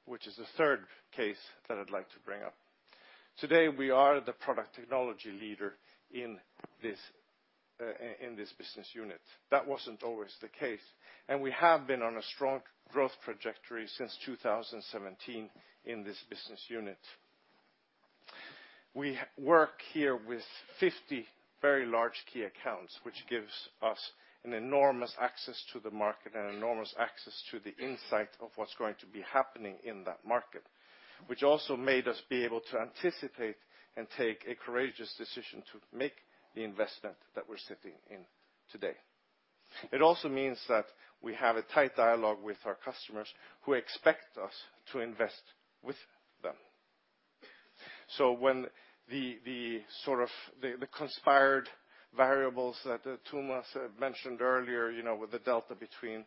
which is the third case that I'd like to bring up. Today, we are the product technology leader in this business unit. That wasn't always the case, and we have been on a strong growth trajectory since 2017 in this business unit. We work here with 50 very large key accounts, which gives us an enormous access to the market and enormous access to the insight of what's going to be happening in that market, which also made us be able to anticipate and take a courageous decision to make the investment that we're sitting in today. It also means that we have a tight dialogue with our customers who expect us to invest with them. When the sort of the conspired variables that Thomas mentioned earlier, you know, with the delta between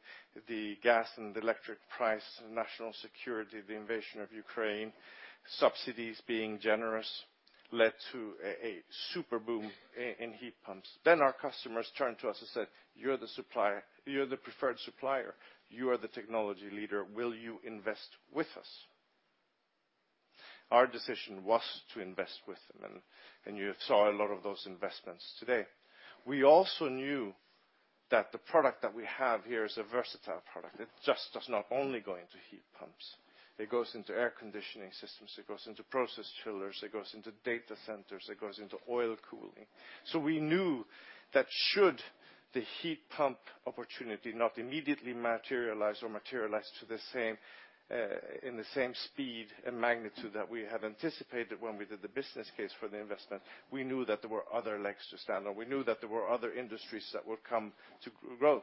the gas and electric price, national security, the invasion of Ukraine, subsidies being generous led to a super boom in heat pumps. Our customers turned to us and said, "You're the supplier. You're the preferred supplier. You are the technology leader. Will you invest with us?" Our decision was to invest with them, and you saw a lot of those investments today. We also knew that the product that we have here is a versatile product. It just does not only go into heat pumps. It goes into air conditioning systems. It goes into process chillers. It goes into data centers. It goes into oil cooling. We knew that should the heat pump opportunity not immediately materialize or materialize to the same in the same speed and magnitude that we have anticipated when we did the business case for the investment, we knew that there were other legs to stand on. We knew that there were other industries that would come to grow,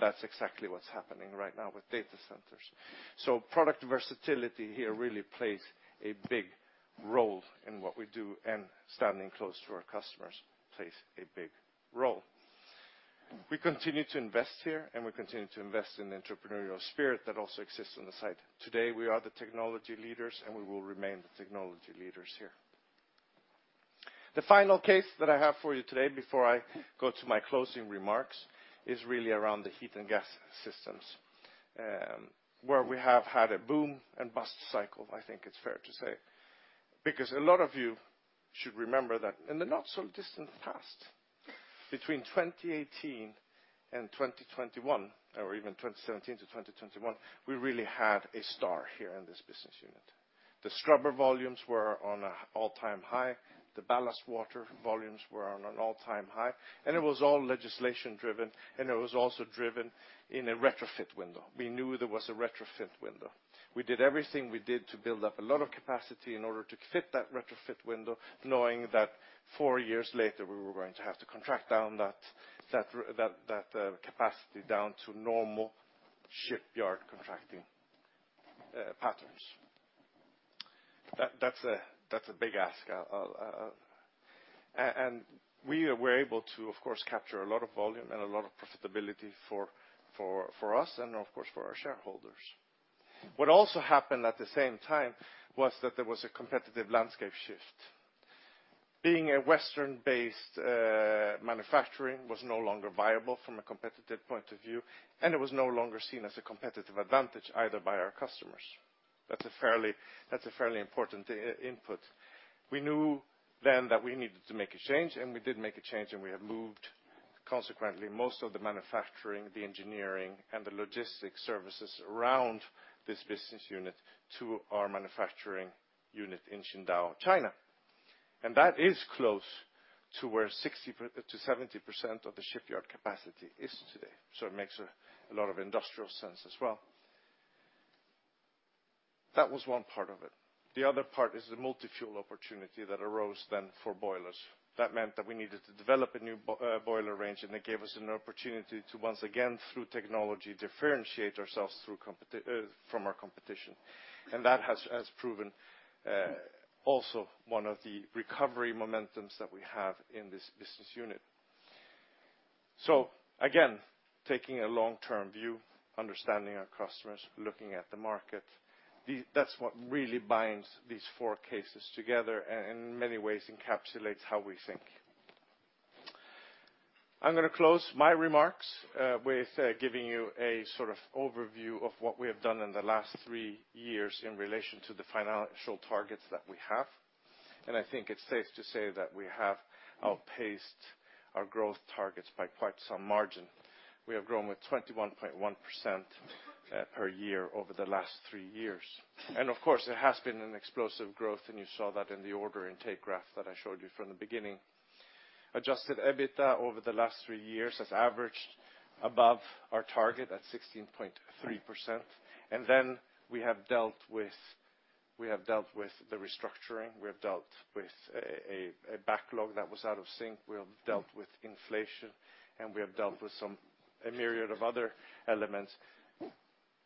that's exactly what's happening right now with data centers. Product versatility here really plays a big role in what we do, and standing close to our customers plays a big role. We continue to invest here, and we continue to invest in the entrepreneurial spirit that also exists on the site. Today, we are the technology leaders, and we will remain the technology leaders here. The final case that I have for you today before I go to my closing remarks is really around the Heat & Gas Systems, where we have had a boom and bust cycle, I think it's fair to say. A lot of you should remember that in the not-so-distant past, between 2018 and 2021, or even 2017 to 2021, we really had a star here in this business unit. The scrubber volumes were on an all-time high. The ballast water volumes were on an all-time high. It was all legislation-driven, and it was also driven in a retrofit window. We knew there was a retrofit window. We did everything we did to build up a lot of capacity in order to fit that retrofit window, knowing that four years later, we were going to have to contract down that capacity down to normal shipyard contracting patterns. That's a big ask. We were able to, of course, capture a lot of volume and a lot of profitability for us and, of course, for our shareholders. What also happened at the same time was that there was a competitive landscape shift. Being a Western-based manufacturing was no longer viable from a competitive point of view, and it was no longer seen as a competitive advantage either by our customers. That's a fairly important input. We knew then that we needed to make a change, and we did make a change, and we have moved consequently most of the manufacturing, the engineering, and the logistics services around this business unit to our manufacturing unit in Qingdao, China. That is close to where 60%-70% of the shipyard capacity is today. It makes a lot of industrial sense as well. That was one part of it. The other part is the multi-fuel opportunity that arose then for boilers. That meant that we needed to develop a new boiler range, and it gave us an opportunity to, once again, through technology, differentiate ourselves from our competition. That has proven also one of the recovery momentums that we have in this business unit. Again, taking a long-term view, understanding our customers, looking at the market, that's what really binds these four cases together and in many ways encapsulates how we think. I'm gonna close my remarks with giving you a sort of overview of what we have done in the last three years in relation to the financial targets that we have. I think it's safe to say that we have outpaced our growth targets by quite some margin. We have grown with 21.1% per year over the last three years. Of course, it has been an explosive growth, and you saw that in the order intake graph that I showed you from the beginning. Adjusted EBITDA over the last three years has averaged above our target at 16.3%. Then we have dealt with the restructuring. We have dealt with a backlog that was out of sync. We have dealt with inflation, and we have dealt with a myriad of other elements.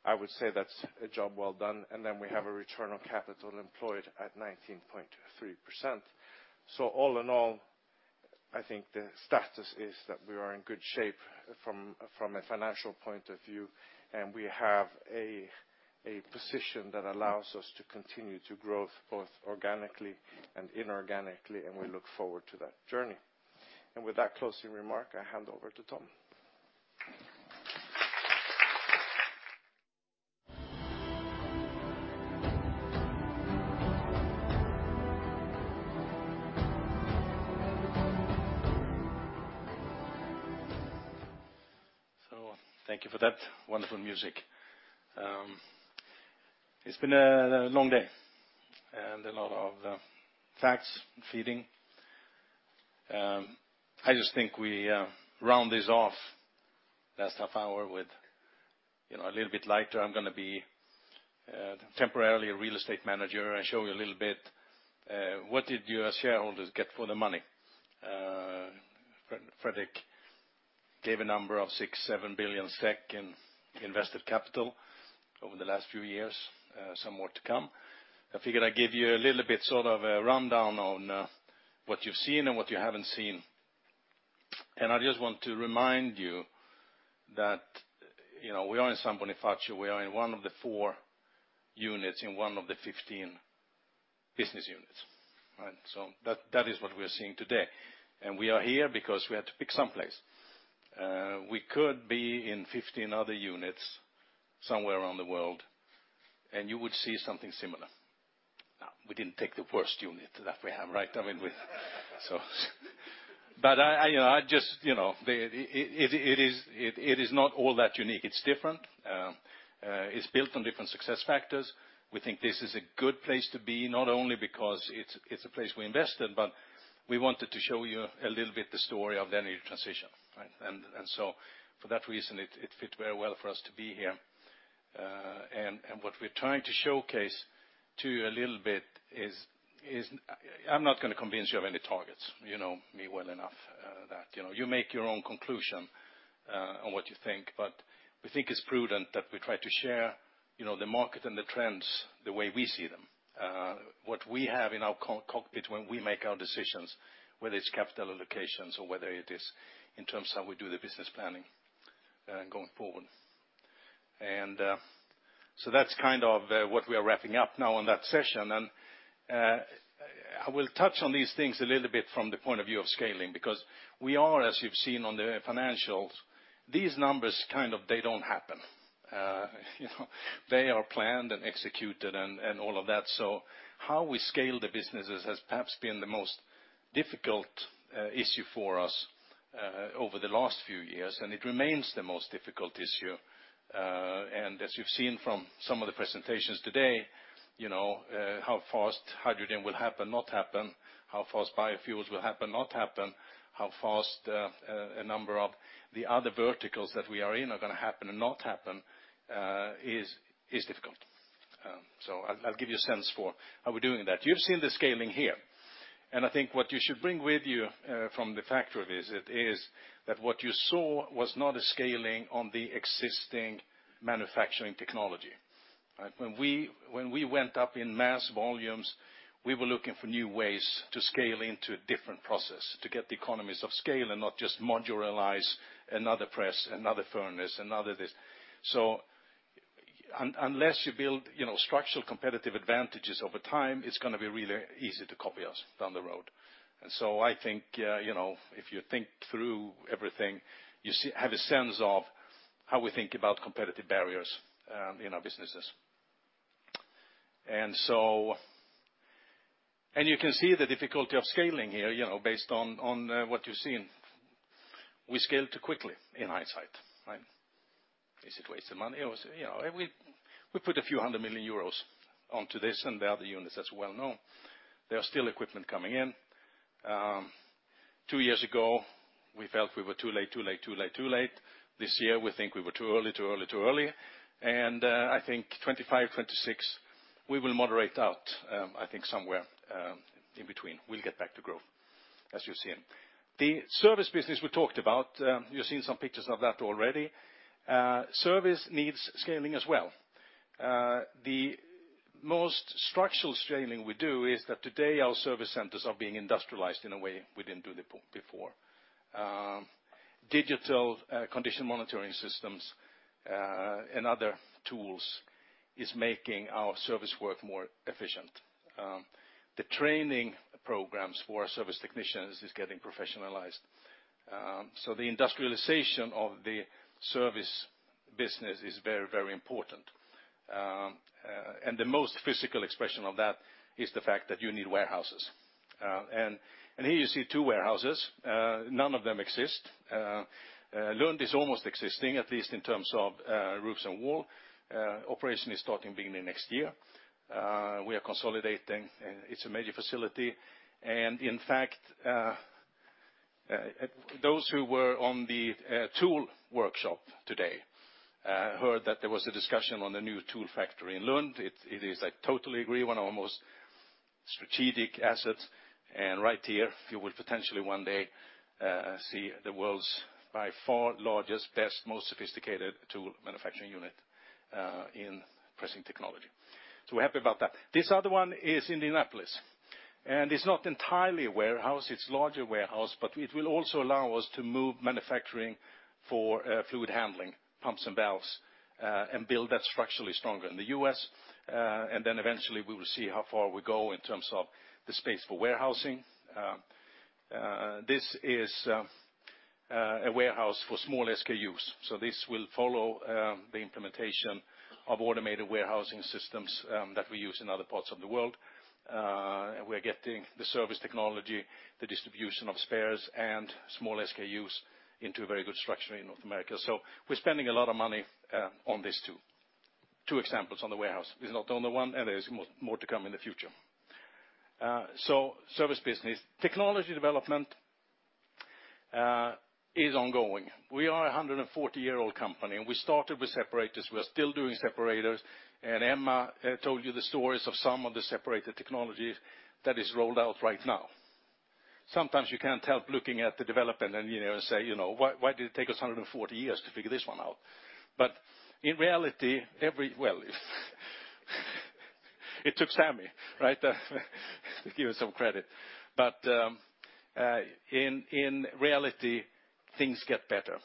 I would say that's a job well done. Then we have a return on capital employed at 19.3%. All in all, I think the status is that we are in good shape from a financial point of view, and we have a position that allows us to continue to grow both organically and inorganically, and we look forward to that journey. With that closing remark, I hand over to Tom. Thank you for that wonderful music. It's been a long day and a lot of facts feeding. I just think we round this off the last half hour with, you know, a little bit lighter. I'm gonna be temporarily a real estate manager and show you a little bit, what did you as shareholders get for the money? Fredrik gave a number of 6, 7 billion in invested capital over the last few years, some more to come. I figured I'd give you a little bit sort of a rundown on what you've seen and what you haven't seen. I just want to remind you that, you know, we are in San Bonifacio. We are in one of the four units, in one of the 15 business units, right? That is what we're seeing today, and we are here because we had to pick some place. We could be in 15 other units somewhere around the world, and you would see something similar. We didn't take the worst unit that we have, right? I mean, I just, you know, it is not all that unique. It's different. It's built on different success factors. We think this is a good place to be, not only because it's a place we invested, but we wanted to show you a little bit the story of the energy transition, right? For that reason, it fit very well for us to be here. What we're trying to showcase to you a little bit is I'm not gonna convince you of any targets. You know me well enough, that, you know. You make your own conclusion, on what you think. We think it's prudent that we try to share, you know, the market and the trends the way we see them. What we have in our co-cockpit when we make our decisions, whether it's capital allocations or whether it is in terms of how we do the business planning, going forward. That's kind of, what we are wrapping up now in that session. I will touch on these things a little bit from the point of view of scaling because we are, as you've seen on the financials, these numbers kind of, they don't happen. You know, they are planned and executed and all of that. How we scale the businesses has perhaps been the most difficult issue for us over the last few years, and it remains the most difficult issue. As you've seen from some of the presentations today, you know, how fast hydrogen will happen, not happen, how fast biofuels will happen, not happen, how fast a number of the other verticals that we are in are gonna happen and not happen is difficult. I'll give you a sense for how we're doing that. You've seen the scaling here, and I think what you should bring with you from the factory visit is that what you saw was not a scaling on the existing manufacturing technology, right? When we went up in mass volumes, we were looking for new ways to scale into a different process, to get the economies of scale and not just modularize another press, another furnace, another this. Unless you build, you know, structural competitive advantages over time, it's gonna be really easy to copy us down the road. I think, you know, if you think through everything, you see have a sense of how we think about competitive barriers in our businesses. You can see the difficulty of scaling here, you know, based on what you're seeing. We scaled too quickly in hindsight, right? Is it wasted money or is it You know, we put a few hundred million EUR onto this and the other units as well known. There are still equipment coming in. Two years ago, we felt we were too late. This year, we think we were too early. I think 2025, 2026, we will moderate out, I think somewhere in between. We'll get back to growth, as you've seen. The service business we talked about, you've seen some pictures of that already. Service needs scaling as well. The most structural scaling we do is that today our service centers are being industrialized in a way we didn't do before. Digital condition monitoring systems and other tools is making our service work more efficient. The training programs for our service technicians is getting professionalized. The industrialization of the service business is very, very important. The most physical expression of that is the fact that you need warehouses. And here you see two warehouses. None of them exist. Lund is almost existing, at least in terms of roofs and wall. Operation is starting beginning next year. We are consolidating, it's a major facility. In fact, those who were on the tool workshop today, heard that there was a discussion on the new tool factory in Lund. It is, I totally agree, one of almost strategic assets. Right here, you will potentially one day, see the world's by far largest, best, most sophisticated tool manufacturing unit in pressing technology. We're happy about that. This other one is Indianapolis, and it's not entirely a warehouse. It's larger warehouse, but it will also allow us to move manufacturing for fluid handling pumps and valves and build that structurally stronger in the U.S. Eventually we will see how far we go in terms of the space for warehousing. This is a warehouse for small SKUs. This will follow the implementation of automated warehousing systems that we use in other parts of the world. We're getting the service technology, the distribution of spares, and small SKUs into a very good structure in North America. We're spending a lot of money on these two examples on the warehouse. It's not the only one, and there's more to come in the future. Service business. Technology development is ongoing. We are a 140-year-old company, and we started with separators. We are still doing separators. Emma told you the stories of some of the separator technology that is rolled out right now. Sometimes you can't help looking at the development engineer and say, "You know, why did it take us 140 years to figure this one out?" In reality, Well, it took Sammy, right? Give you some credit. In reality, things get better.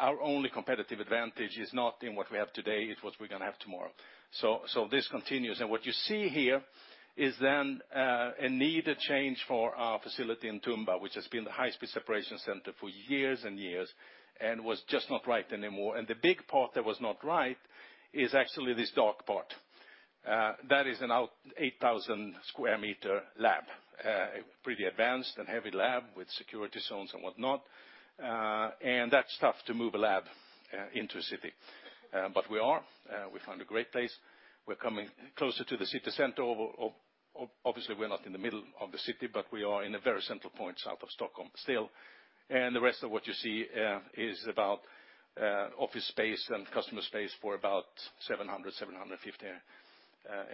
Our only competitive advantage is not in what we have today, it's what we're gonna have tomorrow. This continues. What you see here is then a needed change for our facility in Tumba, which has been the high-speed separation center for years and years, and was just not right anymore. The big part that was not right is actually this dark part. That is an 8,000 sq m lab, pretty advanced and heavy lab with security zones and whatnot. That's tough to move a lab into a city. We are. We found a great place. We're coming closer to the city center. Obviously, we're not in the middle of the city, we are in a very central point south of Stockholm still. The rest of what you see is about office space and customer space for about 700, 750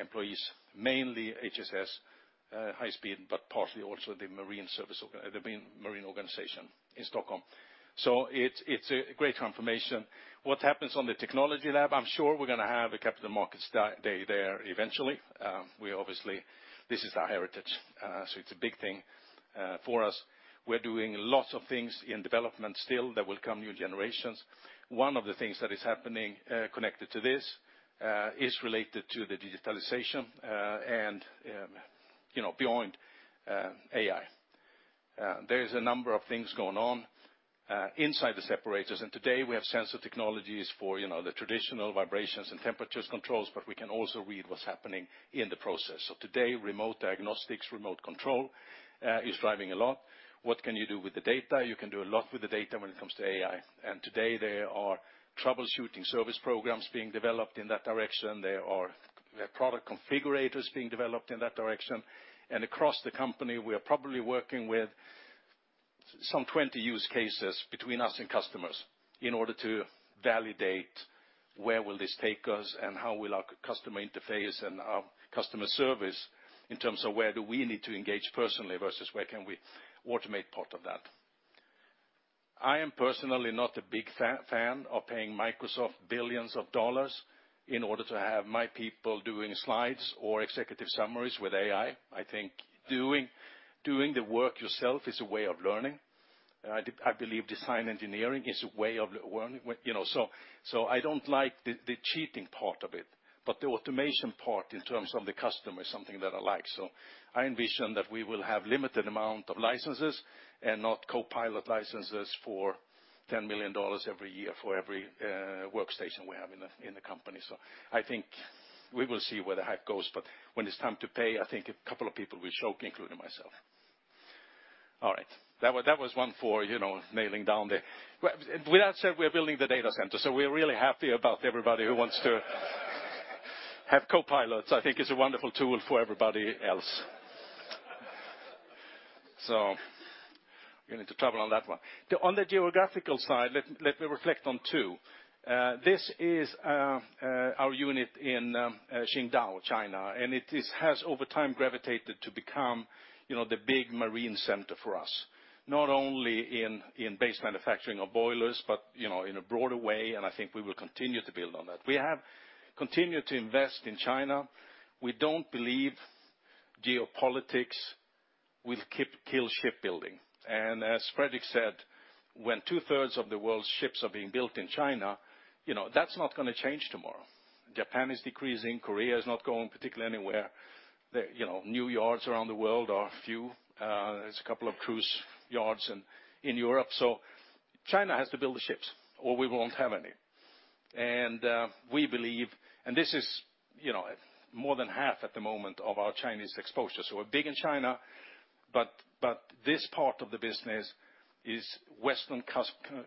employees, mainly HSS, High Speed, partly also the Marine organization in Stockholm. It's a great transformation. What happens on the technology lab, I'm sure we're gonna have a capital markets day there eventually. We obviously This is our heritage, so it's a big thing for us. We're doing lots of things in development still. There will come new generations. One of the things that is happening connected to this is related to the digitalization, and, you know, beyond AI. There is a number of things going on inside the separators. Today we have sensor technologies for, you know, the traditional vibrations and temperatures controls, but we can also read what's happening in the process. Today, remote diagnostics, remote control is driving a lot. What can you do with the data? You can do a lot with the data when it comes to AI. Today there are troubleshooting service programs being developed in that direction. There are product configurators being developed in that direction. Across the company, we are probably working with some 20 use cases between us and customers in order to validate where will this take us and how will our customer interface and our customer service in terms of where do we need to engage personally versus where can we automate part of that. I am personally not a big fan of paying Microsoft billions of dollars in order to have my people doing slides or executive summaries with AI. I think doing the work yourself is a way of learning. I believe design engineering is a way of learning. You know, so I don't like the cheating part of it, but the automation part in terms of the customer is something that I like. I envision that we will have limited amount of licenses and not Copilot licenses for $10 million every year for every workstation we have in the company. I think we will see where the hack goes. When it's time to pay, I think a couple of people will choke, including myself. All right. That was one for, you know. With that said, we are building the data center, so we're really happy about everybody who wants to have Copilots. I think it's a wonderful tool for everybody else. We're gonna need to travel on that one. On the geographical side, let me reflect on two. This is our unit in Qingdao, China, and it has over time gravitated to become, you know, the big marine center for us, not only in base manufacturing of boilers, but, you know, in a broader way, and I think we will continue to build on that. We have continued to invest in China. We don't believe geopolitics will kill shipbuilding. As Fredrik said, when two-thirds of the world's ships are being built in China, you know, that's not gonna change tomorrow. Japan is decreasing. Korea is not going particularly anywhere. The, you know, new yards around the world are few. There's a couple of cruise yards in Europe. China has to build the ships, or we won't have any. We believe this is, you know, more than half at the moment of our Chinese exposure. We're big in China, but this part of the business is Western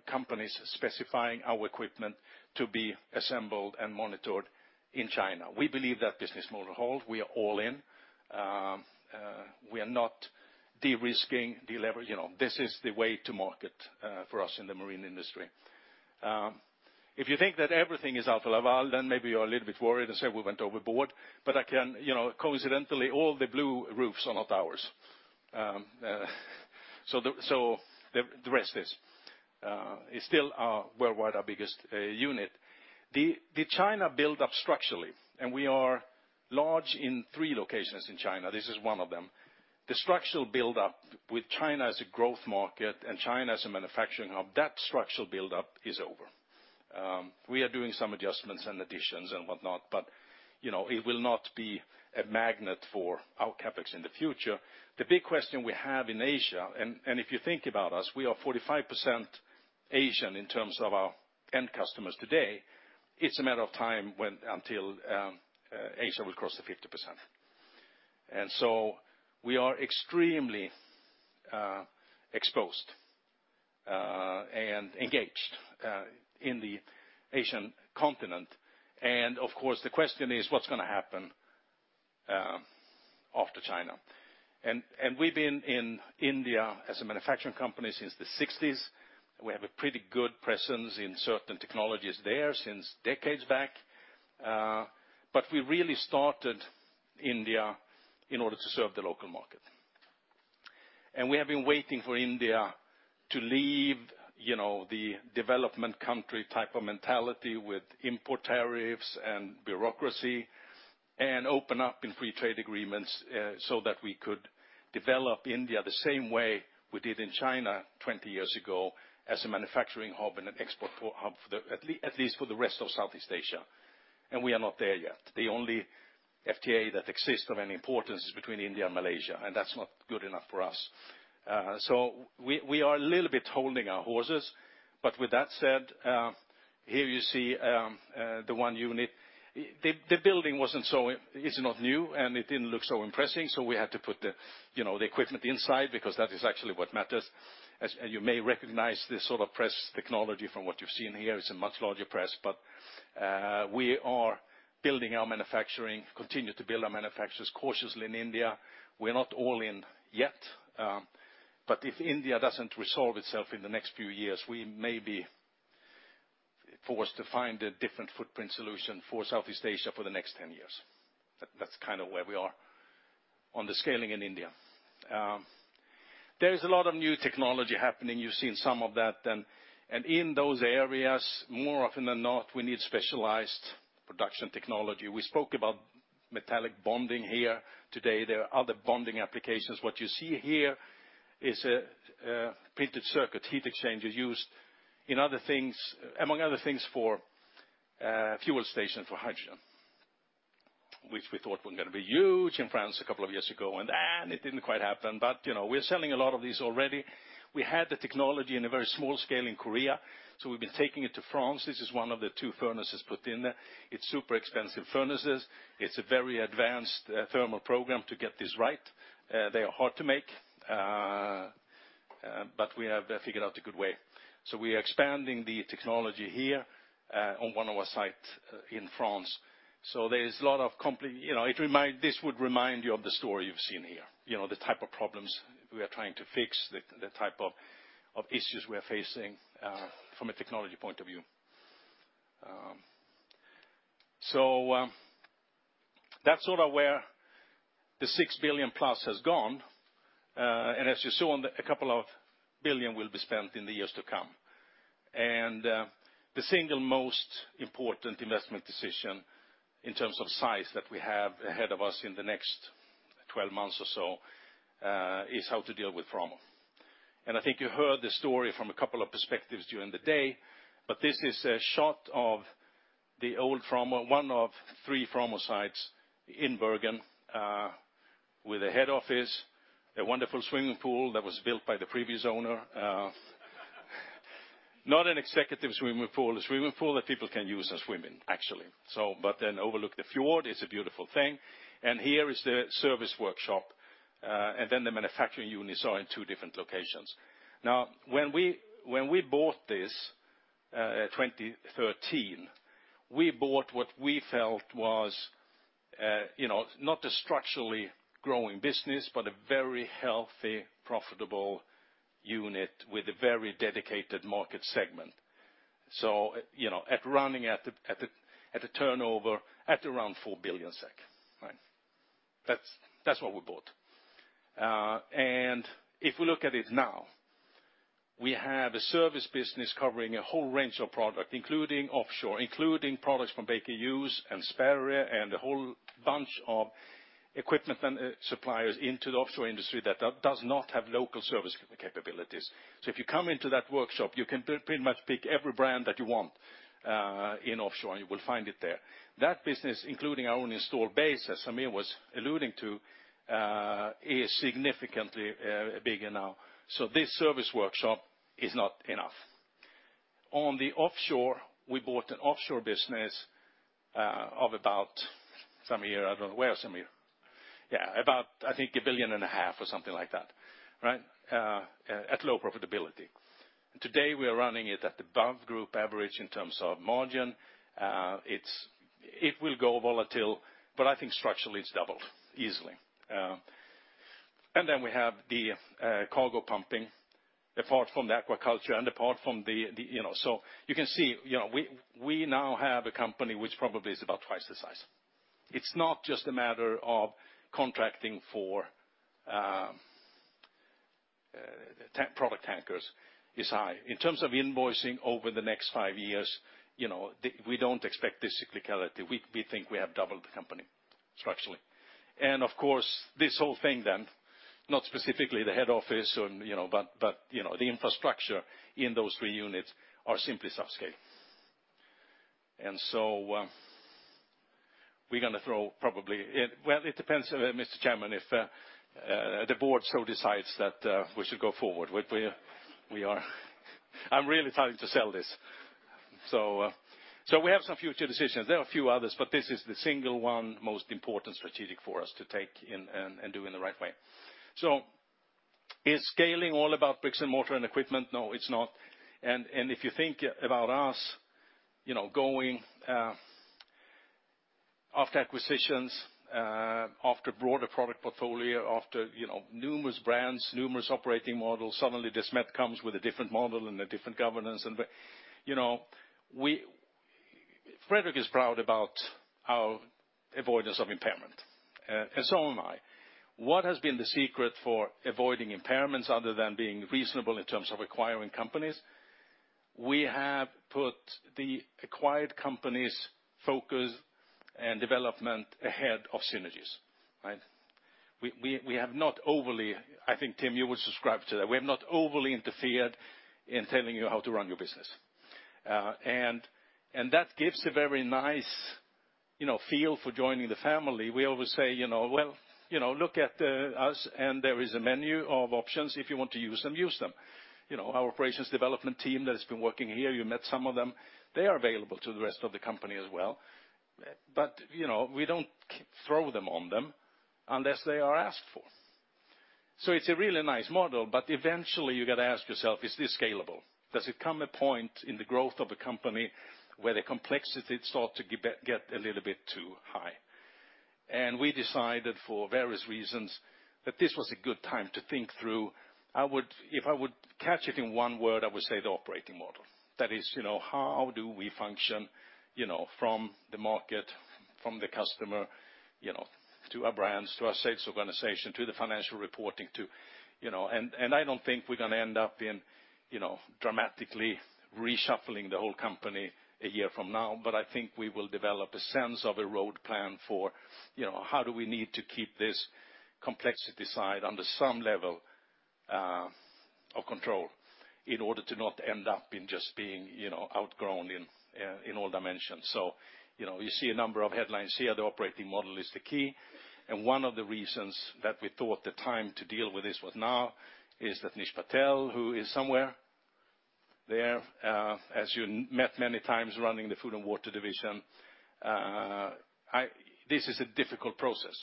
companies specifying our equipment to be assembled and monitored in China. We believe that business model will hold. We are all in. We are not de-risking, you know, this is the way to market for us in the marine industry. If you think that everything is Alfa Laval, then maybe you're a little bit worried and say we went overboard. You know, coincidentally, all the blue roofs are not ours. The rest is. It's still our, worldwide our biggest unit. The China buildup structurally, and we are large in three locations in China. This is one of them. The structural buildup with China as a growth market and China as a manufacturing hub, that structural buildup is over. We are doing some adjustments and additions and whatnot, but, you know, it will not be a magnet for our CapEx in the future. The big question we have in Asia, if you think about us, we are 45% Asian in terms of our end customers today. It's a matter of time when until Asia will cross the 50%. We are extremely exposed and engaged in the Asian continent. Of course, the question is what's gonna happen after China? We've been in India as a manufacturing company since the 1960s. We have a pretty good presence in certain technologies there since decades back. We really started India in order to serve the local market. We have been waiting for India to leave, you know, the development country type of mentality with import tariffs and bureaucracy and open up in free trade agreements, so that we could develop India the same way we did in China 20 years ago as a manufacturing hub and an export hub for at least for the rest of Southeast Asia. We are not there yet. The only FTA that exists of any importance is between India and Malaysia, and that's not good enough for us. We, we are a little bit holding our horses, but with that said, here you see, the one unit. The building wasn't so. It's not new, and it didn't look so impressive, we had to put the, you know, the equipment inside because that is actually what matters. You may recognize this sort of press technology from what you've seen here. It's a much larger press, we are building our manufacturing, continue to build our manufacturing cautiously in India. We're not all in yet, if India doesn't resolve itself in the next few years, we may be forced to find a different footprint solution for Southeast Asia for the next 10 years. That's kind of where we are on the scaling in India. There is a lot of new technology happening. You've seen some of that then. In those areas, more often than not, we need specialized production technology. We spoke about metallic bonding here today. There are other bonding applications. What you see here is a printed circuit heat exchanger used in other things, among other things, for fuel station for hydrogen, which we thought were gonna be huge in France a couple of years ago, it didn't quite happen. You know, we're selling a lot of these already. We had the technology in a very small scale in Korea, we've been taking it to France. This is one of the two furnaces put in there. It's super expensive furnaces. It's a very advanced thermal program to get this right. They are hard to make, but we have figured out a good way. We are expanding the technology here on one of our site in France. There is a lot of You know, this would remind you of the story you've seen here. You know, the type of problems we are trying to fix, the type of issues we are facing from a technology point of view. That's sort of where the 6 billion plus has gone, and as you saw a couple of billion SEK will be spent in the years to come. The single most important investment decision in terms of size that we have ahead of us in the next 12 months or so, is how to deal with Framo. I think you heard the story from a couple of perspectives during the day, this is a shot of the old Framo, one of three Framo sites in Bergen, with a head office, a wonderful swimming pool that was built by the previous owner. Not an executive swimming pool. A swimming pool that people can use as swimming, actually. Overlook the fjord. It's a beautiful thing. Here is the service workshop, the manufacturing units are in two different locations. When we bought this in 2013, we bought what we felt was, you know, not a structurally growing business, a very healthy, profitable unit with a very dedicated market segment. You know, at running at a turnover at around 4 billion SEK, right? That's what we bought. If we look at it now, we have a service business covering a whole range of product, including offshore, including products from Baker Hughes and Sperry and a whole bunch of equipment and suppliers into the offshore industry that does not have local service capabilities. If you come into that workshop, you can pretty much pick every brand that you want in offshore, and you will find it there. That business, including our own installed base, as Samir was alluding to, is significantly bigger now. This service workshop is not enough. On the offshore, we bought an offshore business of about, Samir, I don't know. Where is Samir? Yeah, about, I think, 1.5 billion or something like that, right? At low profitability. Today, we are running it at above group average in terms of margin. It will go volatile, but I think structurally it's doubled easily. Then we have the cargo pumping, apart from the aquaculture and apart from the, you know. You can see, you know, we now have a company which probably is about twice the size. It's not just a matter of contracting for product tankers is high. In terms of invoicing over the next five years, you know, we don't expect this cyclicality. We think we have doubled the company. Structurally. Of course, this whole thing then, not specifically the head office or, you know, but, you know, the infrastructure in those three units are simply subscale. Well, it depends, Mr. Chairman, if the board decides that we should go forward. I'm really trying to sell this. We have some future decisions. There are a few others, but this is the single one most important strategic for us to take and do in the right way. Is scaling all about bricks and mortar and equipment? No, it's not. If you think about us, you know, going after acquisitions, after broader product portfolio, after, you know, numerous brands, numerous operating models, suddenly Desmet comes with a different model and a different governance. You know, we Fredrik is proud about our avoidance of impairment, and so am I. What has been the secret for avoiding impairments other than being reasonable in terms of acquiring companies? We have put the acquired company's focus and development ahead of synergies, right? We have not overly I think, Tim, you would subscribe to that. We have not overly interfered in telling you how to run your business. That gives a very nice, you know, feel for joining the family. We always say, you know, "Well, you know, look at us, and there is a menu of options. If you want to use them, use them." You know, our operations development team that has been working here, you met some of them, they are available to the rest of the company as well. You know, we don't throw them on them unless they are asked for. It's a really nice model, but eventually you gotta ask yourself, "Is this scalable? Does it come a point in the growth of a company where the complexity start to get a little bit too high?" We decided for various reasons that this was a good time to think through. If I would catch it in one word, I would say the operating model. That is, you know, how do we function, you know, from the market, from the customer, you know, to our brands, to our sales organization, to the financial reporting. I don't think we're gonna end up in, you know, dramatically reshuffling the whole company a year from now, but I think we will develop a sense of a road plan for, you know, how do we need to keep this complexity side under some level of control in order to not end up in just being, you know, outgrown in all dimensions. You know, you see a number of headlines here, the operating model is the key. One of the reasons that we thought the time to deal with this was now is that Nish Patel, who is somewhere there, as you met many times running the Food & Water division. This is a difficult process,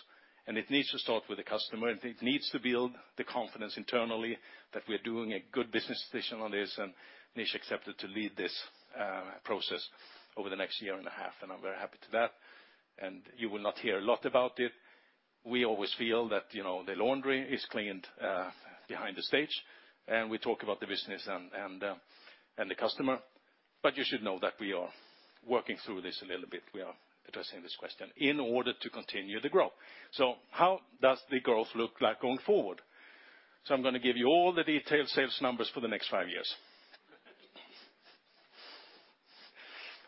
and it needs to start with the customer, and it needs to build the confidence internally that we're doing a good business decision on this. Nish accepted to lead this process over the next year and a half, and I'm very happy to that. You will not hear a lot about it. We always feel that, you know, the laundry is cleaned behind the stage, and we talk about the business and, and the customer. You should know that we are working through this a little bit. We are addressing this question in order to continue the growth. How does the growth look like going forward? I'm going to give you all the detailed sales numbers for the next five years.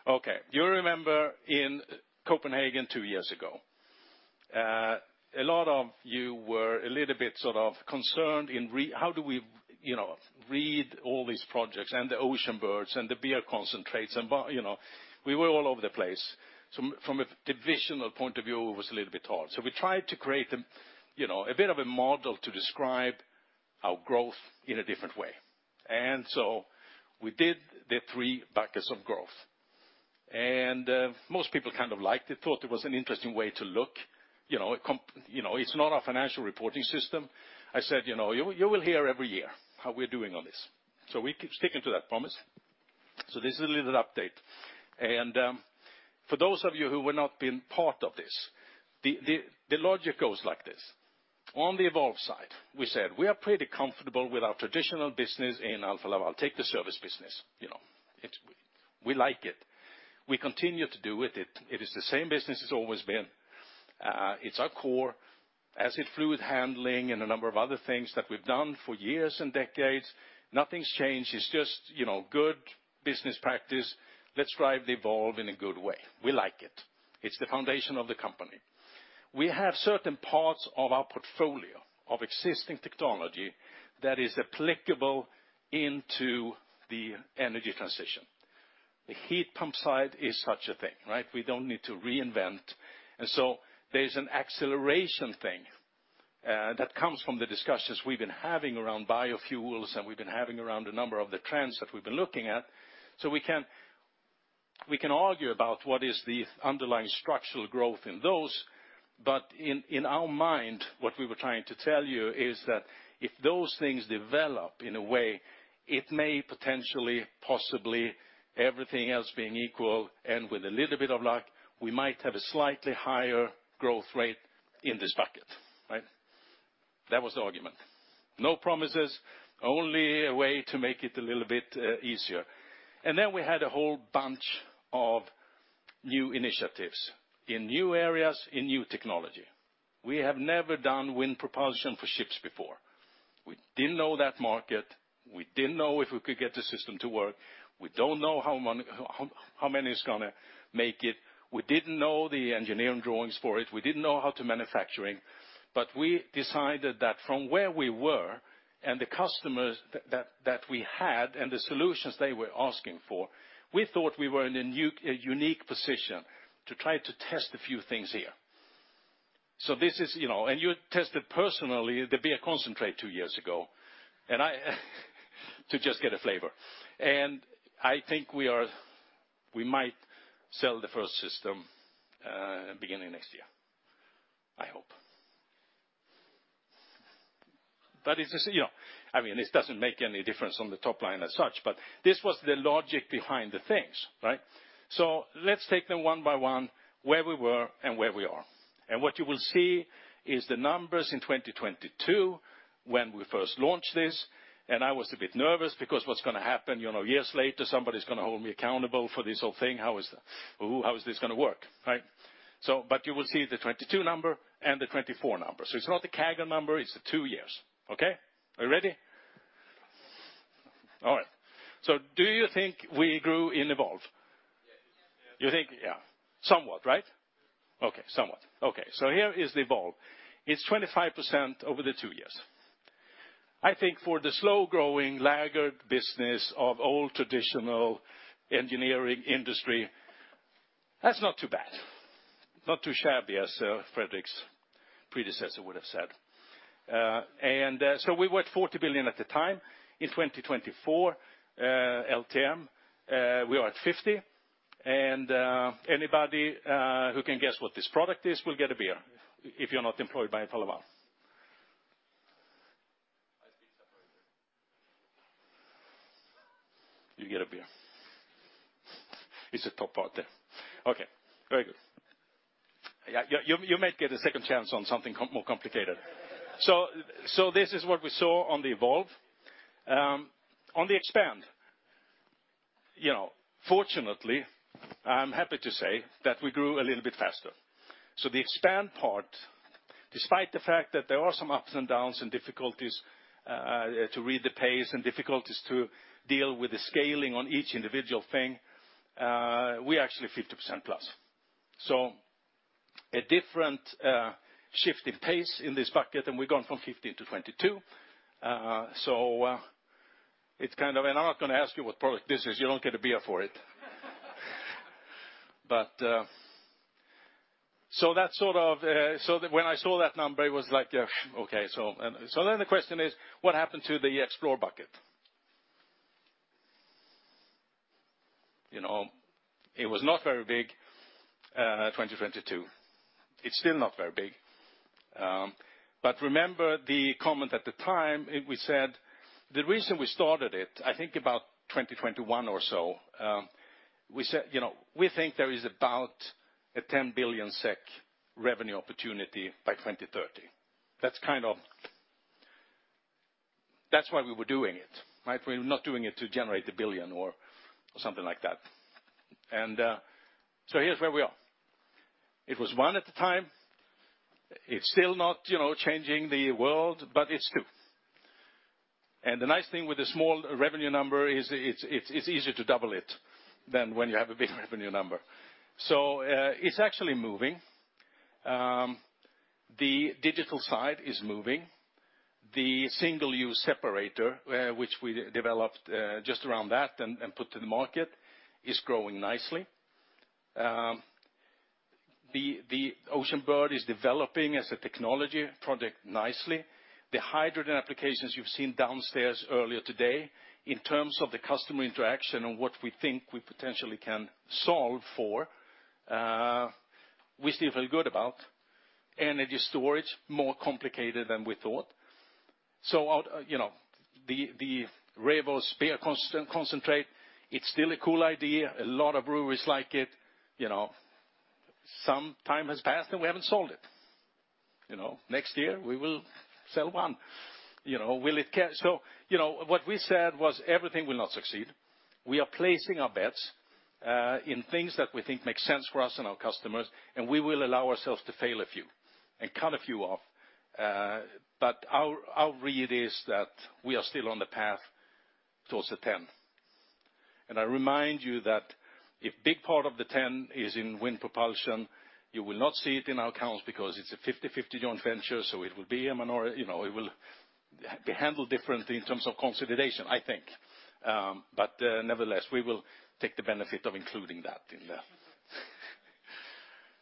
Okay. Do you remember in Copenhagen two years ago? A lot of you were a little bit sort of concerned how do we, you know, read all these projects and the Oceanbird and the beer concentrates and You know. We were all over the place. From a divisional point of view, it was a little bit hard. We tried to create a, you know, a bit of a model to describe our growth in a different way. We did the three buckets of growth. Most people kind of liked it, thought it was an interesting way to look. You know, You know, it's not our financial reporting system. I said, you know, "You will hear every year how we're doing on this." We keep sticking to that promise. This is a little update. For those of you who were not been part of this, the logic goes like this. On the evolve side, we said we are pretty comfortable with our traditional business in Alfa Laval. Take the service business, you know. We like it. We continue to do with it. It is the same business it's always been. It's our core, as is fluid handling and a number of other things that we've done for years and decades. Nothing's changed. It's just, you know, good business practice. Let's drive the evolve in a good way. We like it. It's the foundation of the company. We have certain parts of our portfolio of existing technology that is applicable into the energy transition. The heat pump side is such a thing, right? We don't need to reinvent. There's an acceleration thing that comes from the discussions we've been having around biofuels and we've been having around a number of the trends that we've been looking at. We can argue about what is the underlying structural growth in those. In our mind, what we were trying to tell you is that if those things develop in a way, it may potentially, possibly, everything else being equal and with a little bit of luck, we might have a slightly higher growth rate in this bucket, right? That was the argument. No promises, only a way to make it a little bit easier. Then we had a whole bunch of new initiatives in new areas, in new technologies. We have never done wind propulsion for ships before. We didn't know that market. We didn't know if we could get the system to work. We don't know how many is gonna make it. We didn't know the engineering drawings for it. We didn't know how to manufacture. We decided that from where we were and the customers that we had and the solutions they were asking for, we thought we were in a unique position to try to test a few things here. This is, you know. You tested personally the beer concentrate two years ago to just get a flavor. I think we might sell the first system beginning of next year, I hope. It's, you know, I mean, this doesn't make any difference on the top line as such, but this was the logic behind the things, right? Let's take them one by one, where we were and where we are. What you will see is the numbers in 2022 when we first launched this, and I was a bit nervous because what's gonna happen, you know, years later, somebody's gonna hold me accountable for this whole thing. How is this gonna work, right? You will see the 2022 number and the 2024 number. It's not a CAGR number, it's a two years. Okay? Are you ready? All right. Do you think we grew in evolve? Yes. You think, yeah. Somewhat, right? Okay, somewhat. Here is the evolve. It's 25% over the two years. I think for the slow-growing laggard business of old traditional engineering industry, that's not too bad. Not too shabby, as Fredrik's predecessor would have said. We were at 40 billion at the time. In 2024, LTM, we are at 50 billion. Anybody who can guess what this product is will get a beer if you're not employed by ABB. You get a beer. It's the top part there. Okay, very good. Yeah, you might get a second chance on something more complicated. This is what we saw on the evolve. On the expand, you know, fortunately, I'm happy to say that we grew a little bit faster. The expand part, despite the fact that there are some ups and downs and difficulties to read the pace and difficulties to deal with the scaling on each individual thing, we're actually 50%+. A different shift in pace in this bucket, and we've gone from 15 to 22. I'm not gonna ask you what product this is. You don't get a beer for it. When I saw that number, it was like, yeah, okay. The question is, what happened to the explore bucket? You know, it was not very big, 2022. It's still not very big. Remember the comment at the time, we said, the reason we started it, I think about 2021 or so, we said, you know, we think there is about a 10 billion SEK revenue opportunity by 2030. That's why we were doing it, right? We're not doing it to generate 1 billion or something like that. Here's where we are. It was 1 at the time. It's still not, you know, changing the world, but it's two. The nice thing with a small revenue number is it's easier to double it than when you have a big revenue number. It's actually moving. The digital side is moving. The single-use separator, which we developed just around that and put to the market, is growing nicely. The Oceanbird is developing as a technology project nicely. The hydrogen applications you've seen downstairs earlier today, in terms of the customer interaction and what we think we potentially can solve for, we still feel good about. Energy storage, more complicated than we thought. Out, you know, the Revos beer concentrate, it's still a cool idea. A lot of breweries like it. You know, some time has passed, and we haven't sold it. You know, next year, we will sell one. You know, what we said was everything will not succeed. We are placing our bets in things that we think make sense for us and our customers, and we will allow ourselves to fail a few and cut a few off. Our, our read is that we are still on the path towards the 10. I remind you that if big part of the 10 is in wind propulsion, you will not see it in our accounts because it's a 50/50 joint venture, so it will be a minor You know, it will be handled differently in terms of consolidation, I think. Nevertheless, we will take the benefit of including that in the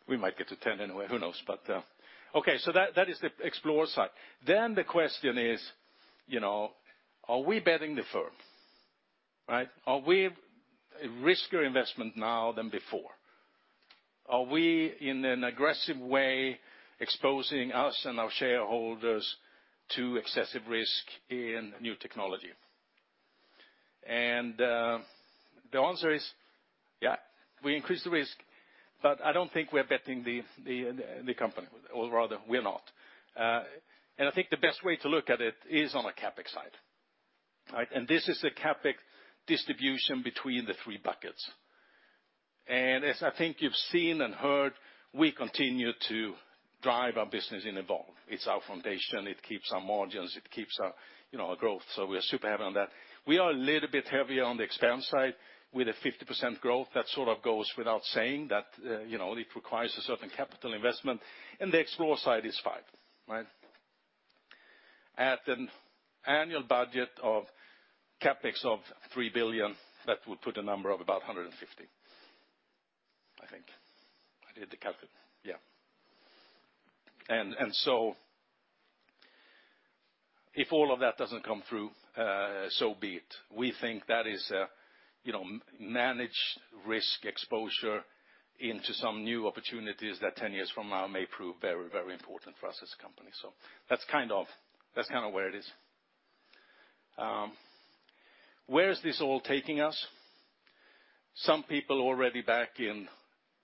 We might get to 10 anyway, who knows? Okay, that is the explore side. The question is, you know, are we betting the firm, right? Are we a riskier investment now than before? Are we in an aggressive way exposing us and our shareholders to excessive risk in new technology? The answer is, yeah, we increase the risk, but I don't think we're betting the company, or rather, we're not. I think the best way to look at it is on a CapEx side, right? This is a CapEx distribution between the three buckets. As I think you've seen and heard, we continue to drive our business and evolve. It's our foundation. It keeps our margins, it keeps our, you know, our growth. We are super happy on that. We are a little bit heavier on the expense side with a 50% growth. That sort of goes without saying that, you know, it requires a certain capital investment, and the explore side is five, right? At an annual budget of CapEx of 3 billion, that would put a number of about 150, I think. I did the calculate, yeah. If all of that doesn't come through, so be it. We think that is a, you know, manage risk exposure into some new opportunities that 10 years from now may prove very, very important for us as a company. That's kind of where it is. Where is this all taking us? Some people already back in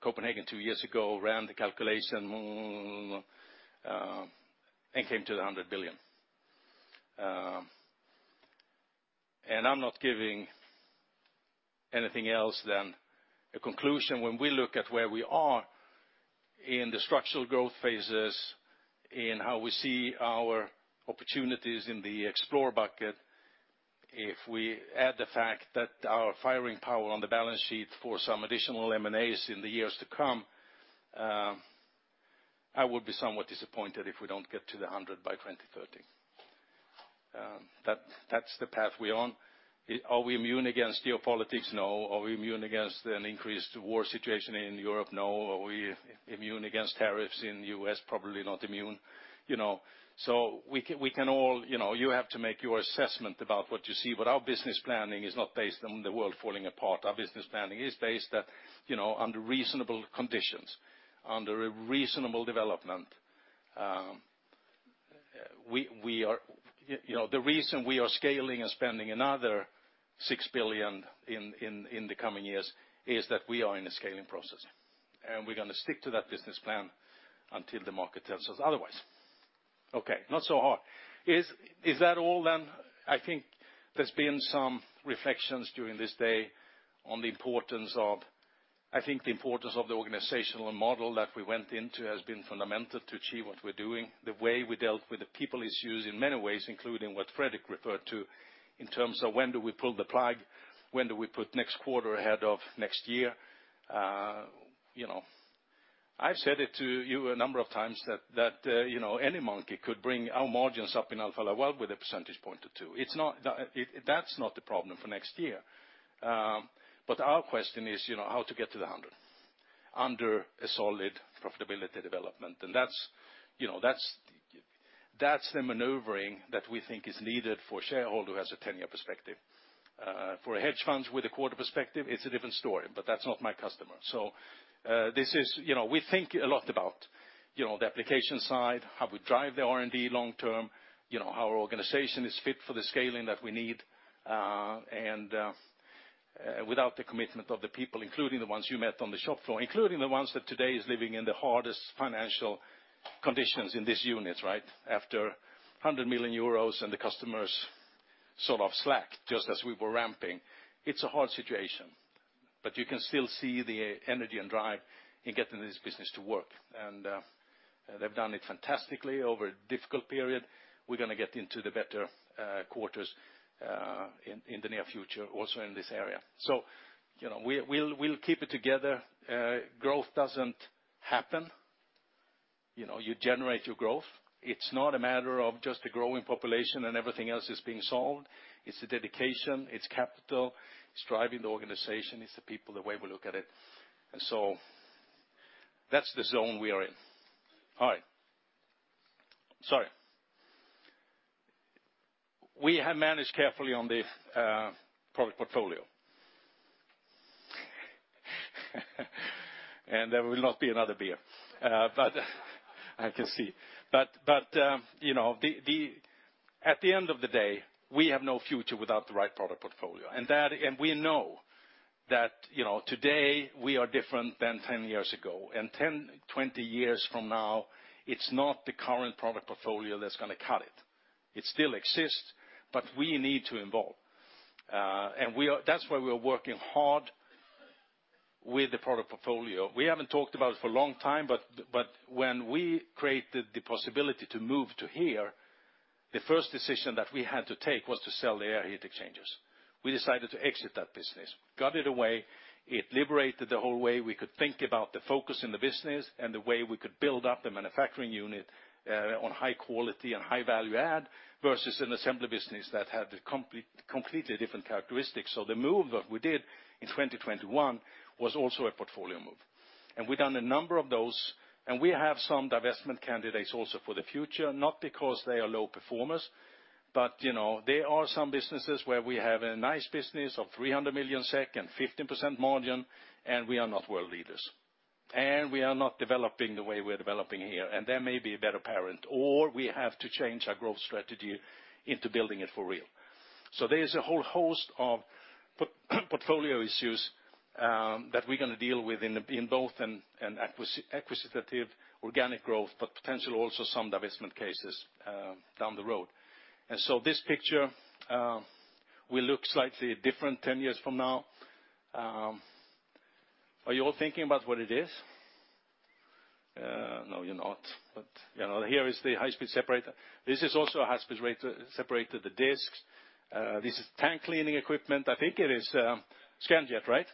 Copenhagen two years ago ran the calculation, came to SEK 100 billion. I'm not giving anything else than a conclusion when we look at where we are in the structural growth phases, in how we see our opportunities in the explore bucket. If we add the fact that our firing power on the balance sheet for some additional M&As in the years to come, I would be somewhat disappointed if we don't get to 100 by 2030. That's the path we're on. Are we immune against geopolitics? No. Are we immune against an increased war situation in Europe? No. Are we immune against tariffs in U.S.? Probably not immune. You know, we can all, you know, you have to make your assessment about what you see, but our business planning is not based on the world falling apart. Our business planning is based, you know, under reasonable conditions, under a reasonable development. We are, you know, the reason we are scaling and spending another 6 billion in the coming years is that we are in a scaling process, and we're gonna stick to that business plan until the market tells us otherwise. Not so hard. Is that all then? I think there's been some reflections during this day on the importance of the organizational model that we went into has been fundamental to achieve what we're doing. The way we dealt with the people issues in many ways, including what Fredrik referred to in terms of when do we pull the plug? When do we put next quarter ahead of next year? You know, I've said it to you a number of times that, you know, any monkey could bring our margins up in Alfa Laval with a percentage point or two. That's not the problem for next year. Our question is, you know, how to get to the 100 under a solid profitability development. That's, you know, that's the maneuvering that we think is needed for shareholder who has a 10-year perspective. For a hedge fund with a quarter perspective, it's a different story, but that's not my customer. This is, you know, we think a lot about, you know, the application side, how we drive the R&D long term, you know, how our organization is fit for the scaling that we need, and without the commitment of the people, including the ones you met on the shop floor, including the ones that today is living in the hardest financial conditions in this unit, right? After 100 million euros and the customers sort of slack just as we were ramping. It's a hard situation, you can still see the energy and drive in getting this business to work. They've done it fantastically over a difficult period. We're gonna get into the better quarters in the near future, also in this area. You know, we'll keep it together. Growth doesn't happen. You know, you generate your growth. It's not a matter of just a growing population and everything else is being solved. It's the dedication, it's capital, it's driving the organization, it's the people, the way we look at it. That's the zone we are in. All right. Sorry. We have managed carefully on the product portfolio. There will not be another beer. I can see. You know, at the end of the day, we have no future without the right product portfolio. We know that, you know, today we are different than 10 years ago. 10, 20 years from now, it's not the current product portfolio that's gonna cut it. It still exists, but we need to evolve. That's why we are working hard with the product portfolio. We haven't talked about it for a long time, but when we created the possibility to move to here, the first decision that we had to take was to sell the air heat exchangers. We decided to exit that business, got it away. It liberated the whole way we could think about the focus in the business and the way we could build up the manufacturing unit on high quality and high value add versus an assembly business that had completely different characteristics. The move that we did in 2021 was also a portfolio move. We've done a number of those, and we have some divestment candidates also for the future, not because they are low performers, but, you know, there are some businesses where we have a nice business of 300 million SEK and 15% margin, and we are not world leaders. We are not developing the way we're developing here. There may be a better parent, or we have to change our growth strategy into building it for real. There's a whole host of portfolio issues that we're going to deal with in both an acquisitive organic growth, but potentially also some divestment cases down the road. This picture will look slightly different 10 years from now. Are you all thinking about what it is? No, you're not. You know, here is the High Speed Separator. This is also a high-speed rate separator, the disks. This is tank cleaning equipment. I think it is Scanjet, right?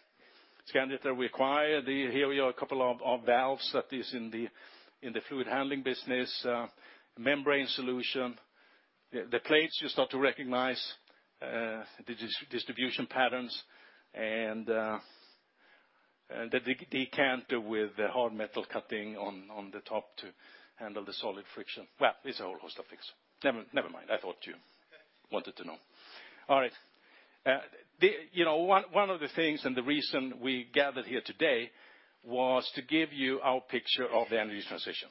Scanjet that we acquired. Here we are a couple of valves that is in the fluid handling business. Membrane solution. The plates you start to recognize, the distribution patterns and the decanter with the hard metal cutting on the top to handle the solid friction. Well, it's a whole host of things. Never mind. I thought you wanted to know. All right. You know, one of the things and the reason we gathered here today was to give you our picture of the energy transition.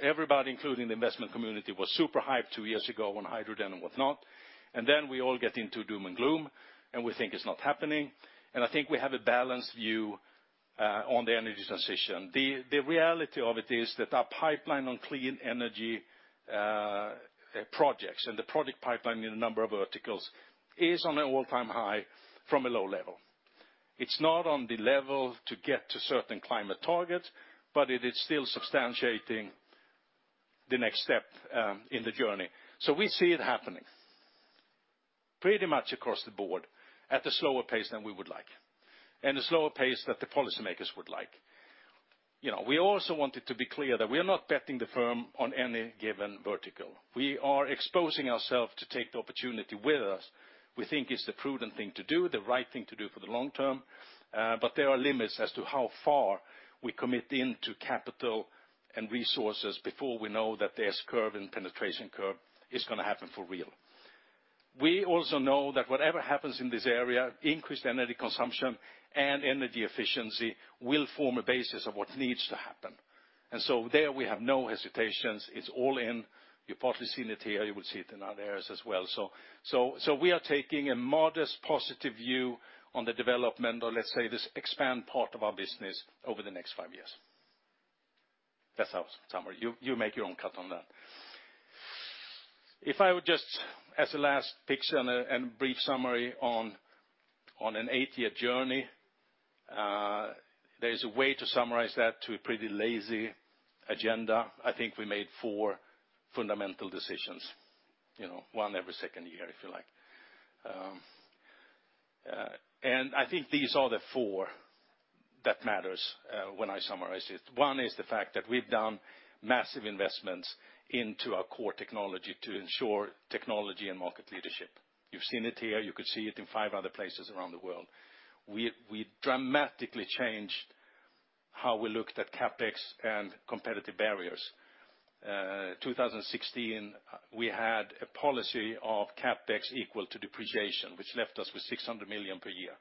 Everybody, including the investment community, was super hyped two years ago on hydrogen and whatnot. We all get into doom and gloom, and we think it's not happening. I think we have a balanced view on the energy transition. The reality of it is that our pipeline on clean energy projects and the project pipeline in a number of verticals is on an all-time high from a low level. It's not on the level to get to certain climate targets, but it is still substantiating the next step in the journey. We see it happening pretty much across the board at a slower pace than we would like, and a slower pace that the policymakers would like. You know, we also wanted to be clear that we are not betting the firm on any given vertical. We are exposing ourselves to take the opportunity where us we think is the prudent thing to do, the right thing to do for the long term. But there are limits as to how far we commit into capital and resources before we know that there's curve and penetration curve is going to happen for real. We also know that whatever happens in this area, increased energy consumption and energy efficiency will form a basis of what needs to happen. There we have no hesitations. It's all in. You've partly seen it here. You will see it in other areas as well. So we are taking a modest positive view on the development or let's say this expand part of our business over the next five years. That's how to summarize. You make your own cut on that. If I would just as a last picture and a brief summary on an eight-year journey, there's a way to summarize that to a pretty lazy agenda. I think we made four fundamental decisions. You know, one every second year, if you like. I think these are the four that matters, when I summarize it. One is the fact that we've done massive investments into our core technology to ensure technology and market leadership. You've seen it here. You could see it in five other places around the world. We dramatically changed how we looked at CapEx and competitive barriers. 2016, we had a policy of CapEx equal to depreciation, which left us with 600 million per year.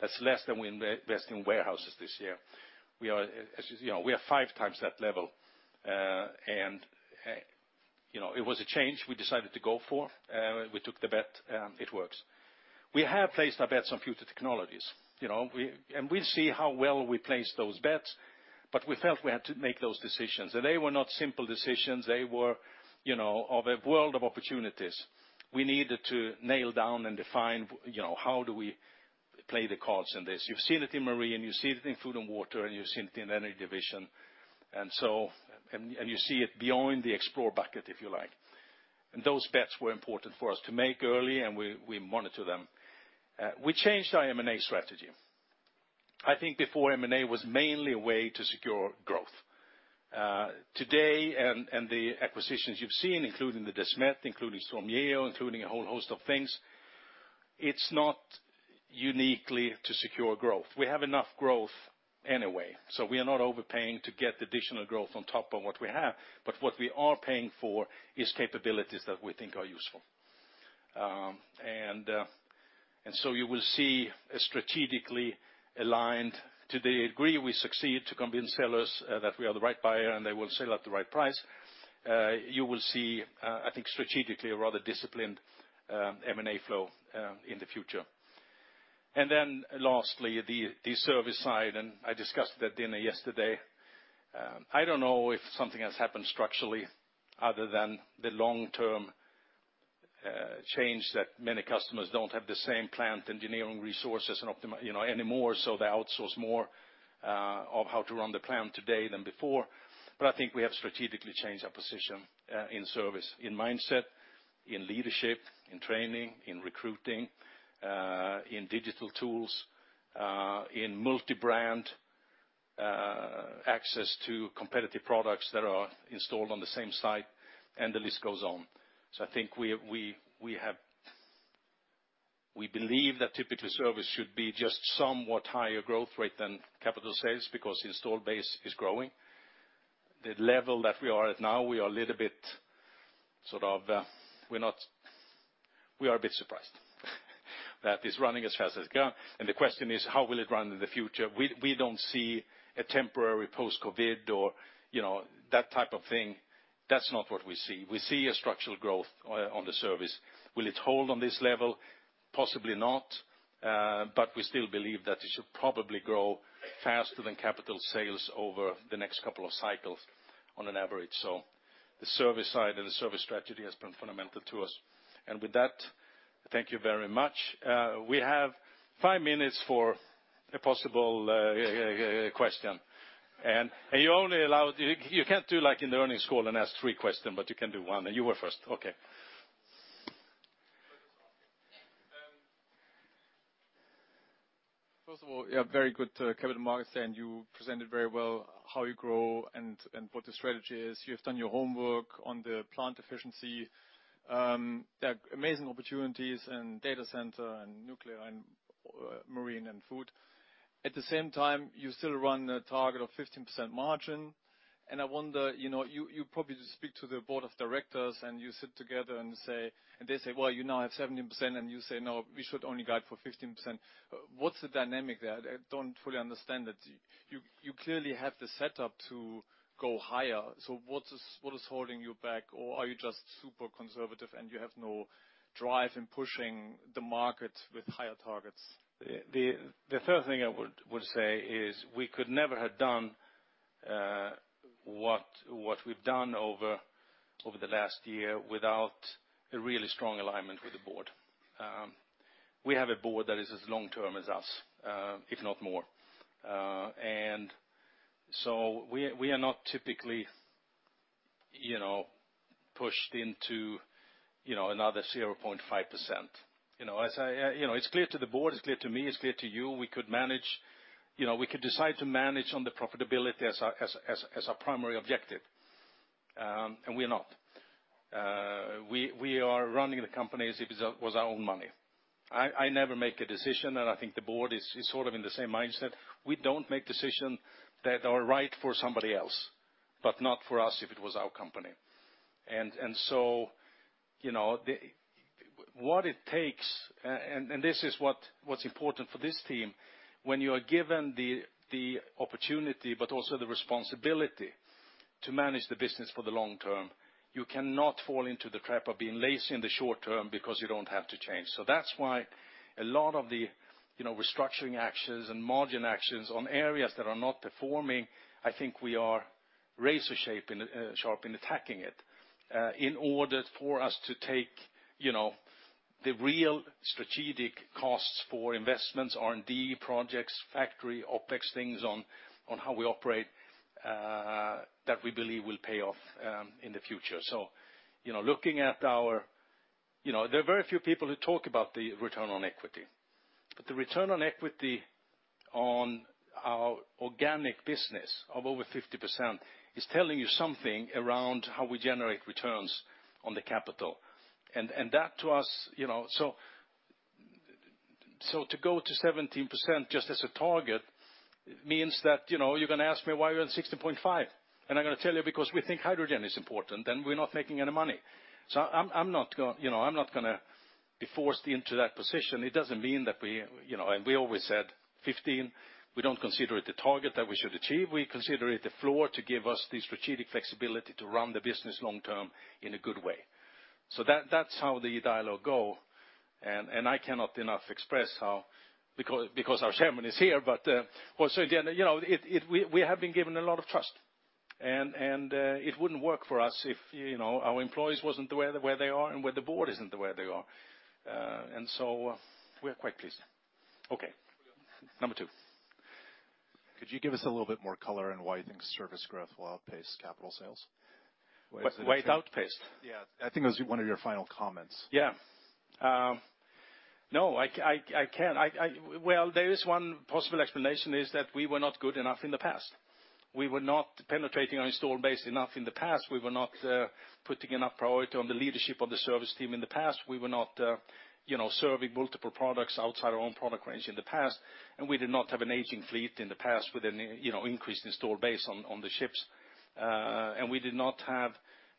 That's less than we invest in warehouses this year. We are, as you know, five times that level. You know, it was a change we decided to go for. We took the bet. It works. We have placed our bets on future technologies. You know, we'll see how well we place those bets, but we felt we had to make those decisions. They were not simple decisions. They were, you know, of a world of opportunities. We needed to nail down and define, you know, how do we play the cards in this. You've seen it in Marine, you've seen it in Food & Water, and you've seen it in Energy Division. You see it beyond the explore bucket, if you like. Those bets were important for us to make early, and we monitor them. We changed our M&A strategy. I think before M&A was mainly a way to secure growth. Today and the acquisitions you've seen, including the Desmet, including StormGeo, including a whole host of things, it's not uniquely to secure growth. We have enough growth anyway, we are not overpaying to get additional growth on top of what we have. What we are paying for is capabilities that we think are useful. You will see a strategically aligned to the degree we succeed to convince sellers that we are the right buyer and they will sell at the right price. You will see, I think strategically a rather disciplined M&A flow in the future. Lastly, the service side, and I discussed that dinner yesterday. I don't know if something has happened structurally other than the long-term change that many customers don't have the same plant engineering resources and you know, anymore, so they outsource more of how to run the plant today than before. I think we have strategically changed our position in service, in mindset, in leadership, in training, in recruiting, in digital tools, in multi-brand access to competitive products that are installed on the same site, and the list goes on. I think we have we believe that typically service should be just somewhat higher growth rate than capital sales because installed base is growing. The level that we are at now, we are a little bit sort of, we are a bit surprised that it's running as fast as it can. The question is, how will it run in the future? We don't see a temporary post-COVID or, you know, that type of thing. That's not what we see. We see a structural growth on the service. Will it hold on this level? Possibly not. We still believe that it should probably grow faster than capital sales over the next couple of cycles on an average. The service side and the service strategy has been fundamental to us. With that, thank you very much. We have five minutes for a possible question. You're only allowed you can't do like in the earnings call and ask three question, but you can do one. You were first. Okay. First of all, you have very good capital markets, and you presented very well how you grow and what the strategy is. You've done your homework on the plant efficiency. There are amazing opportunities in data center and nuclear and marine and food. At the same time, you still run a target of 15% margin, and I wonder, you know, you probably speak to the Board of Directors and you sit together and say. They say, "Well, you now have 17%," and you say, "No, we should only guide for 15%." What's the dynamic there? I don't fully understand it. You clearly have the setup to go higher. What is holding you back? Are you just super conservative, and you have no drive in pushing the market with higher targets? The first thing I would say is we could never have done what we've done over the last year without a really strong alignment with the board. We have a board that is as long-term as us, if not more. So we are not typically, you know, pushed into, you know, another 0.5%. You know, as I, you know, it's clear to the board, it's clear to me, it's clear to you, we could manage, you know, we could decide to manage on the profitability as our primary objective, and we're not. We are running the company as if it was our own money. I never make a decision, I think the board is sort of in the same mindset. We don't make decision that are right for somebody else, but not for us if it was our company. you know, the What it takes, this is what's important for this team, when you are given the opportunity but also the responsibility to manage the business for the long term, you cannot fall into the trap of being lazy in the short term because you don't have to change. That's why a lot of the, you know, restructuring actions and margin actions on areas that are not performing, I think we are razor sharp in attacking it in order for us to take, you know, the real strategic costs for investments, R&D projects, factory, OpEx things on how we operate that we believe will pay off in the future. Looking at our, you know, there are very few people who talk about the return on equity. The return on equity on our organic business of over 50% is telling you something around how we generate returns on the capital. That to us, you know, to go to 17% just as a target means that, you know, you're gonna ask me why we're at 16.5%. I'm gonna tell you because we think hydrogen is important, and we're not making any money. I'm not gonna be forced into that position. It doesn't mean that we, you know. We always said 15%, we don't consider it the target that we should achieve. We consider it the floor to give us the strategic flexibility to run the business long term in a good way. That's how the dialogue go. I cannot enough express how, because our chairman is here, but again, you know, it, we have been given a lot of trust. It wouldn't work for us if, you know, our employees wasn't the way they are and with the board isn't the way they are. We're quite pleased. Okay. Number two. Could you give us a little bit more color on why you think service growth will outpace capital sales? Why it outpaced? Yeah. I think it was one of your final comments. No, I can. Well, there is one possible explanation, is that we were not good enough in the past. We were not penetrating our install base enough in the past. We were not putting enough priority on the leadership of the service team in the past. We were not, you know, serving multiple products outside our own product range in the past. We did not have an aging fleet in the past with any, you know, increase in store base on the ships. We did not have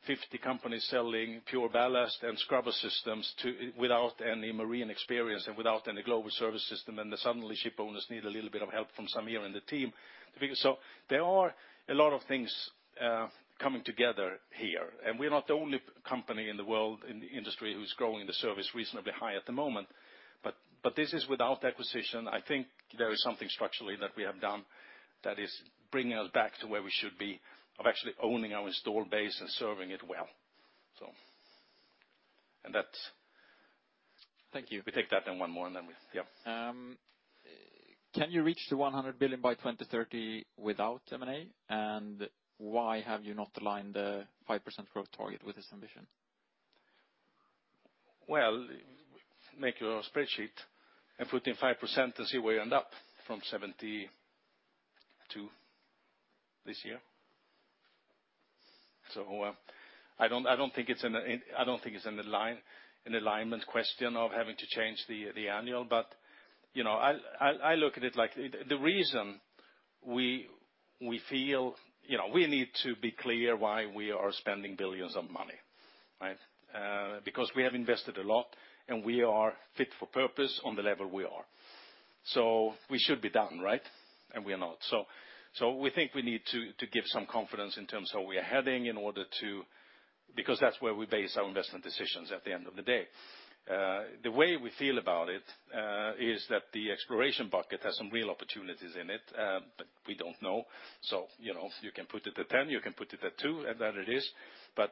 50 companies selling PureBallast and scrubber systems without any marine experience and without any global service system. Suddenly ship owners need a little bit of help from Samir and the team to figure. There are a lot of things, coming together here, and we're not the only company in the world, in the industry who's growing the service reasonably high at the moment. This is without acquisition. I think there is something structurally that we have done that is bringing us back to where we should be of actually owning our install base and serving it well. Thank you. We take that, then one more, and then we Yeah. Can you reach the 100 billion by 2030 without M&A? Why have you not aligned the 5% growth target with this ambition? Well, make your spreadsheet and put in 5% and see where you end up from 72 this year. I don't think it's an alignment question of having to change the annual. You know, I look at it like the reason we feel, you know, we need to be clear why we are spending billions of money, right? Because we have invested a lot, and we are fit for purpose on the level we are. We should be done, right? We are not. We think we need to give some confidence in terms of where we're heading in order to Because that's where we base our investment decisions at the end of the day. The way we feel about it is that the exploration bucket has some real opportunities in it, we don't know. You know, you can put it at 10, you can put it at two, and that it is.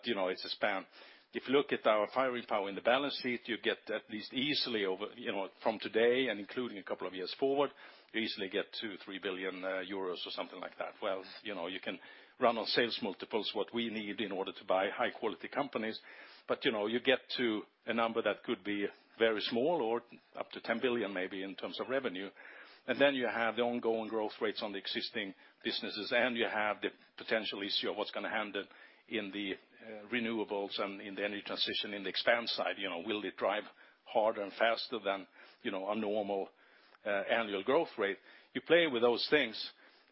You know, it's a span. If you look at our firing power in the balance sheet, you get at least easily over, you know, from today and including a couple of years forward, you easily get 2, 3 billion or something like that. Well, you know, you can run on sales multiples what we need in order to buy high-quality companies. You know, you get to a number that could be very small or up to 10 billion maybe in terms of revenue. You have the ongoing growth rates on the existing businesses, and you have the potential issue of what's gonna happen in the renewables and in the energy transition in the expand side. You know, will it drive harder and faster than, you know, a normal annual growth rate? You play with those things,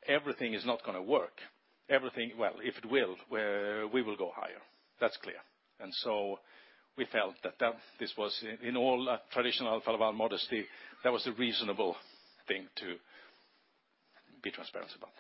everything is not gonna work. Everything. Well, if it will, we will go higher. That's clear. We felt that this was in all traditional Alfa Laval modesty, that was a reasonable thing to be transparent about.